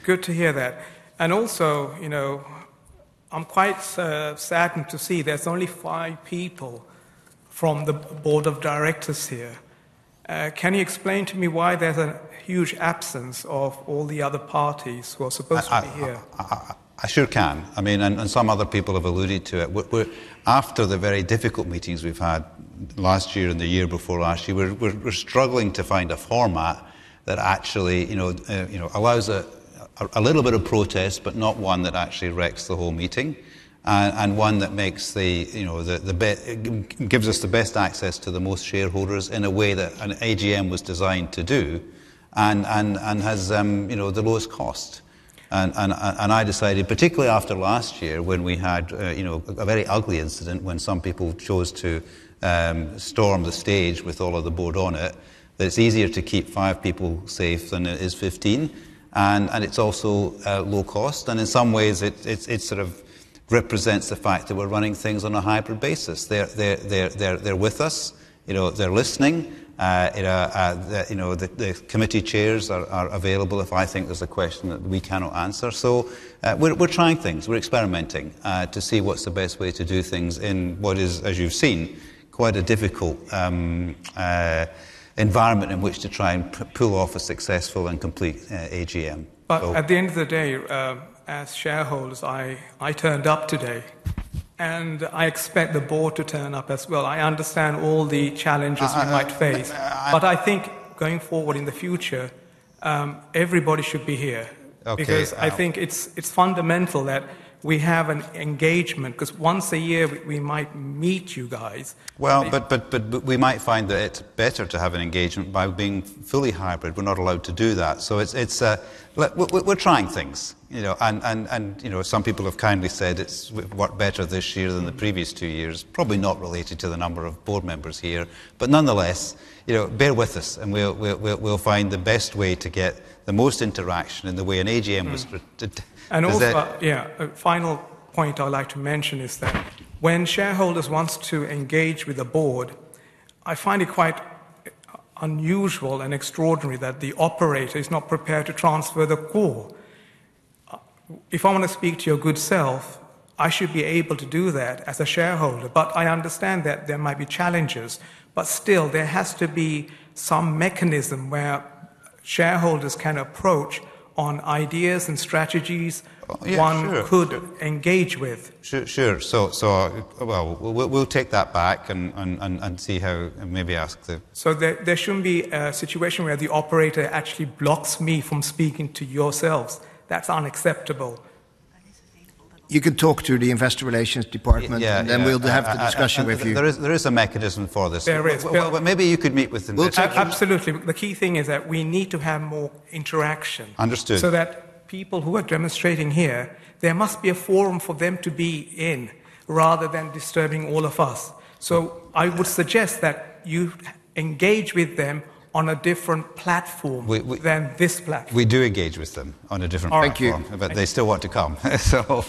Good to hear that. And also, you know, I'm quite saddened to see there's only five people from the board of directors here. Can you explain to me why there's a huge absence of all the other parties who are supposed to be here? I sure can. I mean, some other people have alluded to it. We're after the very difficult meetings we've had last year and the year before last year, we're struggling to find a format that actually, you know, allows a little bit of protest, but not one that actually wrecks the whole meeting. And one that makes, you know, the best access to the most shareholders in a way that an AGM was designed to do and has, you know, the lowest cost. I decided, particularly after last year, when we had, you know, a very ugly incident when some people chose to storm the stage with all of the board on it, that it's easier to keep 5 people safe than it is 15, and it's also low cost. In some ways, it sort of represents the fact that we're running things on a hybrid basis. They're with us, you know, they're listening. You know, the committee chairs are available if I think there's a question that we cannot answer. So, we're trying things, we're experimenting, to see what's the best way to do things in what is, as you've seen, quite a difficult environment in which to try and pull off a successful and complete AGM. So- But at the end of the day, as shareholders, I turned up today, and I expect the board to turn up as well. I understand all the challenges we might face- I, I, uh-... But I think going forward in the future, everybody should be here. Okay, I- Because I think it's fundamental that we have an engagement, 'cause once a year, we might meet you guys. Well, but we might find that it's better to have an engagement by being fully hybrid. We're not allowed to do that. So it's... We're trying things, you know, and you know, some people have kindly said it's worked better this year than the previous two years. Probably not related to the number of board members here, but nonetheless, you know, bear with us and we'll find the best way to get the most interaction in the way an AGM was pre- to- Also, yeah, a final point I'd like to mention is that when shareholders wants to engage with the board, I find it quite unusual and extraordinary that the operator is not prepared to transfer the call. If I want to speak to your good self, I should be able to do that as a shareholder, but I understand that there might be challenges. But still, there has to be some mechanism where shareholders can approach on ideas and strategies- Yeah, sure... one could engage with. Sure. So, well, we'll take that back and see how, and maybe ask the- There, there shouldn't be a situation where the operator actually blocks me from speaking to yourselves. That's unacceptable. You could talk to the investor relations department- Yeah, yeah... and then we'll have the discussion with you. There is a mechanism for this. There is. But maybe you could meet with them. We'll take- Absolutely. The key thing is that we need to have more interaction- Understood... so that people who are demonstrating here, there must be a forum for them to be in rather than disturbing all of us. I would suggest that you engage with them on a different platform- We, we- than this platform. We do engage with them on a different platform. All right. Thank you. But they still want to come, so...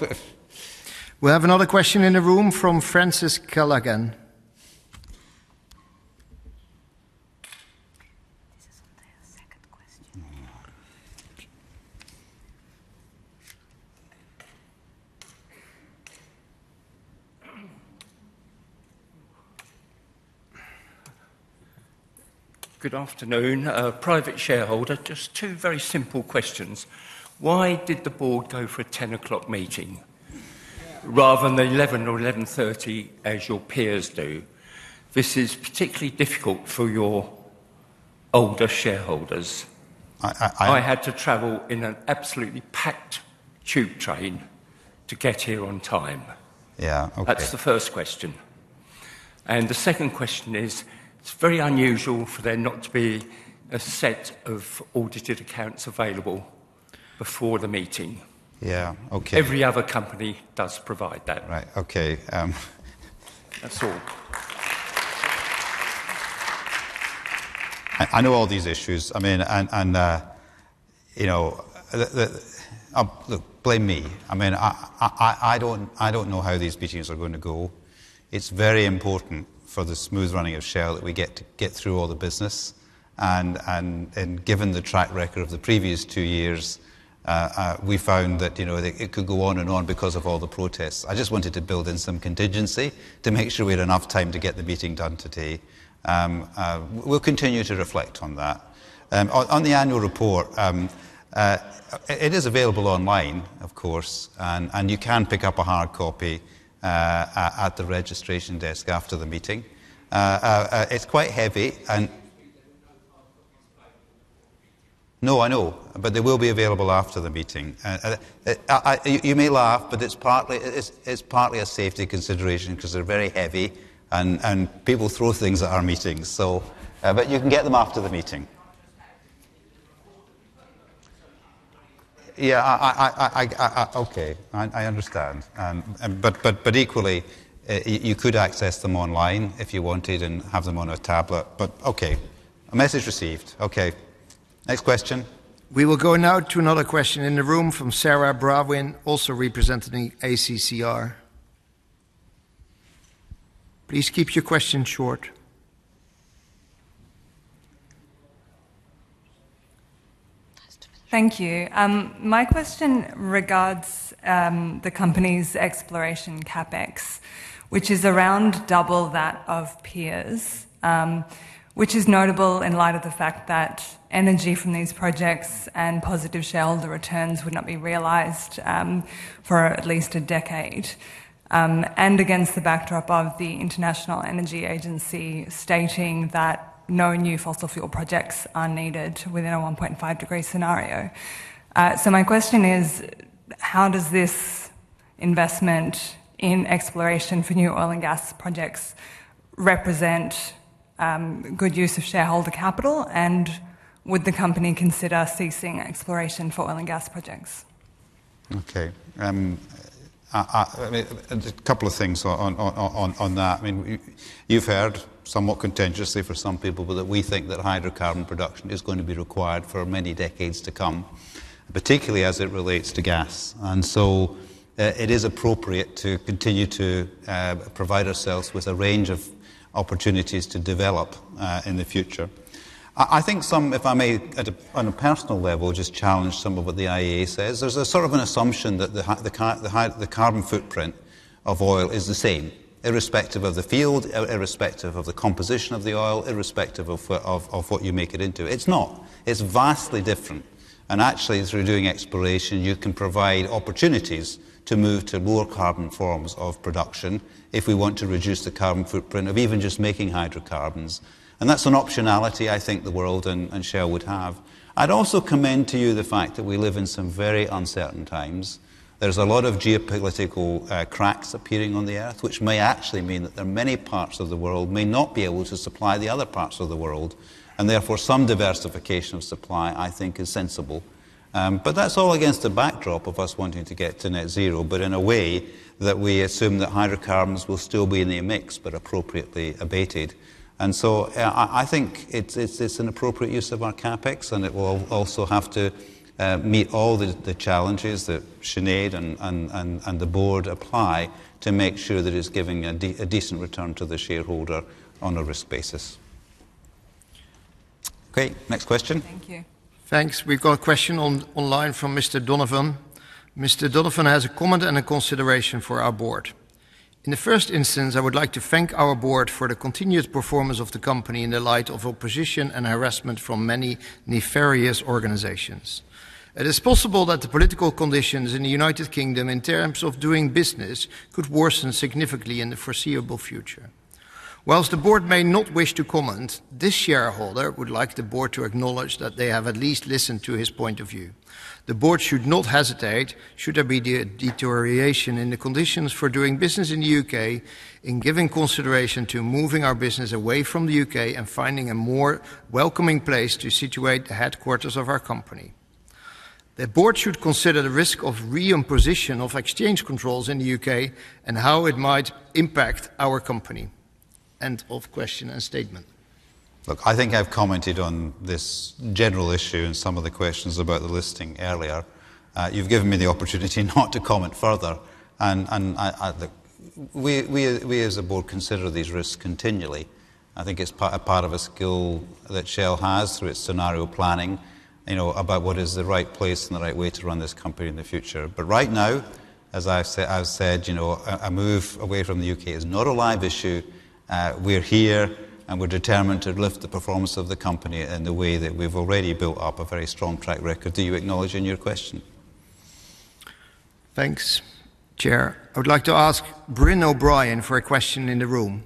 We have another question in the room from Francis Callaghan. This is on the second question. Mm. Good afternoon. A private shareholder. Just two very simple questions: Why did the board go for a 10:00 A.M. meeting rather than 11:00 A.M. or 11:30 A.M., as your peers do? This is particularly difficult for your older shareholders. I, I, I- I had to travel in an absolutely packed tube train to get here on time. Yeah, okay. That's the first question. The second question is, it's very unusual for there not to be a set of audited accounts available before the meeting. Yeah, okay. Every other company does provide that. Right. Okay. That's all. I know all these issues. I mean, you know, look, blame me. I mean, I don't know how these meetings are going to go. It's very important for the smooth running of Shell that we get to get through all the business, and given the track record of the previous two years, we found that, you know, it could go on and on because of all the protests. I just wanted to build in some contingency to make sure we had enough time to get the meeting done today. We'll continue to reflect on that. On the annual report, it is available online, of course, and you can pick up a hard copy at the registration desk after the meeting. It's quite heavy and- There will be no hard copies available before the meeting. No, I know, but they will be available after the meeting. You may laugh, but it's partly a safety consideration 'cause they're very heavy, and people throw things at our meetings, so... But you can get them after the meeting. Yeah, okay, I understand. But equally, you could access them online if you wanted and have them on a tablet. But okay, message received. Okay, next question. We will go now to another question in the room from Sarah Brewin, also representing ACCR.... Please keep your questions short. Thank you. My question regards the company's exploration CapEx, which is around double that of peers. Which is notable in light of the fact that energy from these projects and positive shareholder returns would not be realized for at least a decade, and against the backdrop of the International Energy Agency stating that no new fossil fuel projects are needed within a 1.5-degree scenario. So my question is: how does this investment in exploration for new oil and gas projects represent good use of shareholder capital? And would the company consider ceasing exploration for oil and gas projects? Okay, a couple of things on that. I mean, you've heard, somewhat contentiously for some people, but that we think that hydrocarbon production is going to be required for many decades to come, particularly as it relates to gas. And so, it is appropriate to continue to provide ourselves with a range of opportunities to develop in the future. I think, if I may, on a personal level, just challenge some of what the IEA says. There's a sort of an assumption that the carbon footprint of oil is the same, irrespective of the field, irrespective of the composition of the oil, irrespective of what you make it into. It's not. It's vastly different. Actually, through doing exploration, you can provide opportunities to move to lower carbon forms of production if we want to reduce the carbon footprint of even just making hydrocarbons. And that's an optionality I think the world and Shell would have. I'd also commend to you the fact that we live in some very uncertain times. There's a lot of geopolitical cracks appearing on the Earth, which may actually mean that there are many parts of the world may not be able to supply the other parts of the world, and therefore, some diversification of supply, I think, is sensible. But that's all against the backdrop of us wanting to get to net zero, but in a way that we assume that hydrocarbons will still be in the mix, but appropriately abated. And so I think it's an appropriate use of our CapEx, and it will also have to meet all the challenges that Sinead and the board apply to make sure that it's giving a decent return to the shareholder on a risk basis. Okay, next question. Thank you. Thanks. We've got a question online from Mr. Donovan. Mr. Donovan has a comment and a consideration for our board: "In the first instance, I would like to thank our board for the continuous performance of the company in the light of opposition and harassment from many nefarious organizations. It is possible that the political conditions in the United Kingdom in terms of doing business could worsen significantly in the foreseeable future. Whilst the board may not wish to comment, this shareholder would like the board to acknowledge that they have at least listened to his point of view. The board should not hesitate, should there be a deterioration in the conditions for doing business in the UK, in giving consideration to moving our business away from the UK and finding a more welcoming place to situate the headquarters of our company. The board should consider the risk of re-imposition of exchange controls in the UK and how it might impact our company. End of question and statement. Look, I think I've commented on this general issue in some of the questions about the listing earlier. You've given me the opportunity not to comment further, and I... We, as a board, consider these risks continually. I think it's a part of a skill that Shell has through its scenario planning, you know, about what is the right place and the right way to run this company in the future. But right now, as I've said, you know, a move away from the UK is not a live issue. We're here, and we're determined to lift the performance of the company in the way that we've already built up a very strong track record. Do you acknowledge in your question? Thanks, Chair. I would like to ask Brynn O'Brien for a question in the room.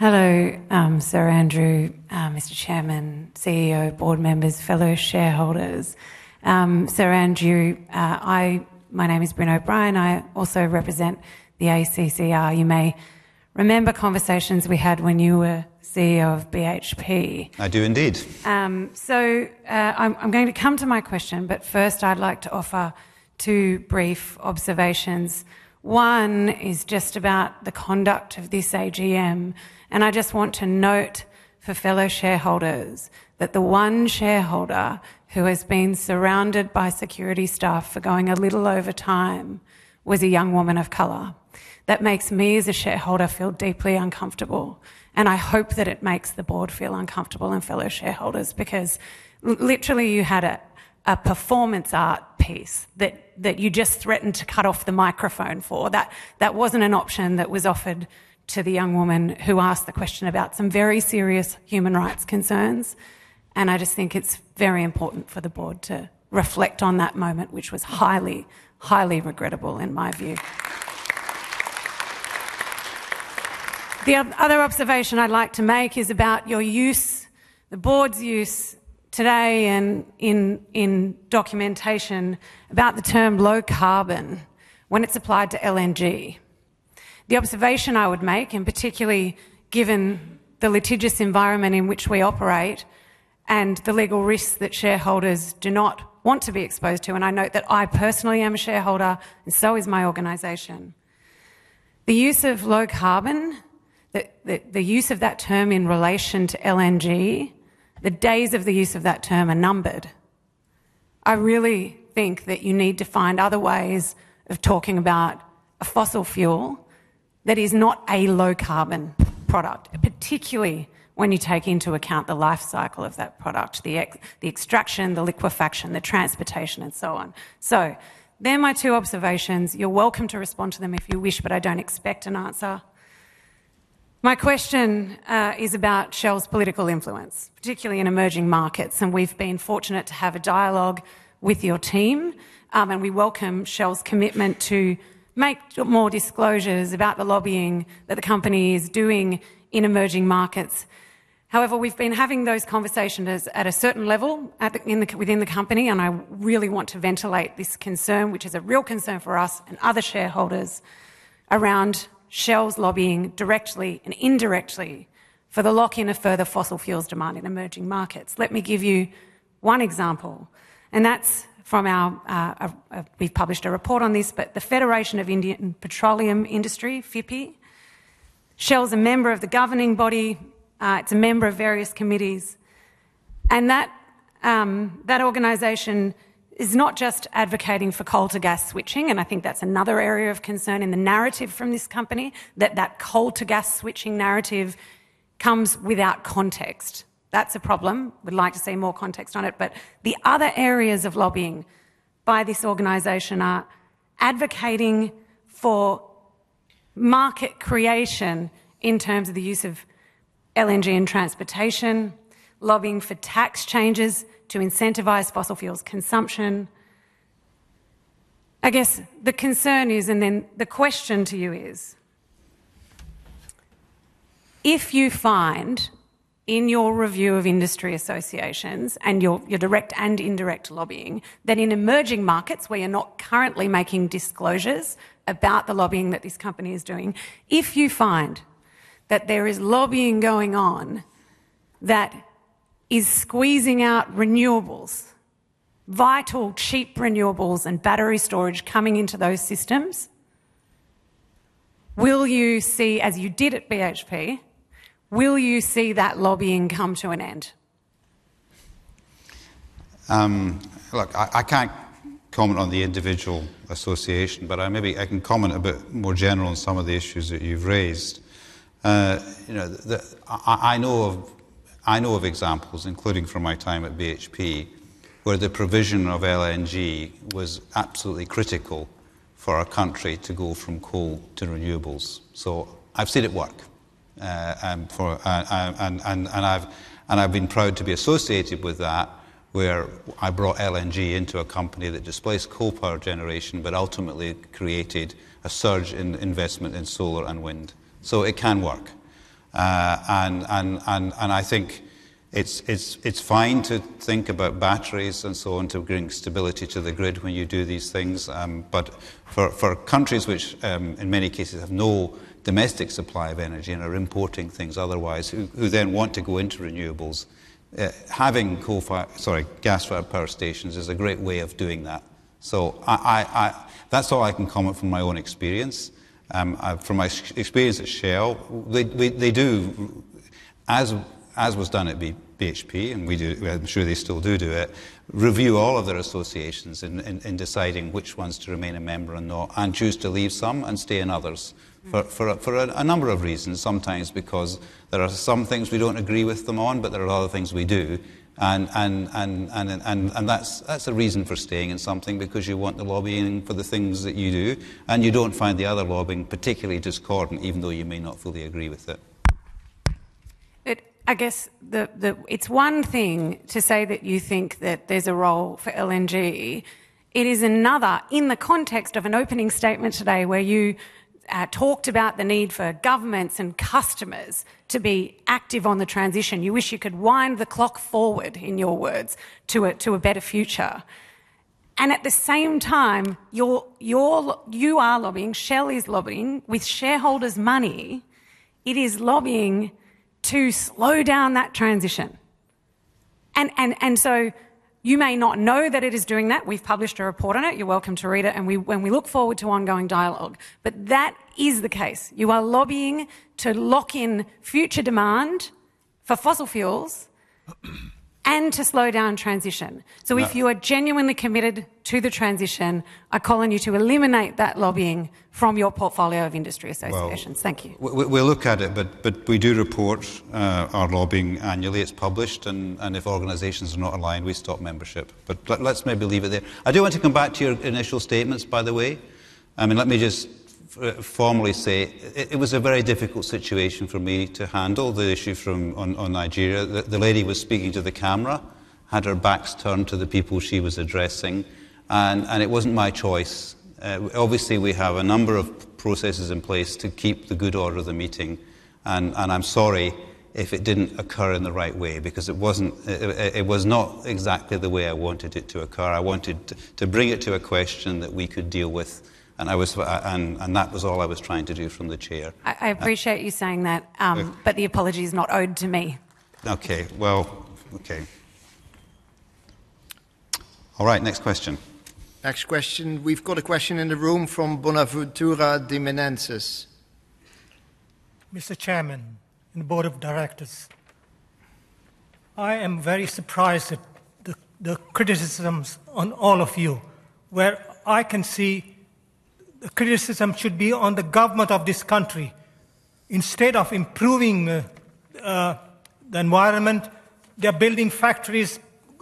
Hello, Sir Andrew, Mr. Chairman, CEO, board members, fellow shareholders. Sir Andrew, my name is Brynn O'Brien. I also represent the ACCR. You may remember conversations we had when you were CEO of BHP. I do indeed. So, I'm going to come to my question, but first I'd like to offer two brief observations. One is just about the conduct of this AGM, and I just want to note for fellow shareholders that the one shareholder who has been surrounded by security staff for going a little over time was a young woman of color. That makes me, as a shareholder, feel deeply uncomfortable, and I hope that it makes the board feel uncomfortable and fellow shareholders, because literally, you had a performance art piece that you just threatened to cut off the microphone for. That wasn't an option that was offered to the young woman who asked the question about some very serious human rights concerns, and I just think it's very important for the board to reflect on that moment, which was highly, highly regrettable in my view. The other observation I'd like to make is about your use, the board's use today and in documentation about the term low carbon when it's applied to LNG. The observation I would make, and particularly given the litigious environment in which we operate and the legal risks that shareholders do not want to be exposed to, and I note that I personally am a shareholder and so is my organization. The use of low carbon, the use of that term in relation to LNG, the days of the use of that term are numbered. I really think that you need to find other ways of talking about a fossil fuel that is not a low-carbon product, particularly when you take into account the life cycle of that product, the extraction, the liquefaction, the transportation, and so on. So they're my two observations. You're welcome to respond to them if you wish, but I don't expect an answer. My question is about Shell's political influence, particularly in emerging markets, and we've been fortunate to have a dialogue with your team. We welcome Shell's commitment to make more disclosures about the lobbying that the company is doing in emerging markets. However, we've been having those conversations as, at a certain level, at the, in the, within the company, and I really want to ventilate this concern, which is a real concern for us and other shareholders around Shell's lobbying directly and indirectly for the lock-in of further fossil fuels demand in emerging markets. Let me give you one example, and that's from our, we've published a report on this, but the Federation of Indian Petroleum Industry, FIPPI, Shell's a member of the governing body. It's a member of various committees, and that, that organization is not just advocating for coal to gas switching, and I think that's another area of concern in the narrative from this company, that that coal to gas switching narrative comes without context. That's a problem. We'd like to see more context on it, but the other areas of lobbying by this organization are advocating for market creation in terms of the use of LNG in transportation, lobbying for tax changes to incentivize fossil fuels consumption. I guess, the concern is, and then the question to you is: if you find in your review of industry associations and your direct and indirect lobbying, that in emerging markets where you're not currently making disclosures about the lobbying that this company is doing, if you find that there is lobbying going on that is squeezing out renewables, vital, cheap renewables and battery storage coming into those systems, will you see, as you did at BHP, will you see that lobbying come to an end? Look, I can't comment on the individual association, but maybe I can comment a bit more general on some of the issues that you've raised. You know, I know of examples, including from my time at BHP, where the provision of LNG was absolutely critical for a country to go from coal to renewables. So I've seen it work, and I've been proud to be associated with that, where I brought LNG into a company that displaced coal power generation, but ultimately created a surge in investment in solar and wind. So it can work. I think it's fine to think about batteries and so on to bring stability to the grid when you do these things, but for countries which, in many cases, have no domestic supply of energy and are importing things otherwise, who then want to go into renewables, having coal-fired, sorry, gas-fired power stations is a great way of doing that. So... That's all I can comment from my own experience. From my experience at Shell, they do, as was done at BHP, and we do—I'm sure they still do it, review all of their associations in deciding which ones to remain a member and not, and choose to leave some and stay in others. For a number of reasons, sometimes because there are some things we don't agree with them on, but there are other things we do. That's a reason for staying in something, because you want the lobbying for the things that you do, and you don't find the other lobbying particularly discordant, even though you may not fully agree with it. But I guess it's one thing to say that you think that there's a role for LNG. It is another, in the context of an opening statement today, where you talked about the need for governments and customers to be active on the transition. You wish you could wind the clock forward, in your words, to a better future. And at the same time, you are lobbying, Shell is lobbying with shareholders' money. It is lobbying to slow down that transition. And so you may not know that it is doing that. We've published a report on it. You're welcome to read it, and we look forward to ongoing dialogue. But that is the case. You are lobbying to lock in future demand for fossil fuels and to slow down transition. Well- If you are genuinely committed to the transition, I call on you to eliminate that lobbying from your portfolio of industry associations. Well... Thank you. We'll look at it, but we do report our lobbying annually. It's published, and if organizations are not aligned, we stop membership. But let's maybe leave it there. I do want to come back to your initial statements, by the way. I mean, let me just formally say, it was a very difficult situation for me to handle the issue from, on, Nigeria. The lady was speaking to the camera, had her back turned to the people she was addressing, and it wasn't my choice. Obviously, we have a number of processes in place to keep the good order of the meeting, and I'm sorry if it didn't occur in the right way because it wasn't, it was not exactly the way I wanted it to occur. I wanted to bring it to a question that we could deal with, and I was. And that was all I was trying to do from the chair. I appreciate you saying that- Yeah. The apology is not owed to me. Okay. Well, okay.... All right, next question. Next question. We've got a question in the room from Bonaventure D'Mello. Mr. Chairman and board of directors, I am very surprised at the criticisms on all of you, where I can see the criticism should be on the government of this country. Instead of improving the environment, they're building factories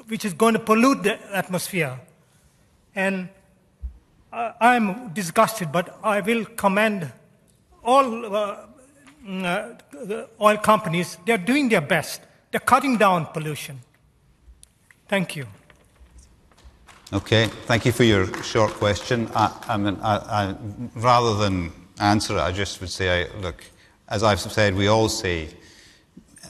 which is going to pollute the atmosphere, and I'm disgusted. But I will commend all the oil companies. They're doing their best. They're cutting down pollution. Thank you. Okay, thank you for your short question. I mean, rather than answer it, I just would say, look, as I've said, we all see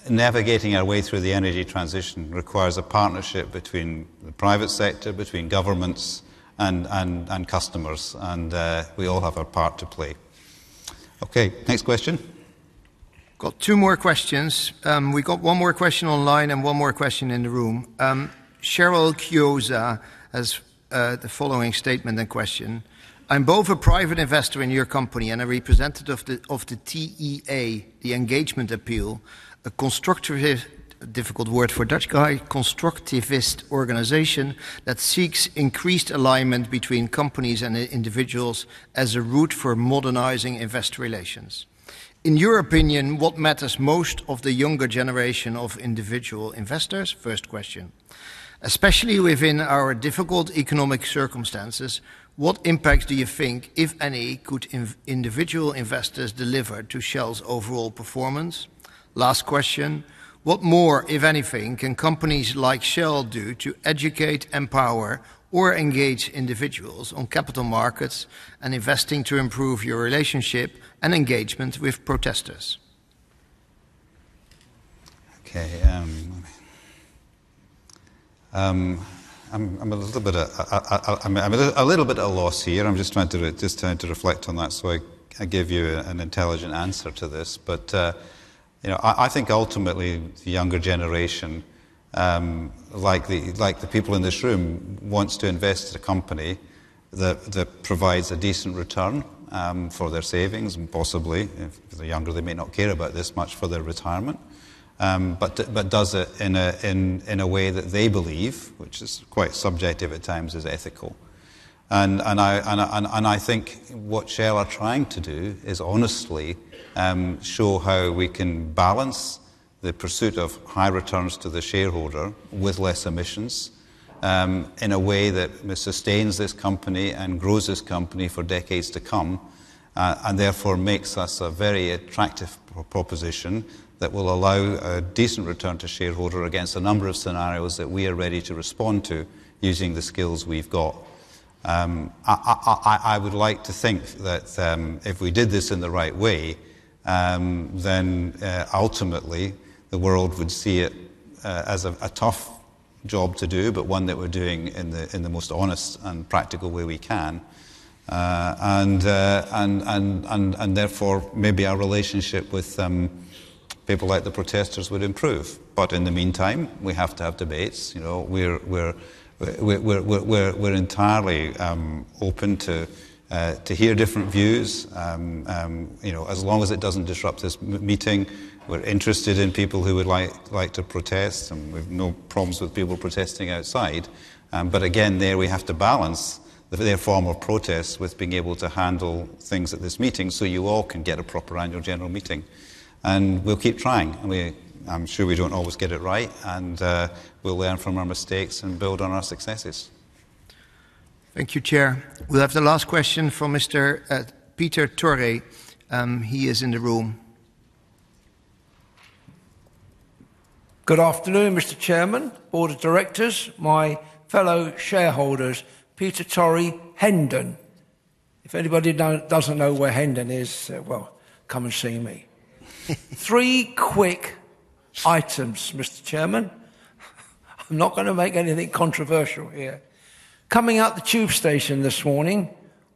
navigating our way through the energy transition requires a partnership between the private sector, between governments, and customers, and we all have our part to play. Okay, next question. Got two more questions. We've got one more question online and one more question in the room. Sheryl Cuisia has the following statement and question: "I'm both a private investor in your company and a representative of the, of the TEA, The Engagement Appeal, a constructive..." Difficult word for a Dutch guy, "constructivist organization that seeks increased alignment between companies and individuals as a route for modernizing investor relations. In your opinion, what matters most of the younger generation of individual investors?" First question: "Especially within our difficult economic circumstances, what impact do you think, if any, could individual investors deliver to Shell's overall performance? Last question: What more, if anything, can companies like Shell do to educate, empower, or engage individuals on capital markets and investing to improve your relationship and engagement with protesters? Okay, let me. I'm a little bit at a loss here. I'm just trying to reflect on that so I give you an intelligent answer to this. But, you know, I think ultimately the younger generation, like the people in this room, wants to invest in a company that provides a decent return for their savings, and possibly, if they're younger, they may not care about this much for their retirement. But does it in a way that they believe, which is quite subjective at times, is ethical. I think what Shell are trying to do is honestly show how we can balance the pursuit of high returns to the shareholder with less emissions in a way that sustains this company and grows this company for decades to come, and therefore makes us a very attractive proposition that will allow a decent return to shareholder against a number of scenarios that we are ready to respond to using the skills we've got. I would like to think that if we did this in the right way, then ultimately the world would see it as a tough job to do, but one that we're doing in the most honest and practical way we can. Therefore, maybe our relationship with people like the protesters would improve. But in the meantime, we have to have debates. You know, we're entirely open to hear different views. You know, as long as it doesn't disrupt this meeting, we're interested in people who would like to protest, and we've no problems with people protesting outside. But again, there we have to balance their form of protest with being able to handle things at this meeting so you all can get a proper Annual General Meeting. And we'll keep trying. I'm sure we don't always get it right, and we'll learn from our mistakes and build on our successes. Thank you, Chair. We'll have the last question from Mr. Peter Torre. He is in the room. Good afternoon, Mr. Chairman, board of directors, my fellow shareholders. Peter Torre, Hendon. If anybody doesn't know where Hendon is, well, come and see me. Three quick items, Mr. Chairman. I'm not gonna make anything controversial here. Coming out the tube station this morning,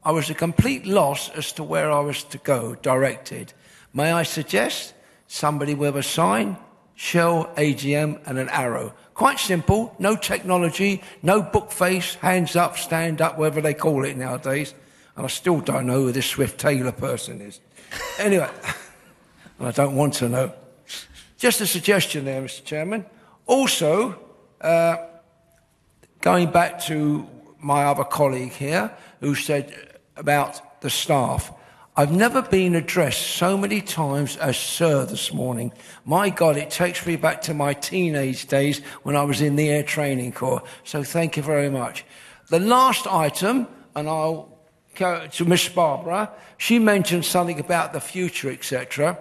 I was a complete loss as to where I was to go, directed. May I suggest somebody with a sign, Shell AGM, and an arrow? Quite simple, no technology, no Facebook, hands up, stand up, whatever they call it nowadays. And I still don't know who this Swift Taylor person is. Anyway, and I don't want to know. Just a suggestion there, Mr. Chairman. Also, going back to my other colleague here who said about the staff, I've never been addressed so many times as "Sir" this morning. My God, it takes me back to my teenage days when I was in the Air Training Corps, so thank you very much. The last item, and I'll go to Miss Barbara. She mentioned something about the future, et cetera.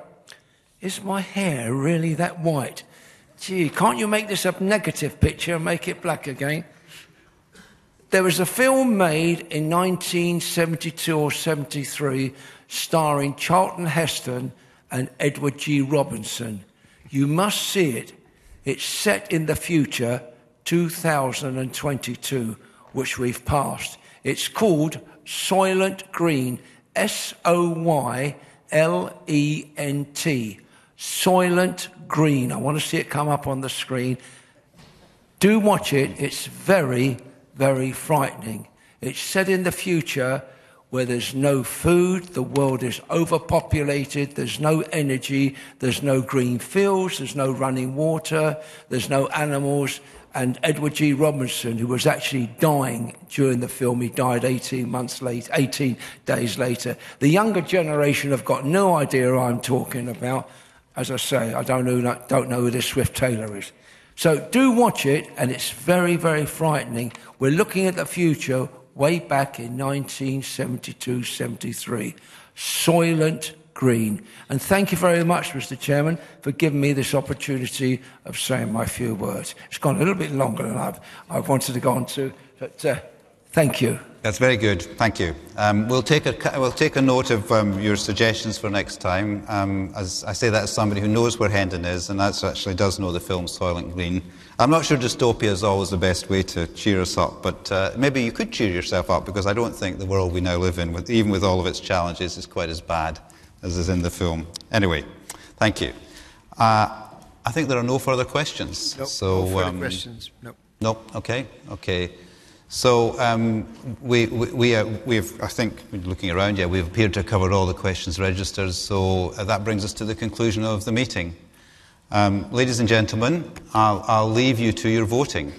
Is my hair really that white? Gee, can't you make this a negative picture and make it black again? There was a film made in 1972 or 1973 starring Charlton Heston and Edward G. Robinson. You must see it. It's set in the future, 2022, which we've passed. It's called Soylent Green. S-O-Y-L-E-N-T-... "Soylent Green." I want to see it come up on the screen. Do watch it. It's very, very frightening. It's set in the future where there's no food, the world is overpopulated, there's no energy, there's no green fields, there's no running water, there's no animals, and Edward G. Robinson, who was actually dying during the film, he died 18 months late—18 days later. The younger generation have got no idea who I'm talking about. As I say, I don't know who that, don't know who this Swift Taylor is. So do watch it, and it's very, very frightening. We're looking at the future way back in 1972, 1973. Soylent Green. And thank you very much, Mr. Chairman, for giving me this opportunity of saying my few words. It's gone a little bit longer than I've, I've wanted to go on to, but thank you. That's very good. Thank you. We'll take a note of your suggestions for next time. As I say that as somebody who knows where Hendon is, and that's actually does know the film Soylent Green. I'm not sure dystopia is always the best way to cheer us up, but maybe you could cheer yourself up because I don't think the world we now live in, with even with all of its challenges, is quite as bad as is in the film. Anyway, thank you. I think there are no further questions. So, No, no further questions. Nope. Nope. Okay. Okay. So, we, we've, I think, looking around, yeah, we've appeared to cover all the questions registered, so that brings us to the conclusion of the meeting. Ladies and gentlemen, I'll leave you to your voting.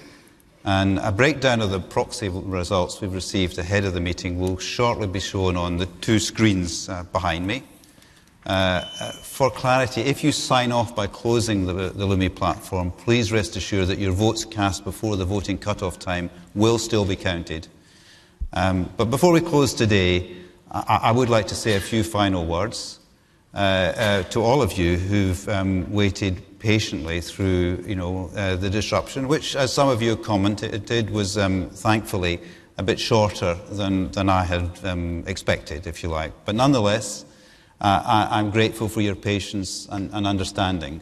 And a breakdown of the proxy results we've received ahead of the meeting will shortly be shown on the two screens behind me. For clarity, if you sign off by closing the Lumi platform, please rest assured that your votes cast before the voting cut-off time will still be counted. But before we close today, I would like to say a few final words to all of you who've waited patiently through, you know, the disruption, which, as some of you have commented, it was, thankfully a bit shorter than I had expected, if you like. But nonetheless, I'm grateful for your patience and understanding.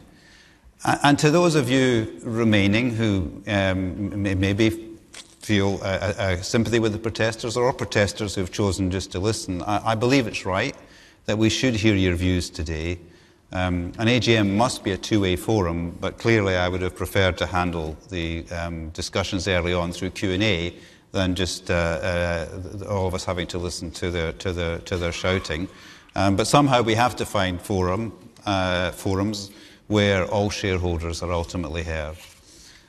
And to those of you remaining who may maybe feel sympathy with the protesters or are protesters who've chosen just to listen, I believe it's right that we should hear your views today. An AGM must be a two-way forum, but clearly, I would have preferred to handle the discussions early on through Q&A than just all of us having to listen to their shouting. But somehow we have to find forums where all shareholders are ultimately heard.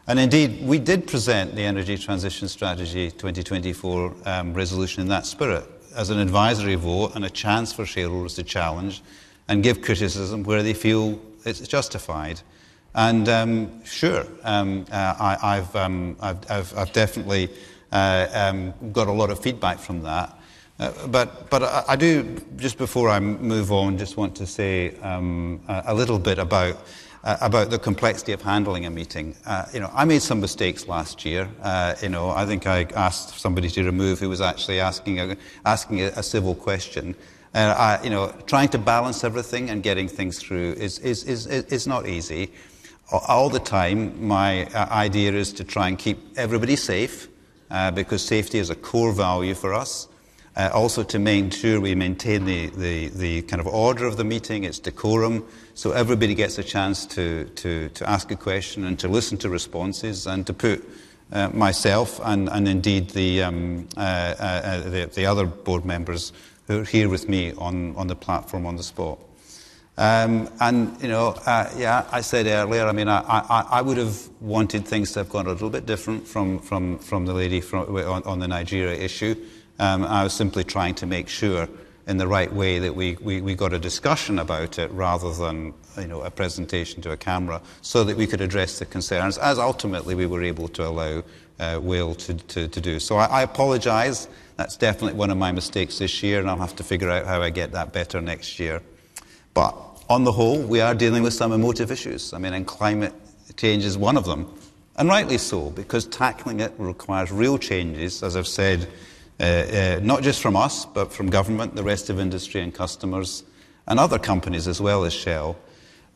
And indeed, we did present the Energy Transition Strategy 2024 resolution in that spirit, as an advisory vote and a chance for shareholders to challenge and give criticism where they feel it's justified. And sure, I've definitely got a lot of feedback from that. But I do, just before I move on, just want to say a little bit about the complexity of handling a meeting. You know, I made some mistakes last year. You know, I think I asked somebody to remove who was actually asking a civil question. You know, trying to balance everything and getting things through is not easy. All the time, my idea is to try and keep everybody safe, because safety is a core value for us. Also to make sure we maintain the kind of order of the meeting, its decorum, so everybody gets a chance to ask a question and to listen to responses and to put myself and indeed the other board members who are here with me on the platform on the spot. And, you know, yeah, I said earlier, I mean, I would have wanted things to have gone a little bit different from the lady on the Nigeria issue. I was simply trying to make sure in the right way that we got a discussion about it rather than, you know, a presentation to a camera so that we could address the concerns, as ultimately we were able to allow Will to do so. I apologize. That's definitely one of my mistakes this year, and I'll have to figure out how I get that better next year. But on the whole, we are dealing with some emotive issues, I mean, and climate change is one of them. And rightly so, because tackling it requires real changes, as I've said, not just from us, but from government, the rest of industry and customers, and other companies as well as Shell.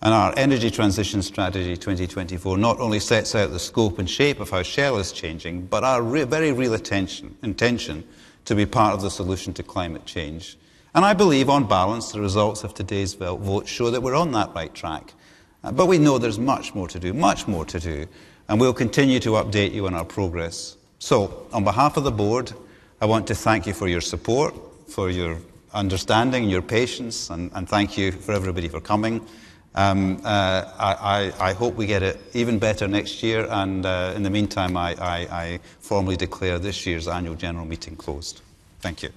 Our Energy Transition Strategy 2024 not only sets out the scope and shape of how Shell is changing, but our real, very real attention, intention to be part of the solution to climate change. I believe, on balance, the results of today's vote show that we're on that right track. We know there's much more to do, much more to do, and we'll continue to update you on our progress. On behalf of the board, I want to thank you for your support, for your understanding, your patience, and thank you for everybody for coming. I hope we get it even better next year, and in the meantime, I formally declare this year's Annual General Meeting closed. Thank you.